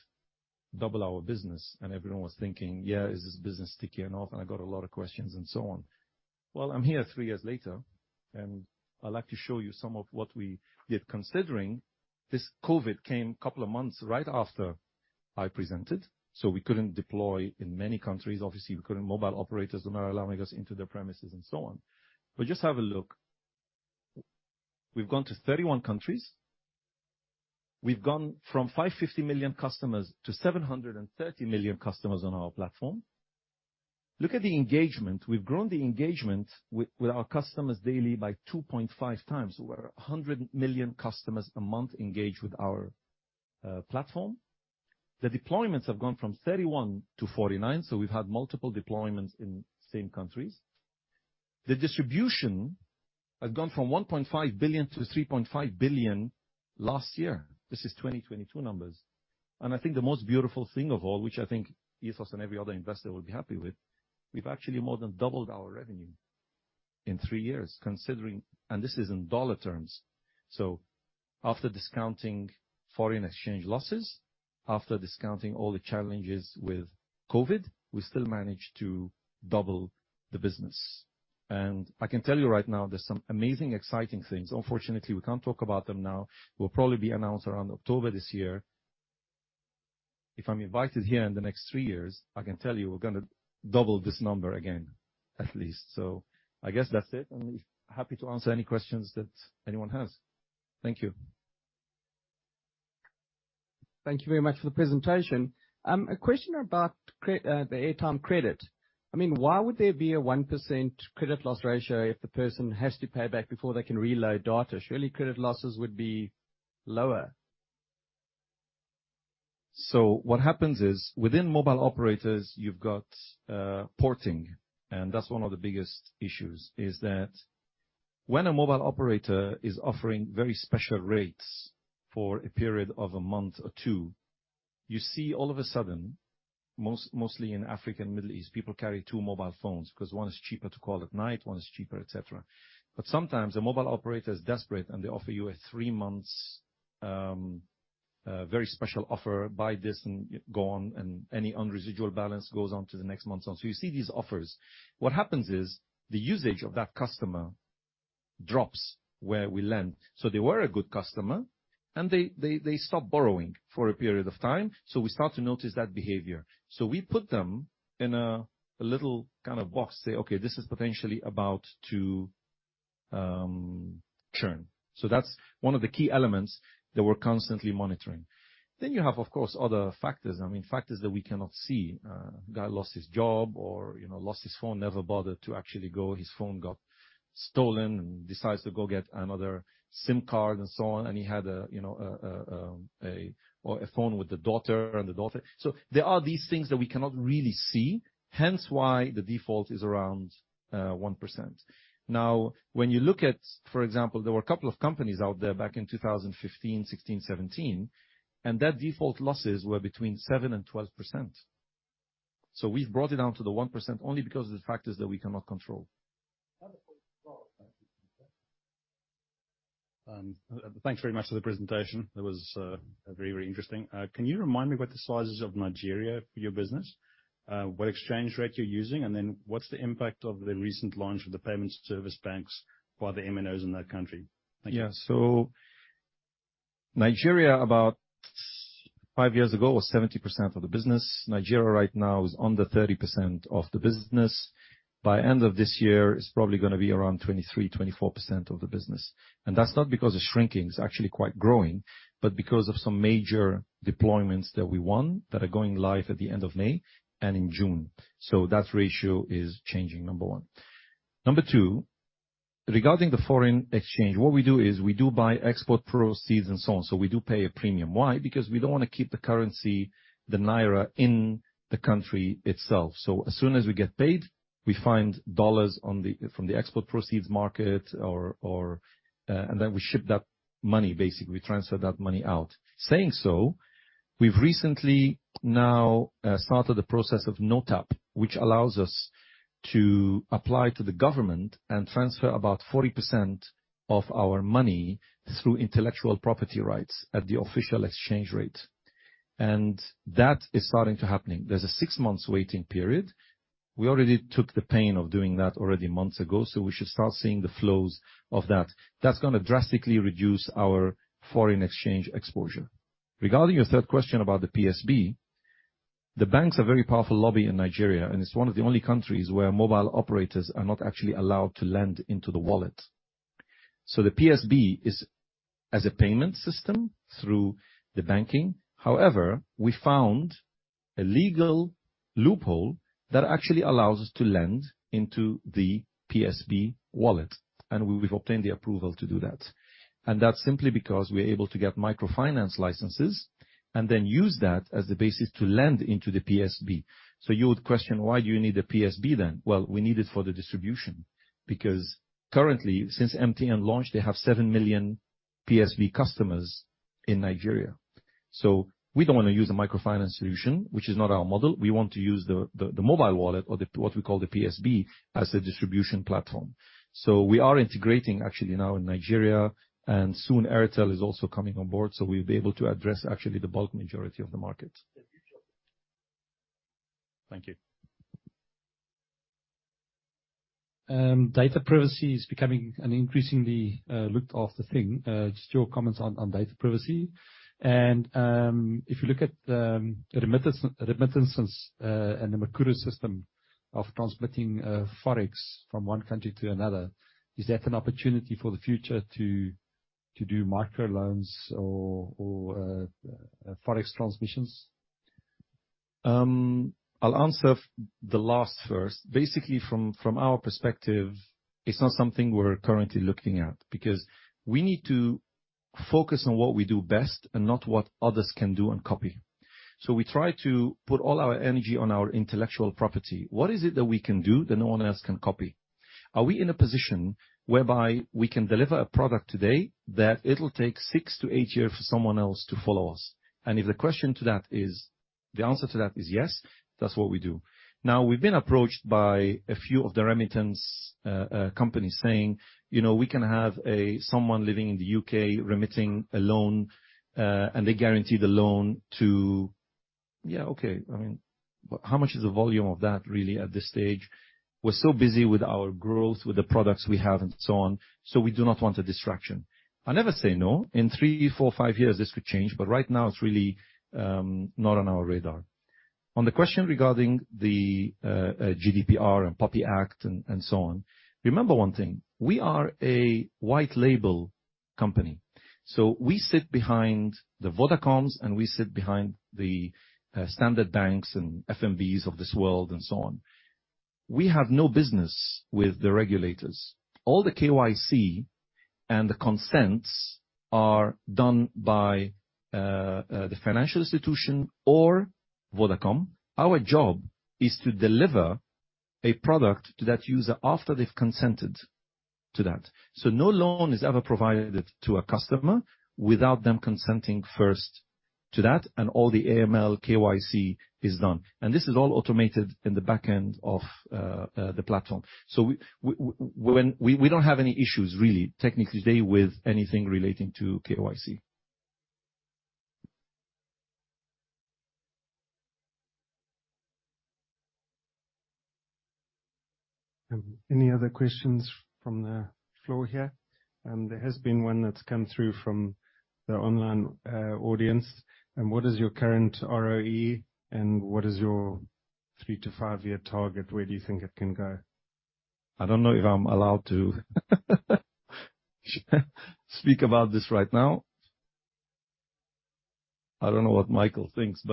double our business, everyone was thinking, "Yeah, is this business ticking off?" I got a lot of questions and so on. Well, I'm here three years later, I like to show you some of what we did considering this COVID came couple of months right after I presented, so we couldn't deploy in many countries. Obviously, we couldn't. Mobile operators were not allowing us into their premises and so on. Just have a look. We've gone to 31 countries. We've gone from 550 million customers to 730 million customers on our platform. Look at the engagement. We've grown the engagement with our customers daily by 2.5 times. Over 100 million customers a month engage with our platform. The deployments have gone from 31 to 49, we've had multiple deployments in same countries. The distribution has gone from 1.5 billion to 3.5 billion last year. This is 2022 numbers. I think the most beautiful thing of all, which I think Ethos and every other investor will be happy with, we've actually more than doubled our revenue in three years considering. This is in dollar terms. After discounting foreign exchange losses, after discounting all the challenges with COVID, we still managed to double the business. I can tell you right now, there's some amazing, exciting things. Unfortunately, we can't talk about them now. They will probably be announced around October this year. If I'm invited here in the next three years, I can tell you we're going to double this number again, at least. I guess that's it, happy to answer any questions that anyone has. Thank you. Thank you very much for the presentation. A question about the airtime credit. Why would there be a 1% credit loss ratio if the person has to pay back before they can reload data? Surely credit losses would be lower. What happens is, within mobile operators, you've got porting. That's one of the biggest issues, is that when a mobile operator is offering very special rates for a period of a month or two, you see all of a sudden, mostly in Africa and Middle East, people carry two mobile phones because one is cheaper to call at night, one is cheaper, et cetera. Sometimes a mobile operator is desperate, and they offer you a three months very special offer, buy this and go on, and any unresidual balance goes on to the next month. You see these offers. What happens is, the usage of that customer drops where we lend. They were a good customer, and they stop borrowing for a period of time. We start to notice that behavior. We put them in a little kind of box, say, "Okay, this is potentially about to churn." That's one of the key elements that we're constantly monitoring. You have, of course, other factors. I mean, factors that we cannot see. A guy lost his job or lost his phone, never bothered to actually go. His phone got stolen and decides to go get another SIM card and so on, and he had a phone with the daughter and the daughter. There are these things that we cannot really see, hence why the default is around 1%. When you look at, for example, there were a couple of companies out there back in 2015, 2016, 2017, and their default losses were between 7% and 12%. We've brought it down to the 1% only because of the factors that we cannot control. Thanks very much for the presentation, that was very interesting. Can you remind me what the size is of Nigeria for your business? What exchange rate you're using, what's the impact of the recent launch of the payment service banks by the MNOs in that country? Thank you. Yeah. Nigeria, about five years ago was 70% of the business. Nigeria right now is under 30% of the business. By end of this year, it's probably going to be around 23%-24% of the business. That's not because it's shrinking, it's actually quite growing, but because of some major deployments that we won that are going live at the end of May and in June. That ratio is changing, number one. Number two, regarding the foreign exchange, what we do is we do buy export proceeds and so on. We do pay a premium. Why? Because we don't want to keep the currency, the naira, in the country itself. As soon as we get paid, we find dollars from the export proceeds market and then we ship that money, basically, we transfer that money out. We've recently now started the process of NOTAP, which allows us to apply to the government and transfer about 40% of our money through intellectual property rights at the official exchange rate. That is starting to happen. There's a six months waiting period. We already took the pain of doing that already months ago, we should start seeing the flows of that. That's going to drastically reduce our foreign exchange exposure. Regarding your third question about the PSB, the banks are very powerful lobby in Nigeria, it's one of the only countries where mobile operators are not actually allowed to lend into the wallet. The PSB is as a payment system through the banking. However, we found a legal loophole that actually allows us to lend into the PSB wallet, and we've obtained the approval to do that. That's simply because we're able to get microfinance licenses and then use that as the basis to lend into the PSB. You would question, why do you need a PSB then? Well, we need it for the distribution, because currently, since MTN launched, they have 7 million PSB customers in Nigeria. We don't want to use a microfinance solution, which is not our model. We want to use the mobile wallet or what we call the PSB as a distribution platform. We are integrating actually now in Nigeria, and soon Airtel is also coming on board, we'll be able to address actually the bulk majority of the market. Thank you, Jonathan. Thank you. Data privacy is becoming an increasingly looked after thing. Just your comments on data privacy. If you look at remittances and the Mukuru system of transmitting Forex from one country to another, is that an opportunity for the future to do micro loans or Forex transmissions? I'll answer the last first. Basically, from our perspective, it's not something we're currently looking at because we need to focus on what we do best and not what others can do and copy. We try to put all our energy on our intellectual property. What is it that we can do that no one else can copy? Are we in a position whereby we can deliver a product today that it'll take six to eight years for someone else to follow us? If the answer to that is yes, that's what we do. We've been approached by a few of the remittance companies saying, "We can have someone living in the U.K. remitting a loan, and they guarantee the loan to" Yeah, okay. I mean, how much is the volume of that really at this stage? We're so busy with our growth, with the products we have and so on, we do not want a distraction. I'll never say no. In three, four, five years, this could change, right now it's really not on our radar. On the question regarding the GDPR and POPI Act and so on, remember one thing. We are a white label company. We sit behind the Vodacoms and we sit behind the Standard Bank and FNB of this world and so on. We have no business with the regulators. All the KYC and the consents are done by the financial institution or Vodacom. Our job is to deliver a product to that user after they've consented to that. No loan is ever provided to a customer without them consenting first to that, and all the AML, KYC is done. This is all automated in the back end of the platform. We don't have any issues really, technically today, with anything relating to KYC. Any other questions from the floor here? There has been one that's come through from the online audience. What is your current ROE, and what is your three to five-year target? Where do you think it can go? I don't know if I'm allowed to speak about this right now. I don't know what Michael thinks.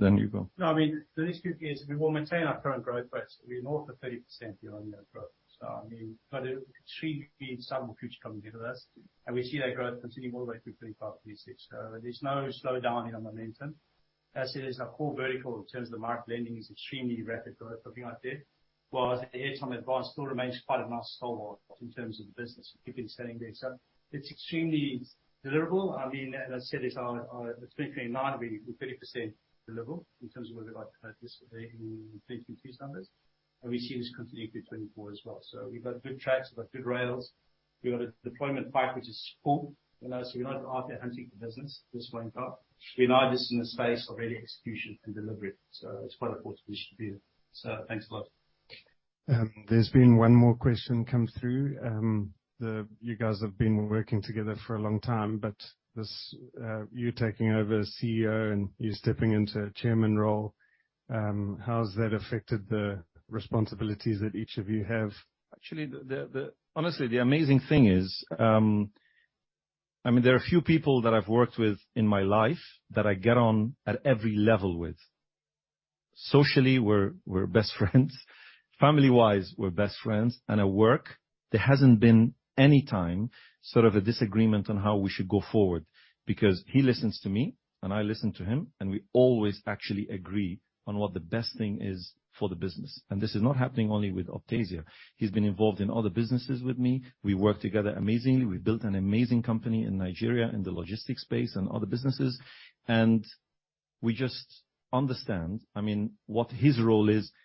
You go. I mean, for these few years, we will maintain our current growth rates. We're north of 30% year-on-year growth. I mean, extremely exciting what future can give to us, and we see that growth continuing all the way through 2025, 2026. There's no slowdown in our momentum. As it is, our core vertical in terms of the market lending is extremely rapid growth for being out there. The airtime advance still remains quite a nice snowball in terms of the business we keep inserting there. It's extremely deliverable. I mean, as I said, the 2029 will be 30% deliverable in terms of where we'd like to participate in 2023's numbers. We see this continuing through 2024 as well. We've got good tracks, we've got good rails. We've got a deployment pipe which is full. We're not out there hunting for business, just so I'm clear. We are just in a space of really execution and delivery. It's quite a fortunate position to be in. Thanks a lot. There's been one more question come through. You guys have been working together for a long time, you taking over as CEO and you stepping into Chairman role, how has that affected the responsibilities that each of you have? Honestly the amazing thing is, there are a few people that I've worked with in my life that I get on at every level with. Socially, we're best friends, family-wise, we're best friends, at work, there hasn't been any time sort of a disagreement on how we should go forward, he listens to me and I listen to him, we always actually agree on what the best thing is for the business. This is not happening only with Optasia. He's been involved in other businesses with me, we work together amazingly, we've built an amazing company in Nigeria in the logistics space and other businesses, we just understand what his role is and what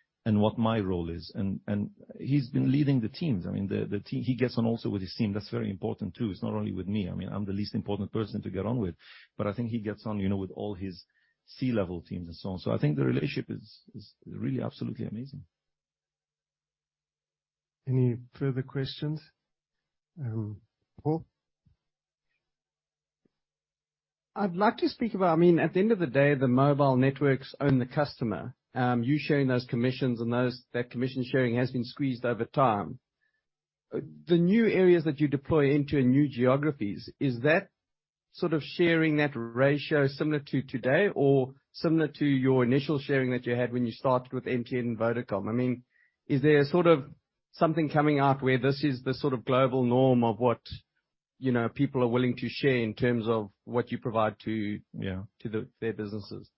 my role is. He's been leading the teams. He gets on also with his team. That's very important, too. It's not only with me. I'm the least important person to get on with. I think he gets on with all his C-level teams and so on. I think the relationship is really absolutely amazing. Any further questions? Paul? I'd like to speak about, at the end of the day, the mobile networks own the customer. You sharing those commissions and that commission sharing has been squeezed over time. The new areas that you deploy into new geographies, is that sort of sharing that ratio similar to today or similar to your initial sharing that you had when you started with MTN and Vodacom? Is there something coming out where this is the global norm of what people are willing to share in terms of what you provide to their businesses?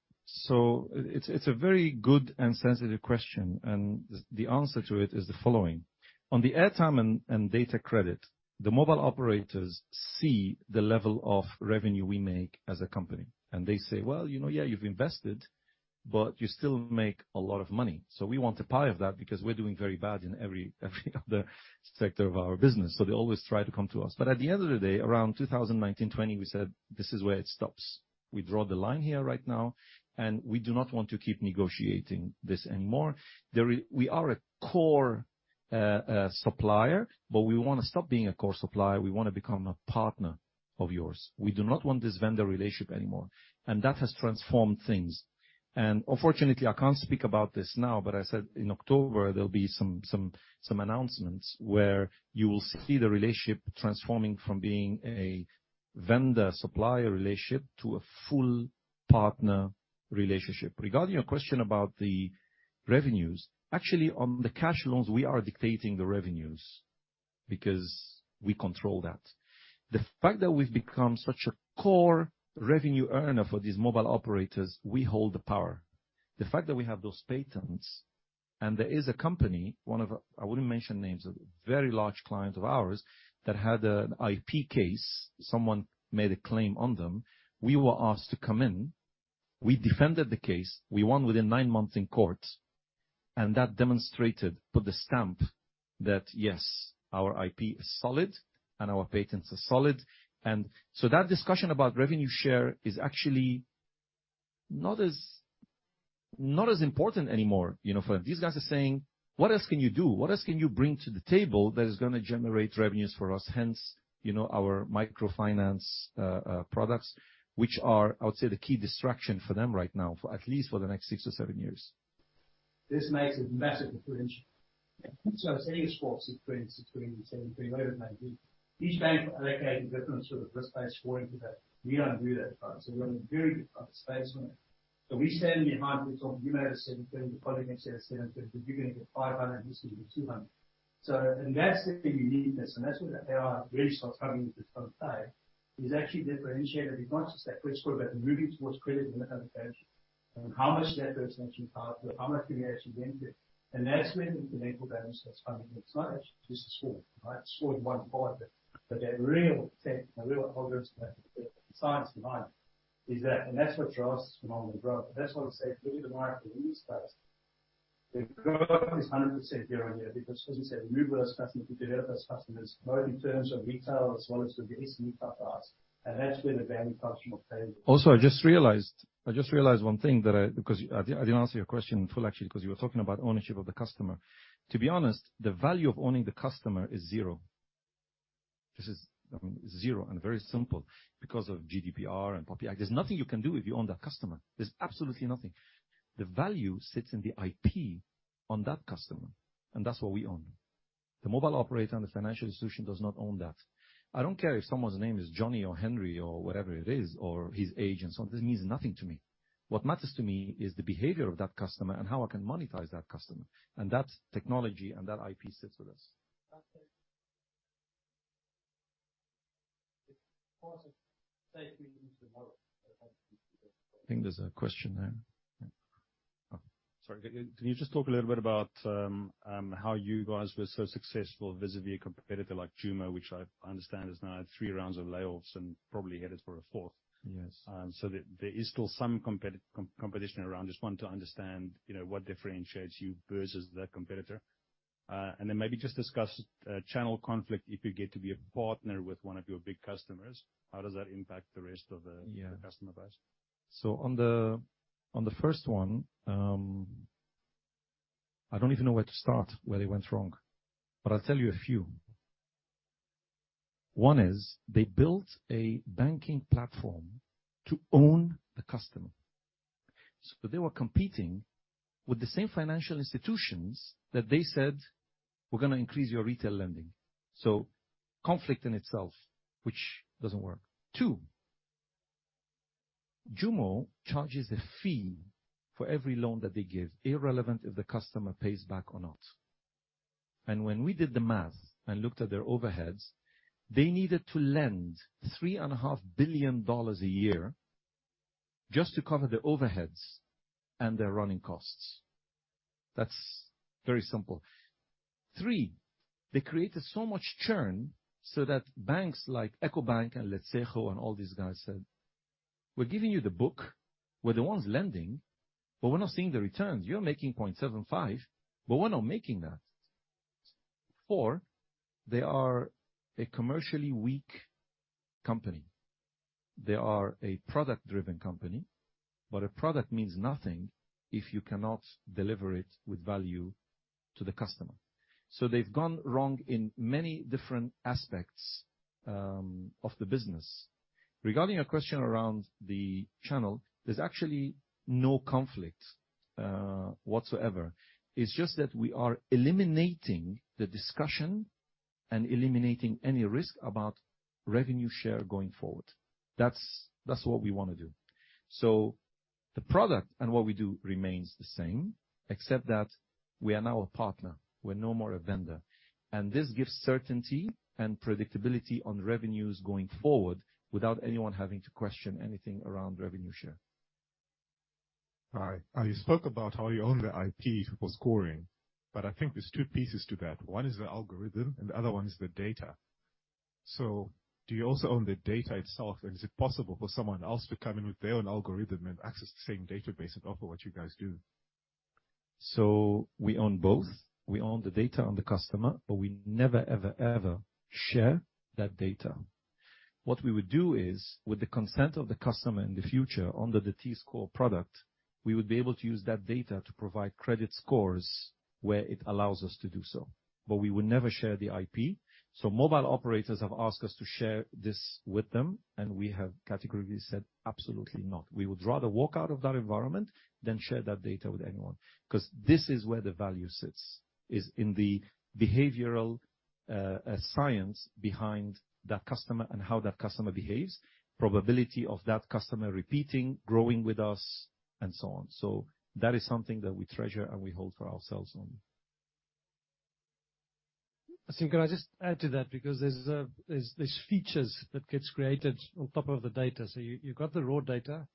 It's a very good and sensitive question, the answer to it is the following. On the airtime and data credit, the mobile operators see the level of revenue we make as a company, and they say, "Well, yeah, you've invested, but you still make a lot of money. We want a pie of that because we're doing very bad in every other sector of our business." They always try to come to us. At the end of the day, around 2019, 2020, we said, "This is where it stops. We draw the line here right now, we do not want to keep negotiating this anymore. We are a core supplier, we want to stop being a core supplier. We want to become a partner of yours. We do not want this vendor relationship anymore." That has transformed things. Unfortunately, I can't speak about this now, I said in October there'll be some announcements where you will see the relationship transforming from being a vendor-supplier relationship to a full partner relationship. Regarding your question about the revenues, actually, on the cash loans, we are dictating the revenues because we control that. The fact that we've become such a core revenue earner for these mobile operators, we hold the power. The fact that we have those patents and there is a company, I wouldn't mention names, a very large client of ours that had an IP case, someone made a claim on them. We were asked to come in. We defended the case. We won within nine months in court, that demonstrated, put the stamp that, yes, our IP is solid and our patents are solid. That discussion about revenue share is actually not as important anymore. These guys are saying, "What else can you do? What else can you bring to the table that is going to generate revenues for us?" Hence, our microfinance products, which are, I would say, the key distraction for them right now, for at least for the next six or seven years. This makes a massive differential. Say a score of 620, 73, whatever it may be. Each bank will allocate a different sort of risk-based scoring to that. We don't do that. We're in a very good space. We're standing behind and we're talking, you may have a 730, your colleague may have a 730, but you're going to get 500 and he's going to get 200. That's the uniqueness and that's where our relationships come into play, is actually differentiating, not just that credit score, but moving towards credit limitation. How much debt those mentioned parties have, how much can they actually then get. That's where the incremental value starts coming in. It's not actually just a score. Scoring 1.0, but that real tech, the real algorithms and the science behind is that. That's what drives phenomenal growth. That's why I said, look at the market we use this. The growth is 100% year-on-year because, as you said, we move those customers, we develop those customers, both in terms of retail as well as with the existing enterprise. That's where the value proposition of PayGo comes in. Also, I just realized one thing that I didn't answer your question in full actually, because you were talking about ownership of the customer. To be honest, the value of owning the customer is zero. This is zero and very simple because of GDPR and POPI Act. There's nothing you can do if you own that customer. There's absolutely nothing. The value sits in the IP on that customer, and that's what we own. The mobile operator and the financial institution does not own that. I don't care if someone's name is Johnny or Henry or whatever it is, or his age and so on. This means nothing to me. What matters to me is the behavior of that customer and how I can monetize that customer. That technology and that IP sits with us. That's it. It's part of taking into account the competition. I think there's a question there. Yeah. Sorry. Can you just talk a little bit about how you guys were so successful vis-a-vis a competitor like JUMO, which I understand has now had three rounds of layoffs and probably headed for a fourth. Yes. There is still some competition around. Just want to understand what differentiates you versus that competitor. Maybe just discuss channel conflict if you get to be a partner with one of your big customers, how does that impact the rest of the- Yeah customer base? On the first one, I don't even know where to start, where they went wrong. I'll tell you a few. One is, they built a banking platform to own the customer. They were competing with the same financial institutions that they said, "We're going to increase your retail lending." Conflict in itself, which doesn't work. Two, JUMO charges a fee for every loan that they give, irrelevant if the customer pays back or not. When we did the math and looked at their overheads, they needed to lend GBP 3.5 billion a year just to cover their overheads and their running costs. That's very simple. Three, they created so much churn so that banks like Ecobank and Letshego and all these guys said, "We're giving you the book. We're the ones lending, but we're not seeing the returns. You're making 0.75%, but we're not making that." Four, they are a commercially weak company. They are a product-driven company. A product means nothing if you cannot deliver it with value to the customer. They've gone wrong in many different aspects of the business. Regarding a question around the channel, there's actually no conflict whatsoever. It's just that we are eliminating the discussion and eliminating any risk about revenue share going forward. That's what we wanna do. The product and what we do remains the same, except that we are now a partner. We're no more a vendor. This gives certainty and predictability on revenues going forward without anyone having to question anything around revenue share. All right. You spoke about how you own the IP for scoring, I think there's two pieces to that. 1 is the algorithm and the other one is the data. Do you also own the data itself? Is it possible for someone else to come in with their own algorithm and access the same database and offer what you guys do? We own both. We own the data on the customer, but we never, ever share that data. What we would do is, with the consent of the customer in the future under the T-Score product, we would be able to use that data to provide credit scores where it allows us to do so. We would never share the IP. Mobile operators have asked us to share this with them, and we have categorically said, "Absolutely not." We would rather walk out of that environment than share that data with anyone. This is where the value sits, is in the behavioral science behind that customer and how that customer behaves, probability of that customer repeating, growing with us, and so on. That is something that we treasure and we hold for ourselves only. Can I just add to that? There's features that gets created on top of the data. You've got the raw data,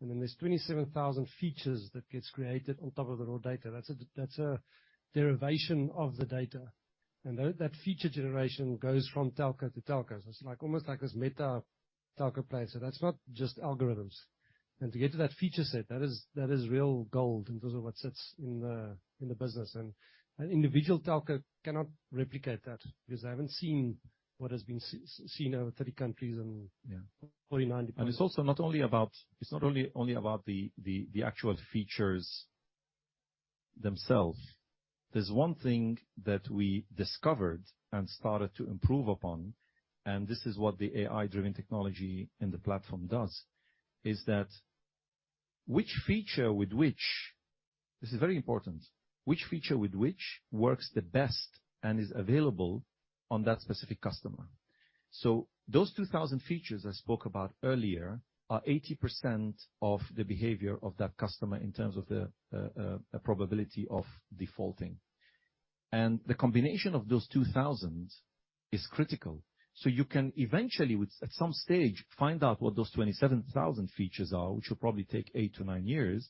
and then there's 27,000 features that gets created on top of the raw data. That's a derivation of the data. That feature generation goes from telco to telco. It's almost like this meta telco play. That's not just algorithms. To get to that feature set, that is real gold in terms of what sits in the business. An individual telco cannot replicate that because they haven't seen what has been seen over 30 countries and- Yeah 49 people. It's not only about the actual features themselves. There's one thing that we discovered and started to improve upon, and this is what the AI-driven technology in the platform does, is that which feature with which-- this is very important. Which feature with which works the best and is available on that specific customer? Those 2,000 features I spoke about earlier are 80% of the behavior of that customer in terms of the probability of defaulting. The combination of those 2,000 is critical. You can eventually, at some stage, find out what those 27,000 features are, which will probably take 8 to 9 years.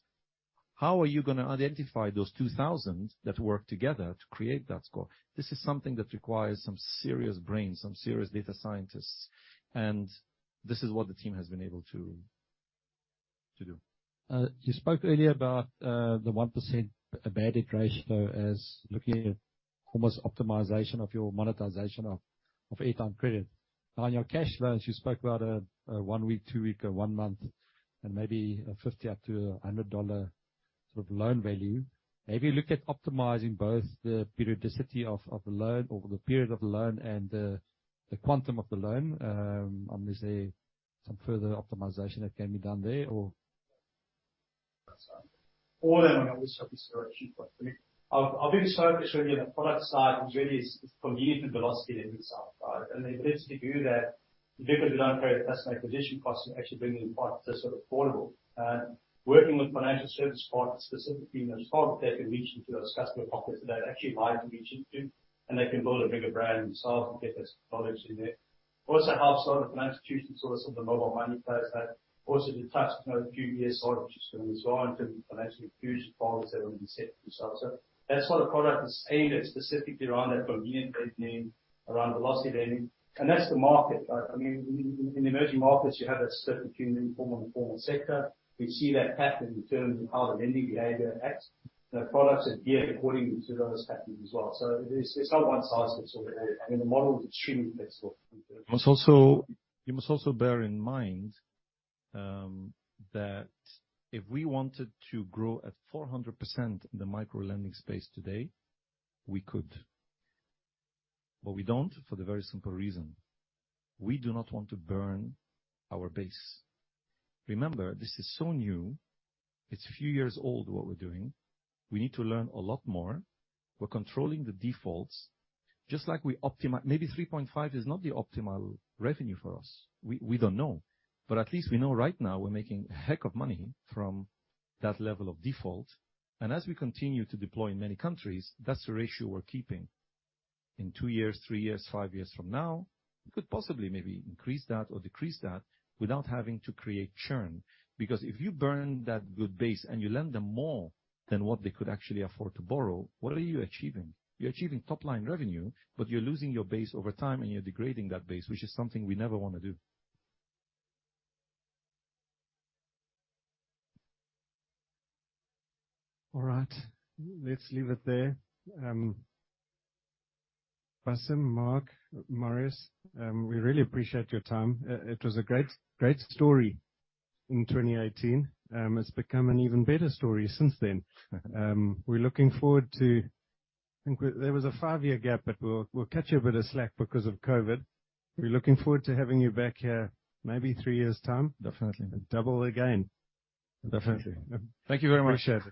How are you going to identify those 2,000 that work together to create that score? This is something that requires some serious brains, some serious data scientists. This is what the team has been able to do. You spoke earlier about the 1% bad debt ratio as looking at almost optimization of your monetization of airtime credit. Now, on your cash loans, you spoke about a one-week, two-week, or one-month, and maybe a $50 up to a $100 sort of loan value. Have you looked at optimizing both the periodicity of the loan or the period of the loan and the quantum of the loan? Is there some further optimization that can be done there, or? All in on this consideration point. Our biggest focus really on the product side is really is convenience and velocity lending side. In order to do that, because we don't create a customer acquisition cost, we actually bring in products that are affordable. Working with financial service partners, specifically those partners that can reach into those customer pockets that they would actually like to reach into, and they can build a bigger brand themselves and get their technologies in there. Also have sort of an institution source of the mobile money players that also detached from those few years side, which is going to respond to the financial inclusion partners that have been set for themselves. That sort of product is aimed at specifically around that convenient lending, around velocity lending. That's the market. In emerging markets, you have a certain human informal sector. We see that pattern in terms of how the lending behavior acts. The products are geared according to those patterns as well. It's not one size fits all. The model is extremely flexible. You must also bear in mind that if we wanted to grow at 400% in the micro-lending space today, we could. We don't for the very simple reason. We do not want to burn our base. Remember, this is so new. It's a few years old, what we're doing. We need to learn a lot more. We're controlling the defaults. Maybe 3.5% is not the optimal revenue for us. We don't know. At least we know right now we're making a heck of money from that level of default. As we continue to deploy in many countries, that's the ratio we're keeping. In two years, three years, five years from now, we could possibly maybe increase that or decrease that without having to create churn. If you burn that good base and you lend them more than what they could actually afford to borrow, what are you achieving? You're achieving top-line revenue, but you're losing your base over time and you're degrading that base, which is something we never wanna do. All right. Let's leave it there. Bassim, Mark, Maurice, we really appreciate your time, it was a great story in 2018. It's become an even better story since then. We're looking forward to I think there was a five-year gap, but we'll cut you a bit of slack because of COVID. We're looking forward to having you back here, maybe three years' time. Definitely. Double again. Definitely. Thank you very much. Appreciate it.